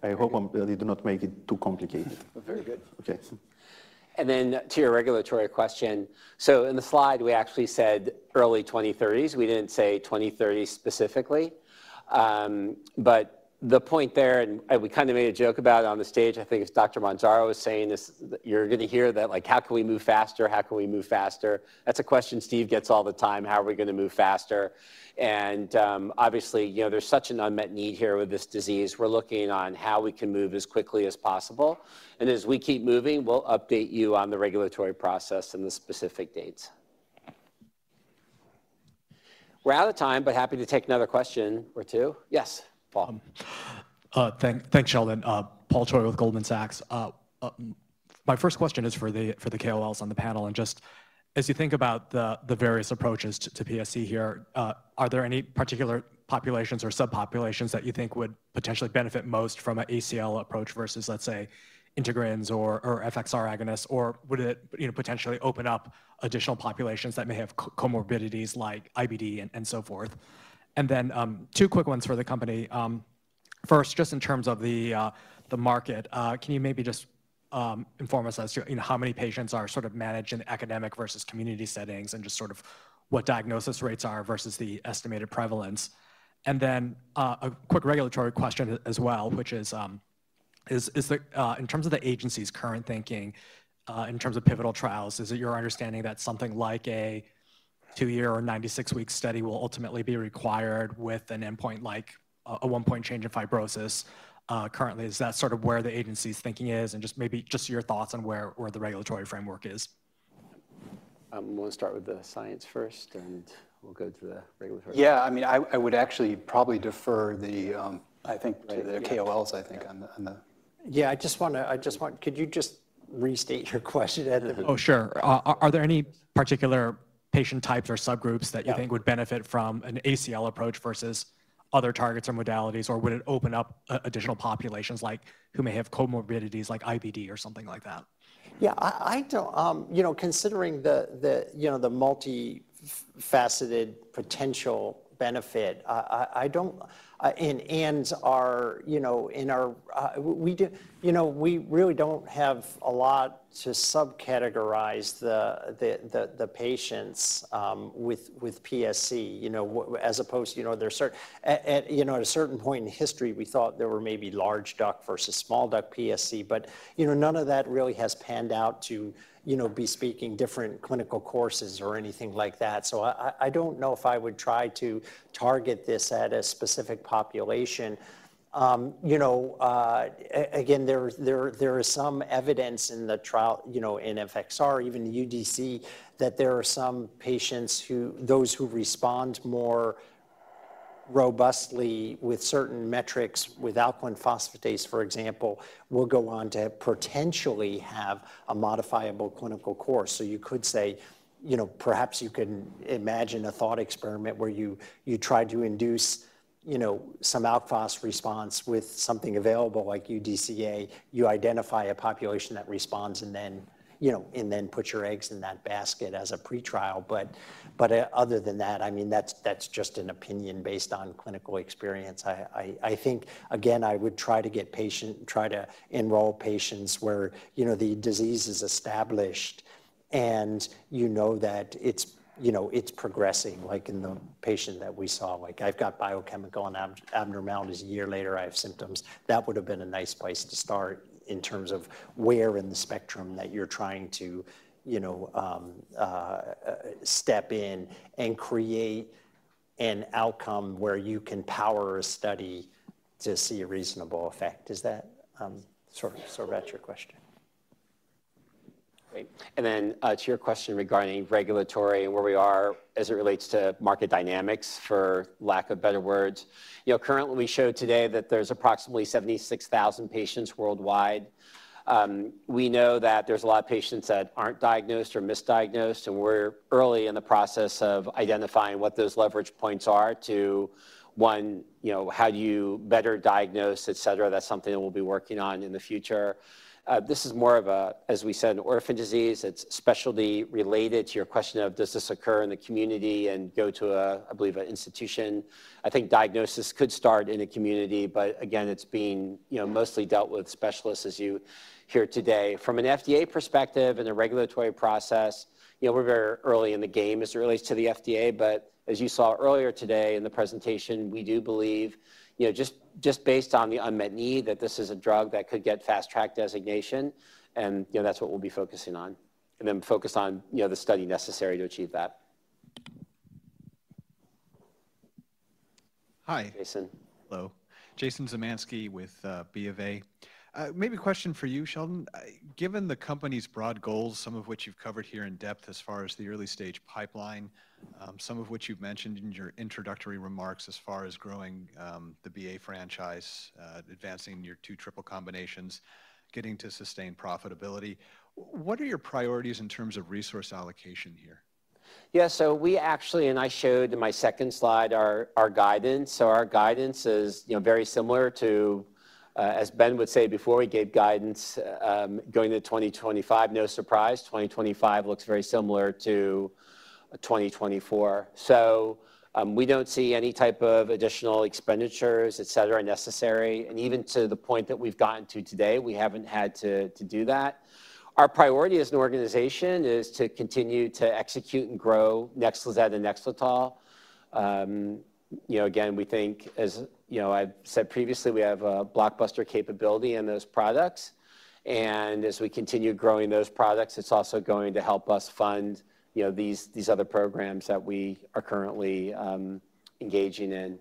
I hope I did not make it too complicated. Very good. Okay. To your regulatory question. In the slide, we actually said early 2030s. We did not say 2030 specifically. The point there, and we kind of made a joke about it on the stage, I think it is Dr. Mantzoros was saying this. You're going to hear that, like, how can we move faster? How can we move faster? That's a question Stephen gets all the time. How are we going to move faster? Obviously, there's such an unmet need here with this disease. We're looking on how we can move as quickly as possible. As we keep moving, we'll update you on the regulatory process and the specific dates. We're out of time, but happy to take another question or two. Yes, Paul. Thanks, Sheldon. Paul Choi with Goldman Sachs. My first question is for the KOLs on the panel. Just as you think about the various approaches to PSC here, are there any particular populations or subpopulations that you think would potentially benefit most from an ACL approach versus, let's say, integrins or FXR agonists? Would it potentially open up additional populations that may have comorbidities like IBD and so forth? Then two quick ones for the company. First, just in terms of the market, can you maybe just inform us as to how many patients are sort of managed in academic versus community settings and just sort of what diagnosis rates are versus the estimated prevalence? A quick regulatory question as well, which is, in terms of the agency's current thinking, in terms of pivotal trials, is it your understanding that something like a two-year or 96-week study will ultimately be required with an endpoint like a one-point change in fibrosis? Currently, is that sort of where the agency's thinking is? Maybe just your thoughts on where the regulatory framework is. I'm going to start with the science first, and we'll go to the regulatory. Yeah. I mean, I would actually probably defer the, I think, to the KOLs, I think, on the. Yeah. I just want to, could you just restate your question? Oh, sure. Are there any particular patient types or subgroups that you think would benefit from an ACL approach versus other targets or modalities? Or would it open up additional populations like who may have comorbidities like IBD or something like that? Yeah. Considering the multifaceted potential benefit, and in our we really don't have a lot to subcategorize the patients with PSC as opposed to at a certain point in history, we thought there were maybe large duct versus small duct PSC. But none of that really has panned out to be speaking different clinical courses or anything like that. I don't know if I would try to target this at a specific population. Again, there is some evidence in the trial in FXR, even UDCA, that there are some patients, those who respond more robustly with certain metrics with alkaline phosphatase, for example, will go on to potentially have a modifiable clinical course. You could say perhaps you can imagine a thought experiment where you try to induce some alkaline phosphatase response with something available like UDCA. You identify a population that responds and then put your eggs in that basket as a pretrial. Other than that, I mean, that's just an opinion based on clinical experience. I think, again, I would try to get patients, try to enroll patients where the disease is established and you know that it's progressing, like in the patient that we saw. Like I've got biochemical abnormalities a year later, I have symptoms. That would have been a nice place to start in terms of where in the spectrum that you're trying to step in and create an outcome where you can power a study to see a reasonable effect. Is that sort of about your question? Great. To your question regarding regulatory and where we are as it relates to market dynamics, for lack of better words. Currently, we show today that there's approximately 76,000 patients worldwide. We know that there's a lot of patients that aren't diagnosed or misdiagnosed, and we're early in the process of identifying what those leverage points are to, one, how do you better diagnose, etc. That's something that we'll be working on in the future. This is more of a, as we said, an orphan disease. It's specialty related to your question of, does this occur in the community and go to, I believe, an institution? I think diagnosis could start in a community, but again, it's being mostly dealt with specialists as you hear today. From an FDA perspective and a regulatory process, we're very early in the game as it relates to the FDA. As you saw earlier today in the presentation, we do believe, just based on the unmet need, that this is a drug that could get fast-track designation. That's what we'll be focusing on and then focus on the study necessary to achieve that. Hi. Jason. Hello. Jason Zemansky with BofA. Maybe a question for you, Sheldon. Given the company's broad goals, some of which you've covered here in depth as far as the early-stage pipeline, some of which you've mentioned in your introductory remarks as far as growing the BA franchise, advancing your two triple combinations, getting to sustained profitability, what are your priorities in terms of resource allocation here? Yeah. We actually, and I showed in my second slide our guidance. Our guidance is very similar to, as Ben would say before, we gave guidance going into 2025. No surprise, 2025 looks very similar to 2024. We do not see any type of additional expenditures, etc., necessary. Even to the point that we've gotten to today, we haven't had to do that. Our priority as an organization is to continue to execute and grow NEXLIZET and NEXLETOL. Again, we think, as I've said previously, we have a blockbuster capability in those products. As we continue growing those products, it's also going to help us fund these other programs that we are currently engaging in.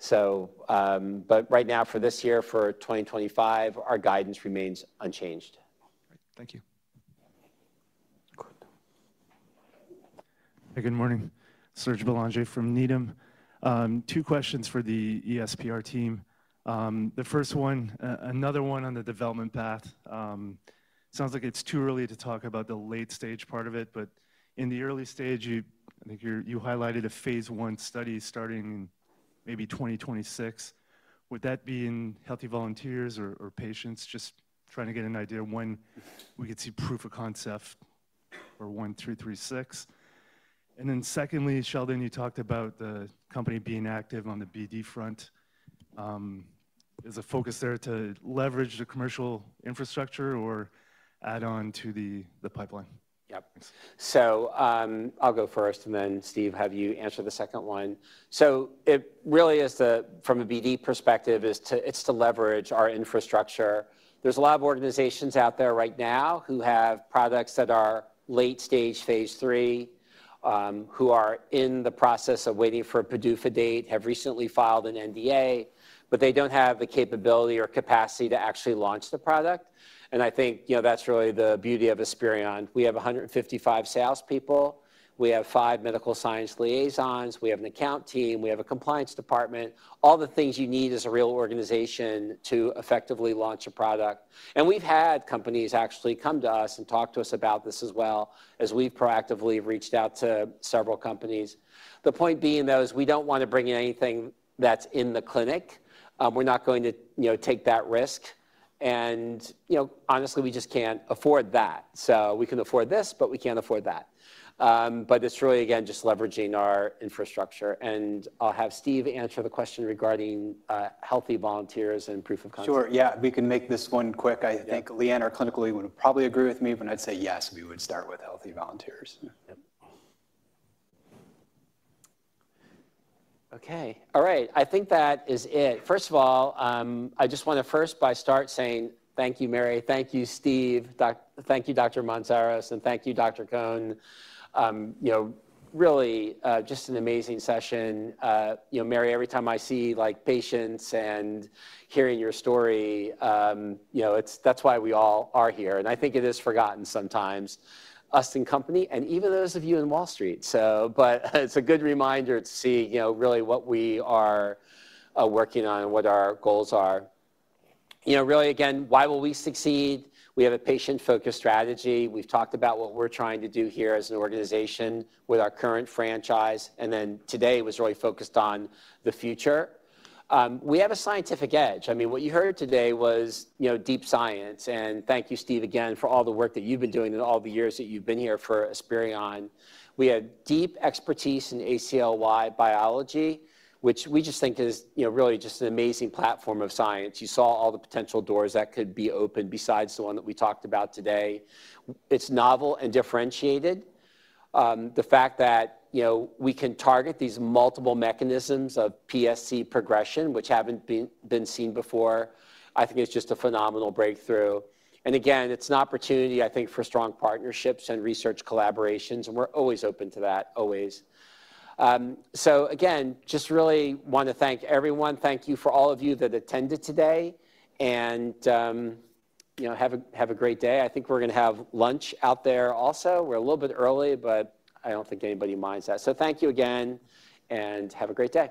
Right now, for this year, for 2025, our guidance remains unchanged. Thank you. Hey, good morning. Serge Belanger from Needham. Two questions for the ESPR team. The first one, another one on the development path. It sounds like it's too early to talk about the late-stage part of it. In the early stage, I think you highlighted a phase I study starting in maybe 2026. Would that be in healthy volunteers or patients? Just trying to get an idea when we could see proof of concept for 1336. Secondly, Sheldon, you talked about the company being active on the BD front. Is the focus there to leverage the commercial infrastructure or add on to the pipeline? Yep. I'll go first, and then Stephen, have you answer the second one? It really is from a BD perspective, it's to leverage our infrastructure. There's a lot of organizations out there right now who have products that are late-stage phase III, who are in the process of waiting for a PDUFA date, have recently filed an NDA, but they don't have the capability or capacity to actually launch the product. I think that's really the beauty of Esperion. We have 155 salespeople. We have five medical science liaisons. We have an account team. We have a compliance department. All the things you need as a real organization to effectively launch a product. We've had companies actually come to us and talk to us about this as well as we've proactively reached out to several companies. The point being, though, is we don't want to bring in anything that's in the clinic. We're not going to take that risk. Honestly, we just can't afford that. We can afford this, but we can't afford that. It's really, again, just leveraging our infrastructure. I'll have Stephen answer the question regarding healthy volunteers and proof of concept. Sure. Yeah. We can make this one quick. I think LeAnne or probably Ruth would probably agree with me, but I'd say yes, we would start with healthy volunteers. Okay. All right. I think that is it. First of all, I just want to first by start saying thank you, Mary. Thank you, Stephen. Thank you, Dr. Mantzoros. Thank you, Dr. Cohen. Really just an amazing session. Mary, every time I see patients and hearing your story, that's why we all are here. I think it is forgotten sometimes, us and company and even those of you in Wall Street. It is a good reminder to see really what we are working on and what our goals are. Really, again, why will we succeed? We have a patient-focused strategy. We've talked about what we're trying to do here as an organization with our current franchise. Today was really focused on the future. We have a scientific edge. I mean, what you heard today was deep science. Thank you, Stephen, again, for all the work that you've been doing in all the years that you've been here for Esperion. We have deep expertise in ACLY biology, which we just think is really just an amazing platform of science. You saw all the potential doors that could be opened besides the one that we talked about today. It is novel and differentiated. The fact that we can target these multiple mechanisms of PSC progression, which haven't been seen before, I think it's just a phenomenal breakthrough. Again, it's an opportunity, I think, for strong partnerships and research collaborations. We're always open to that, always. Again, just really want to thank everyone. Thank you for all of you that attended today and have a great day. I think we're going to have lunch out there also. We're a little bit early, but I don't think anybody minds that. Thank you again and have a great day.